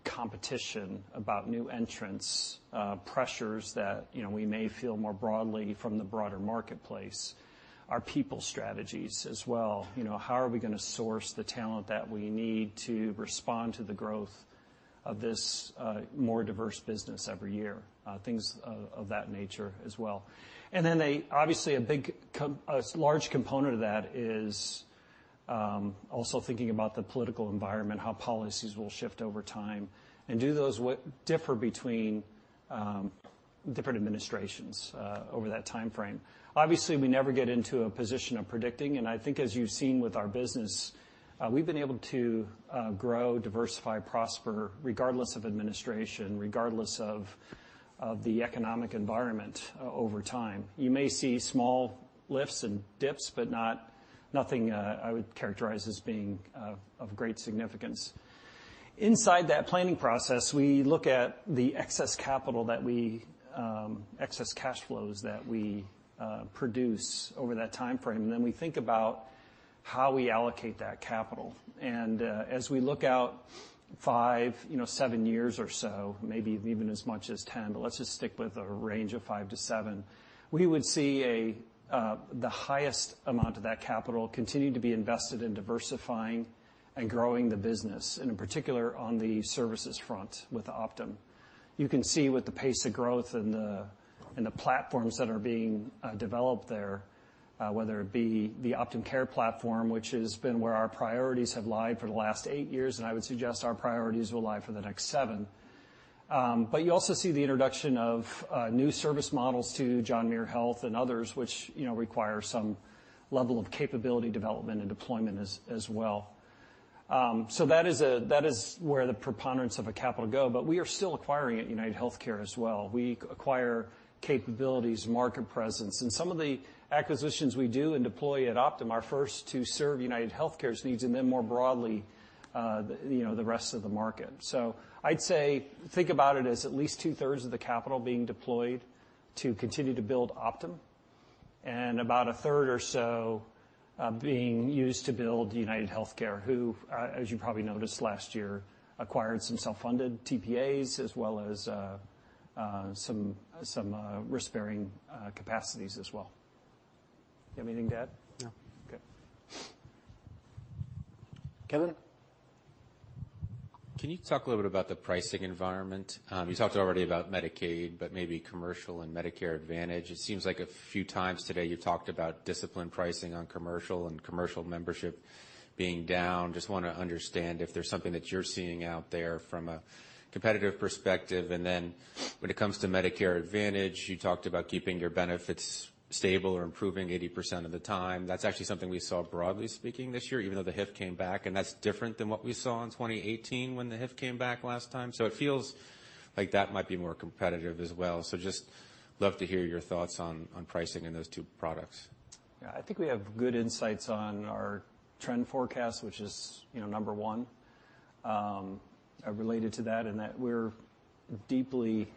competition, about new entrants, pressures that we may feel more broadly from the broader marketplace, our people strategies as well. How are we going to source the talent that we need to respond to the growth of this more diverse business every year? Things of that nature as well. Obviously, a large component of that is also thinking about the political environment, how policies will shift over time, and do those differ between different administrations over that timeframe. Obviously, we never get into a position of predicting, and I think as you've seen with our business, we've been able to grow, diversify, prosper regardless of administration, regardless of the economic environment over time. You may see small lifts and dips, but nothing I would characterize as being of great significance. Inside that planning process, we look at the excess capital, excess cash flows that we produce over that timeframe, and then we think about how we allocate that capital. As we look out five, seven years or so, maybe even as much as 10, but let's just stick with a range of five to seven, we would see the highest amount of that capital continue to be invested in diversifying and growing the business, and in particular on the services front with Optum. You can see with the pace of growth and the platforms that are being developed there, whether it be the Optum Care platform, which has been where our priorities have lied for the last eight years, and I would suggest our priorities will lie for the next seven. You also see the introduction of new service models, too, John Muir Health and others, which require some level of capability development and deployment as well. That is where the preponderance of the capital go, but we are still acquiring at UnitedHealthcare as well. We acquire capabilities, market presence. Some of the acquisitions we do and deploy at Optum are first to serve UnitedHealthcare's needs, and then more broadly, the rest of the market. I'd say think about it as at least two-thirds of the capital being deployed to continue to build Optum, and about a third or so being used to build UnitedHealthcare, who, as you probably noticed last year, acquired some self-funded TPAs as well as some risk-bearing capacities as well. You have anything to add? No. Okay. Kevin. Can you talk a little bit about the pricing environment? You talked already about Medicaid, maybe commercial and Medicare Advantage. It seems like a few times today you've talked about disciplined pricing on commercial and commercial membership being down. Just want to understand if there's something that you're seeing out there from a competitive perspective. When it comes to Medicare Advantage, you talked about keeping your benefits stable or improving 80% of the time. That's actually something we saw broadly speaking this year, even though the HIF came back, and that's different than what we saw in 2018 when the HIF came back last time. It feels like that might be more competitive as well. Just love to hear your thoughts on pricing in those two products. Yeah. I think we have good insights on our trend forecast, which is number one. Related to that in that we're deeply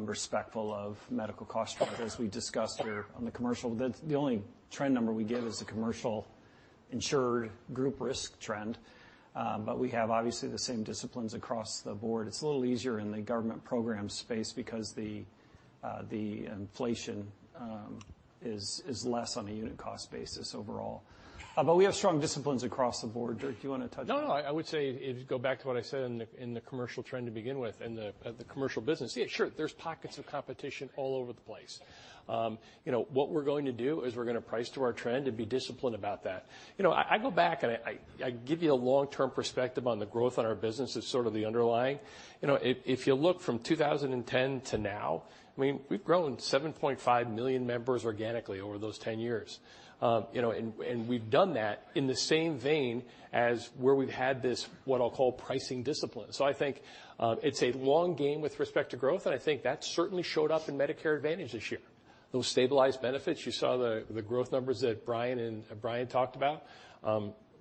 respectful of medical cost growth as we discussed here on the Commercial. The only trend number we give is the Commercial insured group risk trend. We have obviously the same disciplines across the board. It's a little easier in the Government Programs space because the inflation is less on a unit cost basis overall. We have strong disciplines across the board. Dirk, you want to touch on that? I would say go back to what I said in the commercial trend to begin with, at the commercial business. Yeah, sure, there's pockets of competition all over the place. What we're going to do is we're going to price to our trend and be disciplined about that. I go back I give you a long-term perspective on the growth on our business as sort of the underlying. If you look from 2010 to now, we've grown 7.5 million members organically over those 10 years. We've done that in the same vein as where we've had this, what I'll call pricing discipline. I think, it's a long game with respect to growth, and I think that certainly showed up in Medicare Advantage this year. Those stabilized benefits, you saw the growth numbers that Brian talked about.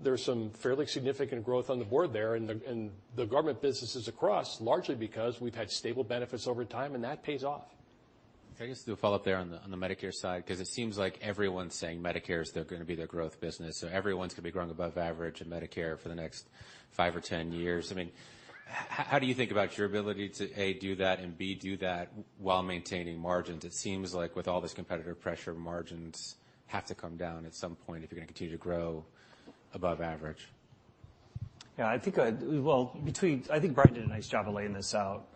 There's some fairly significant growth on the board there and the government businesses across, largely because we've had stable benefits over time, and that pays off. Can I just do a follow-up there on the Medicare side, because it seems like everyone's saying Medicare is going to be their growth business. Everyone's going to be growing above average in Medicare for the next five or 10 years. How do you think about your ability to, A, do that, and B, do that while maintaining margins? It seems like with all this competitor pressure, margins have to come down at some point if you're going to continue to grow above average. Yeah. I think Brian did a nice job of laying this out.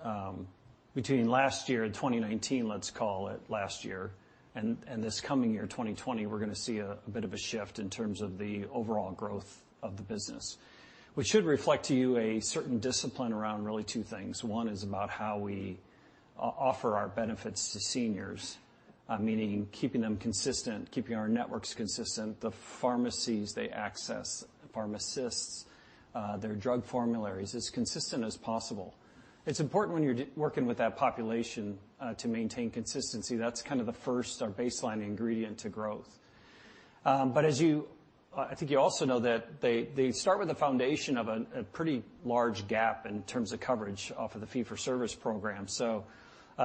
Between last year in 2019, let's call it last year, and this coming year, 2020, we're going to see a bit of a shift in terms of the overall growth of the business. Which should reflect to you a certain discipline around really two things. One is about how we offer our benefits to seniors, meaning keeping them consistent, keeping our networks consistent, the pharmacies they access, pharmacists, their drug formularies, as consistent as possible. It's important when you're working with that population to maintain consistency. That's kind of the first or baseline ingredient to growth. I think you also know that they start with the foundation of a pretty large gap in terms of coverage off of the fee-for-service program.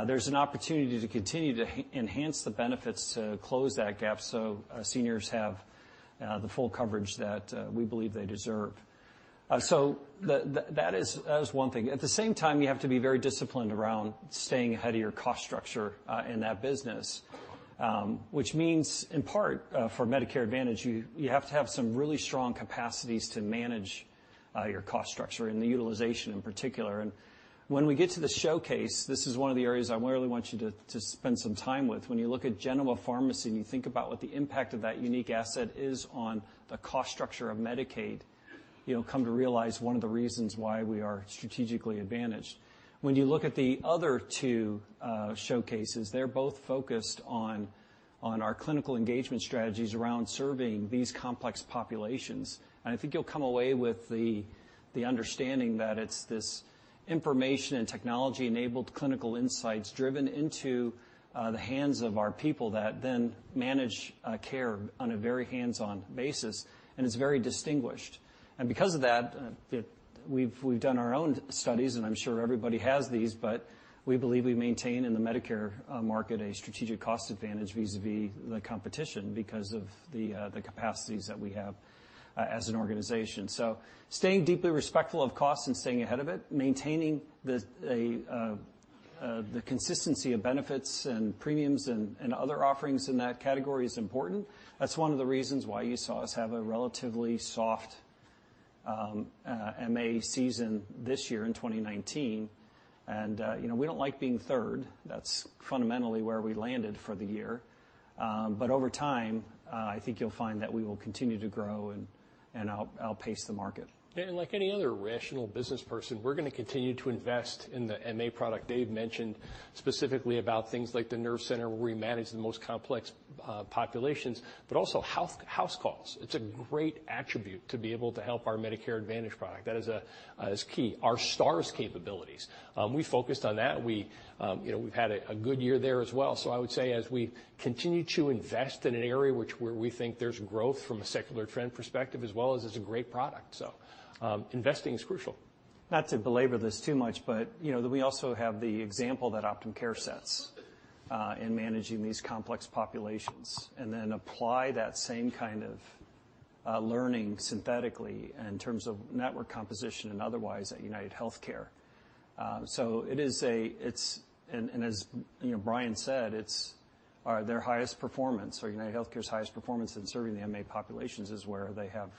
There's an opportunity to continue to enhance the benefits to close that gap so our seniors have the full coverage that we believe they deserve. That is one thing. At the same time, you have to be very disciplined around staying ahead of your cost structure in that business. Which means, in part, for Medicare Advantage, you have to have some really strong capacities to manage your cost structure and the utilization in particular. When we get to the showcase, this is one of the areas I really want you to spend some time with. When you look at Genoa Healthcare and you think about what the impact of that unique asset is on the cost structure of Medicaid, you'll come to realize one of the reasons why we are strategically advantaged. When you look at the other two showcases, they're both focused on our clinical engagement strategies around serving these complex populations. I think you'll come away with the understanding that it's this information and technology-enabled clinical insights driven into the hands of our people that then manage care on a very hands-on basis, and it's very distinguished. Because of that, we've done our own studies, and I'm sure everybody has these, but we believe we maintain in the Medicare market a strategic cost advantage vis-a-vis the competition because of the capacities that we have as an organization. Staying deeply respectful of cost and staying ahead of it, maintaining the consistency of benefits and premiums and other offerings in that category is important. That's one of the reasons why you saw us have a relatively soft MA season this year in 2019. We don't like being third. That's fundamentally where we landed for the year. Over time, I think you'll find that we will continue to grow and outpace the market. Like any other rational business person, we're going to continue to invest in the MA product. Dave mentioned specifically about things like the nerve center where we manage the most complex populations, but also HouseCalls. It's a great attribute to be able to help our Medicare Advantage product. That is key. Our Stars capabilities. We focused on that. We've had a good year there as well. I would say as we continue to invest in an area which where we think there's growth from a secular trend perspective, as well as it's a great product. Investing is crucial. Not to belabor this too much, we also have the example that Optum Care sets in managing these complex populations, and then apply that same kind of learning synthetically in terms of network composition and otherwise at UnitedHealthcare. As Brian said, their highest performance or UnitedHealthcare's highest performance in serving the MA populations is where they have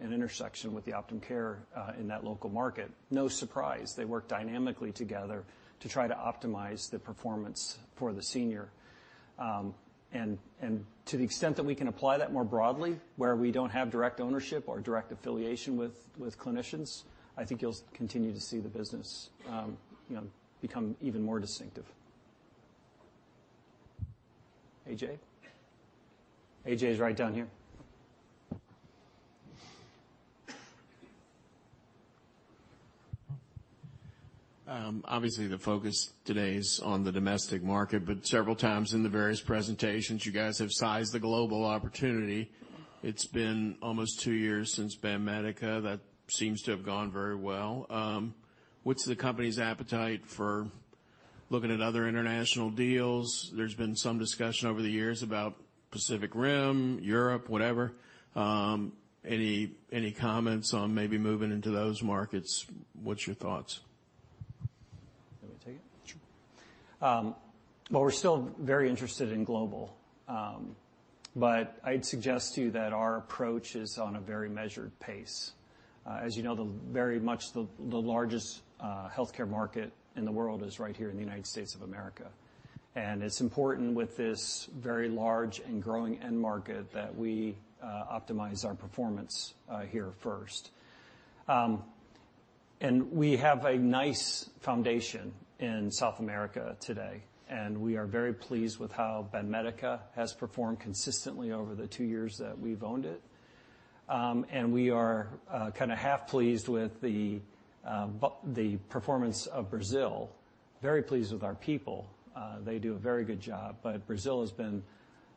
an intersection with the Optum Care in that local market. No surprise. They work dynamically together to try to optimize the performance for the senior. To the extent that we can apply that more broadly where we don't have direct ownership or direct affiliation with clinicians, I think you'll continue to see the business become even more distinctive. A.J.? A.J. is right down here. Obviously, the focus today is on the domestic market, but several times in the various presentations, you guys have sized the global opportunity. It's been almost two years since Banmédica. That seems to have gone very well. What's the company's appetite for looking at other international deals? There's been some discussion over the years about Pacific Rim, Europe, whatever. Any comments on maybe moving into those markets? What's your thoughts? You want me to take it? Sure. Well, we're still very interested in global. I'd suggest to you that our approach is on a very measured pace. As you know, very much the largest healthcare market in the world is right here in the United States of America. It's important with this very large and growing end market that we optimize our performance here first. We have a nice foundation in South America today, and we are very pleased with how Banmédica has performed consistently over the two years that we've owned it. We are kind of half-pleased with the performance of Brazil. Very pleased with our people. They do a very good job. Brazil has been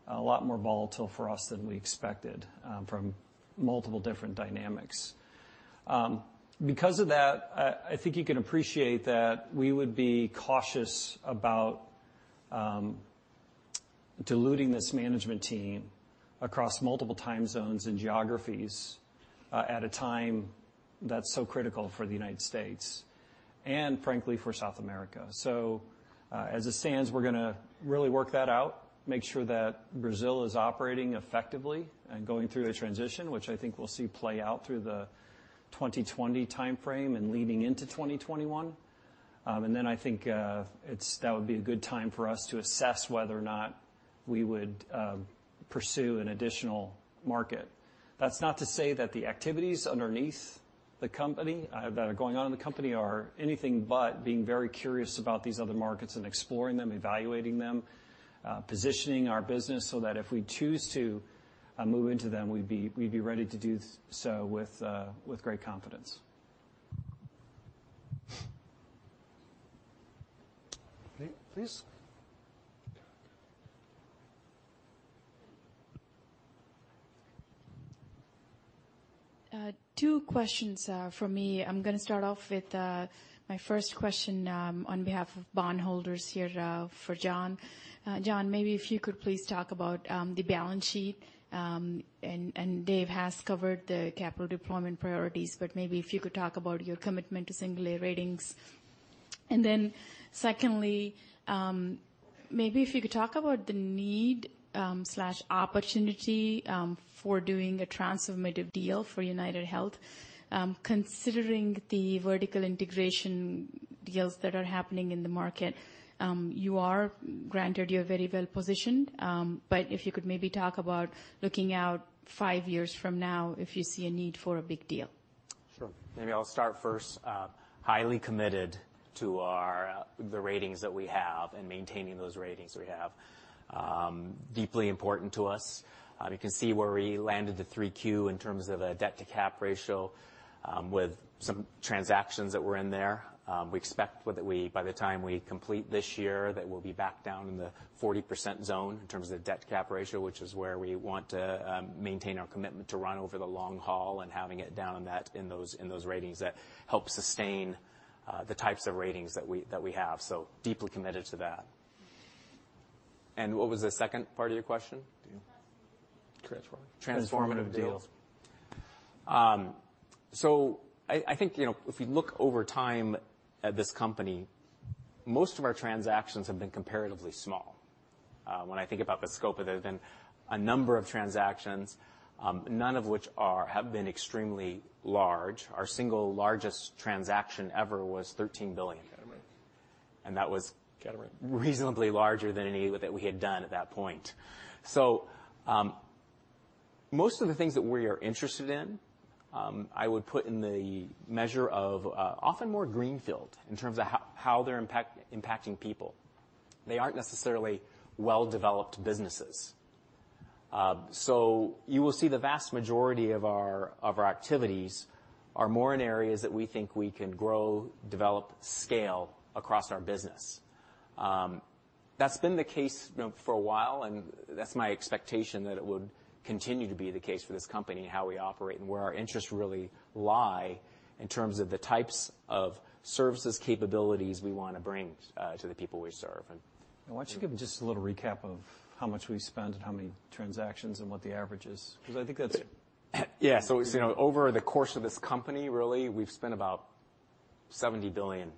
a lot more volatile for us than we expected from multiple different dynamics. Because of that, I think you can appreciate that we would be cautious about diluting this management team across multiple time zones and geographies at a time that's so critical for the United States and frankly, for South America. As it stands, we're going to really work that out, make sure that Brazil is operating effectively and going through the transition, which I think we'll see play out through the 2020 timeframe and leading into 2021. Then I think that would be a good time for us to assess whether or not we would pursue an additional market. That's not to say that the activities underneath the company, that are going on in the company, are anything but being very curious about these other markets and exploring them, evaluating them, positioning our business so that if we choose to move into them, we'd be ready to do so with great confidence. Please. Two questions from me. I'm going to start off with my first question on behalf of bondholders here for John. John, maybe if you could please talk about the balance sheet, and Dave has covered the capital deployment priorities, but maybe if you could talk about your commitment to single A ratings. Secondly, maybe if you could talk about the need/opportunity for doing a transformative deal for UnitedHealth, considering the vertical integration deals that are happening in the market. Granted, you're very well-positioned, but if you could maybe talk about looking out five years from now, if you see a need for a big deal. Sure. Maybe I'll start first. Highly committed to the ratings that we have and maintaining those ratings we have. Deeply important to us. You can see where we landed the 3Q in terms of a debt-to-cap ratio with some transactions that were in there. We expect by the time we complete this year, that we'll be back down in the 40% zone in terms of the debt-to-cap ratio, which is where we want to maintain our commitment to run over the long haul and having it down in those ratings that help sustain the types of ratings that we have. Deeply committed to that. What was the second part of your question? Transformative deals. Transformative. Transformative deals. I think, if you look over time at this company, most of our transactions have been comparatively small. When I think about the scope of it, there's been a number of transactions, none of which have been extremely large. Our single largest transaction ever was $13 billion, reasonably larger than any that we had done at that point. Most of the things that we are interested in, I would put in the measure of often more greenfield in terms of how they're impacting people. They aren't necessarily well-developed businesses. You will see the vast majority of our activities are more in areas that we think we can grow, develop, scale across our business. That's been the case for a while, and that's my expectation that it would continue to be the case for this company, how we operate, and where our interests really lie in terms of the types of services, capabilities we want to bring to the people we serve. Why don't you give them just a little recap of how much we've spent and how many transactions and what the average is? Yeah. Over the course of this company, really, we've spent about $70 billion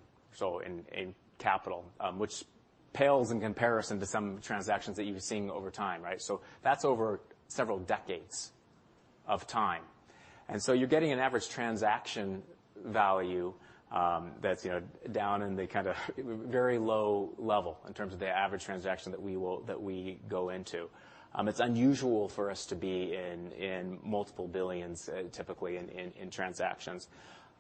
in capital, which pales in comparison to some transactions that you've been seeing over time, right? That's over several decades of time. You're getting an average transaction value, that's down in the kind of very low level in terms of the average transaction that we go into. It's unusual for us to be in multiple billions, typically in transactions.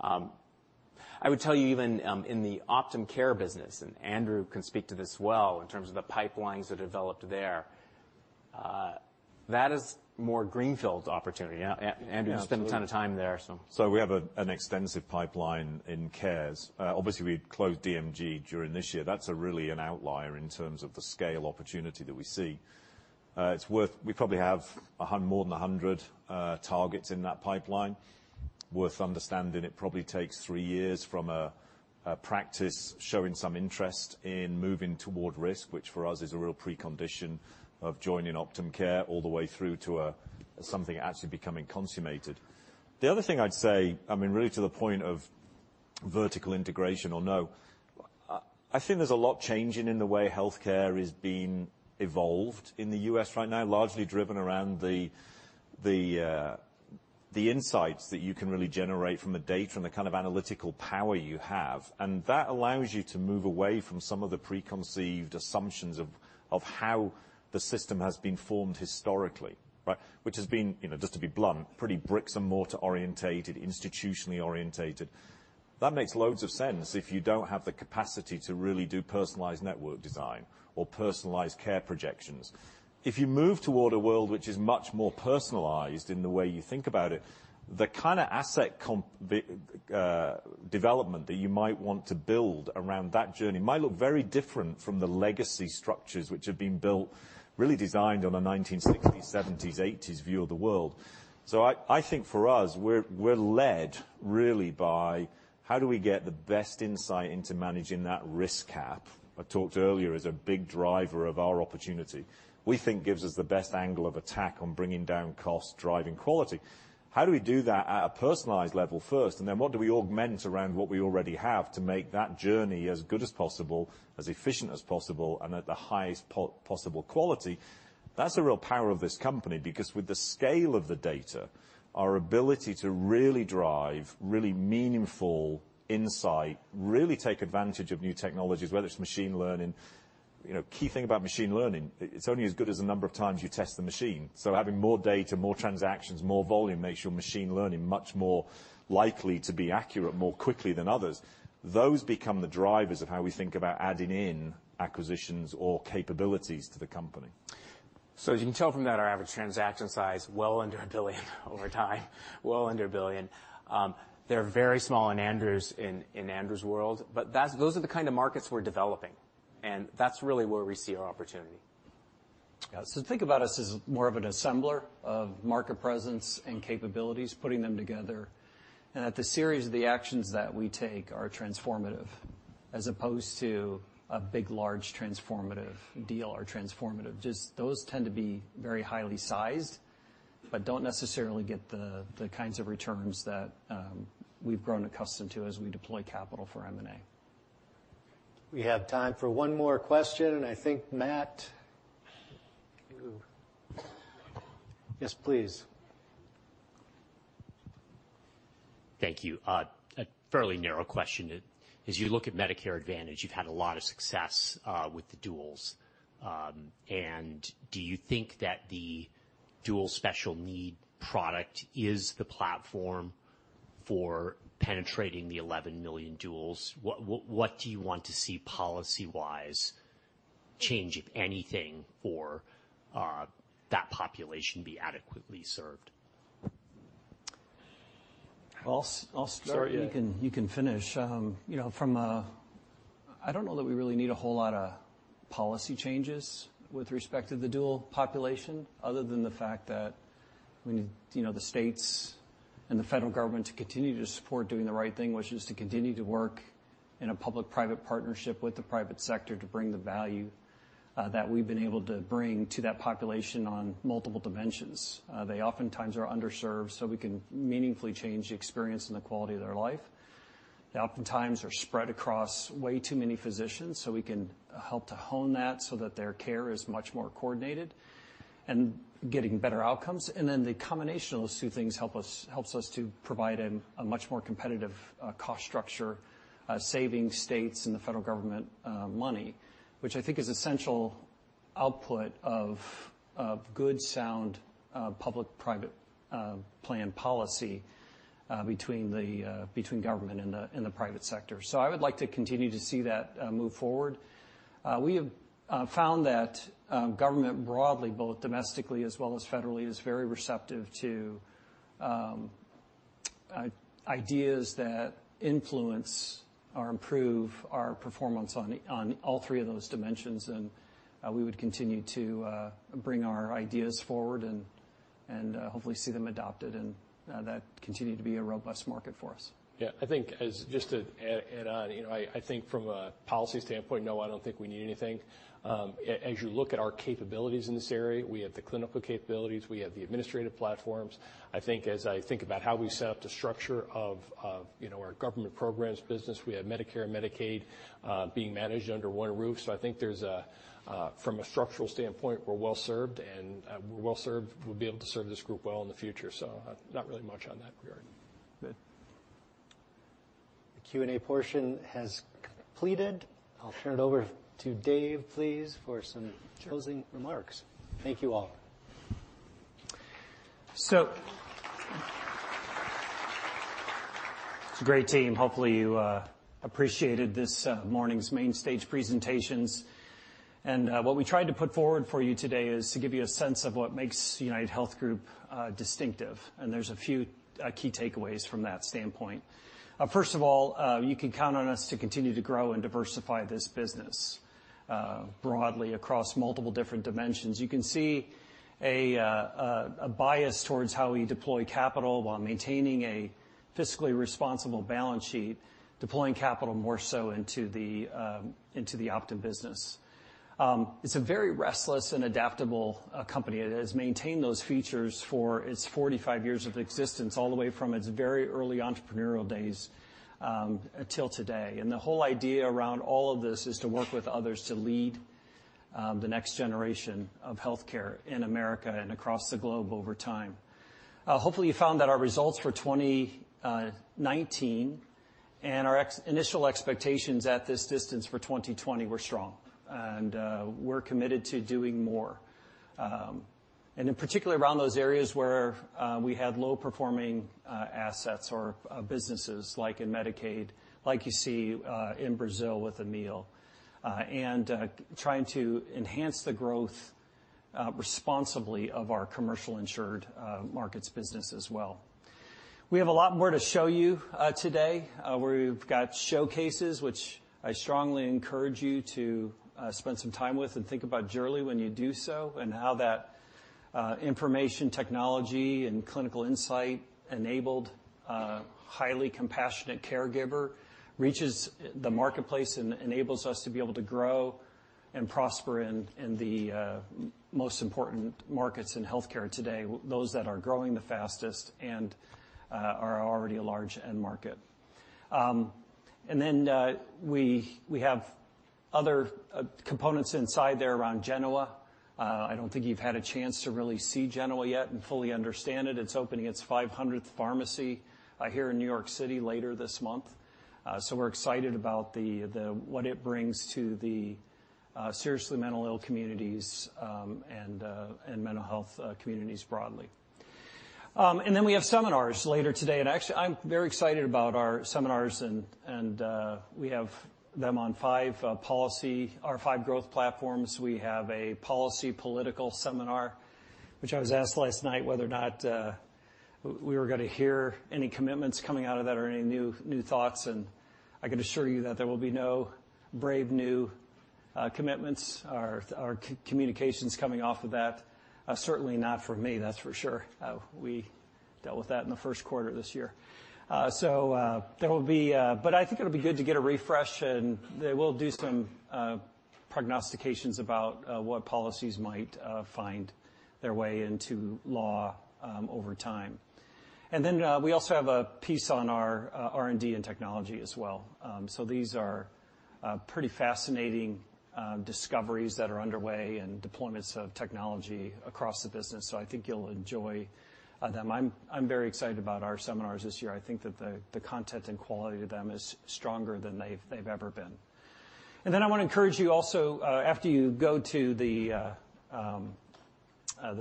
I would tell you even in the Optum Care business, and Andrew can speak to this well, in terms of the pipelines that developed there That is more greenfield opportunity. Andrew spent a ton of time there. We have an extensive pipeline in cares. Obviously, we closed DMG during this year. That's really an outlier in terms of the scale opportunity that we see. We probably have more than 100 targets in that pipeline. Worth understanding, it probably takes three years from a practice showing some interest in moving toward risk, which for us is a real precondition of joining Optum Care all the way through to something actually becoming consummated. The other thing I'd say, really to the point of vertical integration or no, I think there's a lot changing in the way healthcare is being evolved in the U.S. right now, largely driven around the insights that you can really generate from the data and the kind of analytical power you have. That allows you to move away from some of the preconceived assumptions of how the system has been formed historically, right? Which has been, just to be blunt, pretty bricks and mortar oriented, institutionally oriented. That makes loads of sense if you don't have the capacity to really do personalized network design or personalized care projections. If you move toward a world which is much more personalized in the way you think about it, the kind of asset development that you might want to build around that journey might look very different from the legacy structures, which have been built, really designed on a 1960s, 1970s, 1980s view of the world. I think for us, we're led really by how do we get the best insight into managing that risk cap I talked earlier is a big driver of our opportunity we think gives us the best angle of attack on bringing down cost, driving quality. How do we do that at a personalized level first, what do we augment around what we already have to make that journey as good as possible, as efficient as possible, and at the highest possible quality? That's the real power of this company, because with the scale of the data, our ability to really drive really meaningful insight, really take advantage of new technologies, whether it's machine learning. Key thing about machine learning, it's only as good as the number of times you test the machine. Having more data, more transactions, more volume, makes your machine learning much more likely to be accurate more quickly than others. Those become the drivers of how we think about adding in acquisitions or capabilities to the company. As you can tell from that, our average transaction size, well under $1 billion over time. Well under $1 billion. They're very small in Andrew's world. Those are the kind of markets we're developing, and that's really where we see our opportunity. Yeah. Think about us as more of an assembler of market presence and capabilities, putting them together, and that the series of the actions that we take are transformative, as opposed to a big, large transformative deal or transformative. Those tend to be very highly sized, but don't necessarily get the kinds of returns that we've grown accustomed to as we deploy capital for M&A. We have time for one more question, and I think Matt. Yes, please. Thank you. A fairly narrow question. As you look at Medicare Advantage, you've had a lot of success with the duals. Do you think that the dual special needs product is the platform for penetrating the 11 million duals? What do you want to see policy-wise change, if anything, for that population be adequately served? I'll start - Sure, yeah. - you can finish. I don't know that we really need a whole lot of policy changes with respect to the dual population other than the fact that we need the states and the federal government to continue to support doing the right thing, which is to continue to work in a public-private partnership with the private sector to bring the value that we've been able to bring to that population on multiple dimensions. They oftentimes are underserved, so we can meaningfully change the experience and the quality of their life. They oftentimes are spread across way too many physicians, so we can help to hone that so that their care is much more coordinated and getting better outcomes. The combination of those two things helps us to provide a much more competitive cost structure, saving states and the federal government money, which I think is essential output of good, sound public-private plan policy between government and the private sector. I would like to continue to see that move forward. We have found that government broadly, both domestically as well as federally, is very receptive to ideas that influence or improve our performance on all three of those dimensions, and we would continue to bring our ideas forward and hopefully see them adopted and that continue to be a robust market for us. Yeah, I think as just to add on, I think from a policy standpoint, no, I don't think we need anything. As you look at our capabilities in this area, we have the clinical capabilities, we have the administrative platforms. I think as I think about how we set up the structure of our Government Programs business, we have Medicare and Medicaid being managed under one roof. I think from a structural standpoint, we're well-served, and we'll be able to serve this group well in the future. Not really much on that regard. Good. The Q&A portion has completed. I'll turn it over to Dave, please, for some closing remarks. Thank you all. It's a great team. Hopefully, you appreciated this morning's main stage presentations. What we tried to put forward for you today is to give you a sense of what makes UnitedHealth Group distinctive, and there's a few key takeaways from that standpoint. First of all, you can count on us to continue to grow and diversify this business broadly across multiple different dimensions. You can see a bias towards how we deploy capital while maintaining a fiscally responsible balance sheet, deploying capital more so into the Optum business. It's a very restless and adaptable company. It has maintained those features for its 45 years of existence, all the way from its very early entrepreneurial days until today. The whole idea around all of this is to work with others to lead the next generation of healthcare in America and across the globe over time. Hopefully, you found that our results for 2019 and our initial expectations at this distance for 2020 were strong. We're committed to doing more. In particular, around those areas where we had low-performing assets or businesses, like in Medicaid, like you see in Brazil with Amil, and trying to enhance the growth responsibly of our commercial insured markets business as well. We have a lot more to show you today. We've got showcases, which I strongly encourage you to spend some time with and think about Gerlie when you do so, and how that information technology and clinical insight-enabled, highly compassionate caregiver reaches the marketplace and enables us to be able to grow and prosper in the most important markets in healthcare today, those that are growing the fastest and are already a large end market. We have other components inside there around Genoa. I don't think you've had a chance to really see Genoa yet and fully understand it. It's opening its 500th pharmacy here in New York City later this month. We're excited about what it brings to the seriously mental ill communities and mental health communities broadly. We have seminars later today. Actually, I'm very excited about our seminars, and we have them on five growth platforms. We have a policy political seminar, which I was asked last night whether or not we were going to hear any commitments coming out of that or any new thoughts, and I can assure you that there will be no brave new commitments or communications coming off of that. Certainly not from me, that's for sure. We dealt with that in the first quarter of this year. I think it'll be good to get a refresh, and they will do some prognostications about what policies might find their way into law over time. We also have a piece on our R&D and technology as well. These are pretty fascinating discoveries that are underway and deployments of technology across the business, so I think you'll enjoy them. I'm very excited about our seminars this year. I think that the content and quality of them is stronger than they've ever been. I want to encourage you also, after you go to the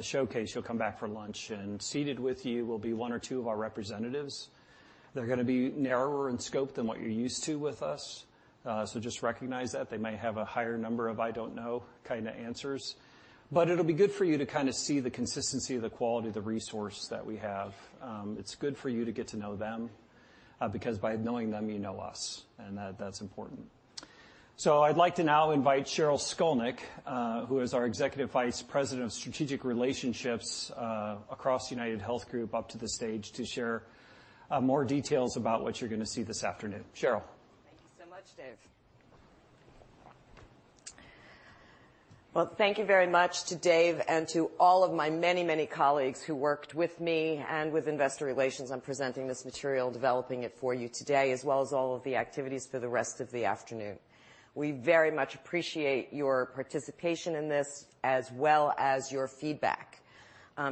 showcase, you'll come back for lunch, and seated with you will be one or two of our representatives. They're going to be narrower in scope than what you're used to with us, so just recognize that. They may have a higher number of I don't know kind of answers. It'll be good for you to kind of see the consistency, the quality, the resource that we have. It's good for you to get to know them, because by knowing them, you know us, and that's important. I'd like to now invite Sheryl Skolnick, who is our Executive Vice President of Strategic Relationships across UnitedHealth Group, up to the stage to share more details about what you're going to see this afternoon. Sheryl? Thank you so much, Dave. Well, thank you very much to Dave and to all of my many, many colleagues who worked with me and with investor relations on presenting this material, developing it for you today, as well as all of the activities for the rest of the afternoon. We very much appreciate your participation in this as well as your feedback.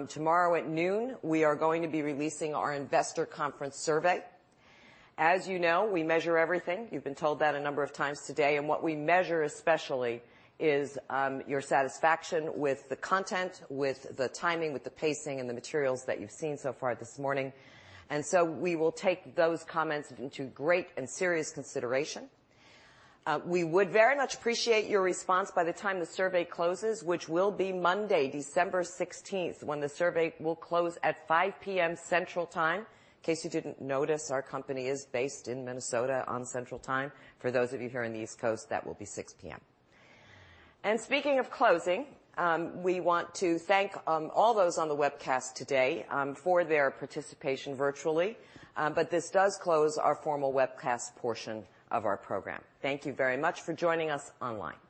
Tomorrow at noon, we are going to be releasing our investor conference survey. As you know, we measure everything. You've been told that a number of times today. What we measure especially is your satisfaction with the content, with the timing, with the pacing, and the materials that you've seen so far this morning. We will take those comments into great and serious consideration. We would very much appreciate your response by the time the survey closes, which will be Monday, December 16th, when the survey will close at 5:00 P.M. Central Time. In case you didn't notice, our company is based in Minnesota on Central Time. For those of you here on the East Coast, that will be 6:00 P.M. Speaking of closing, we want to thank all those on the webcast today for their participation virtually. This does close our formal webcast portion of our program. Thank you very much for joining us online.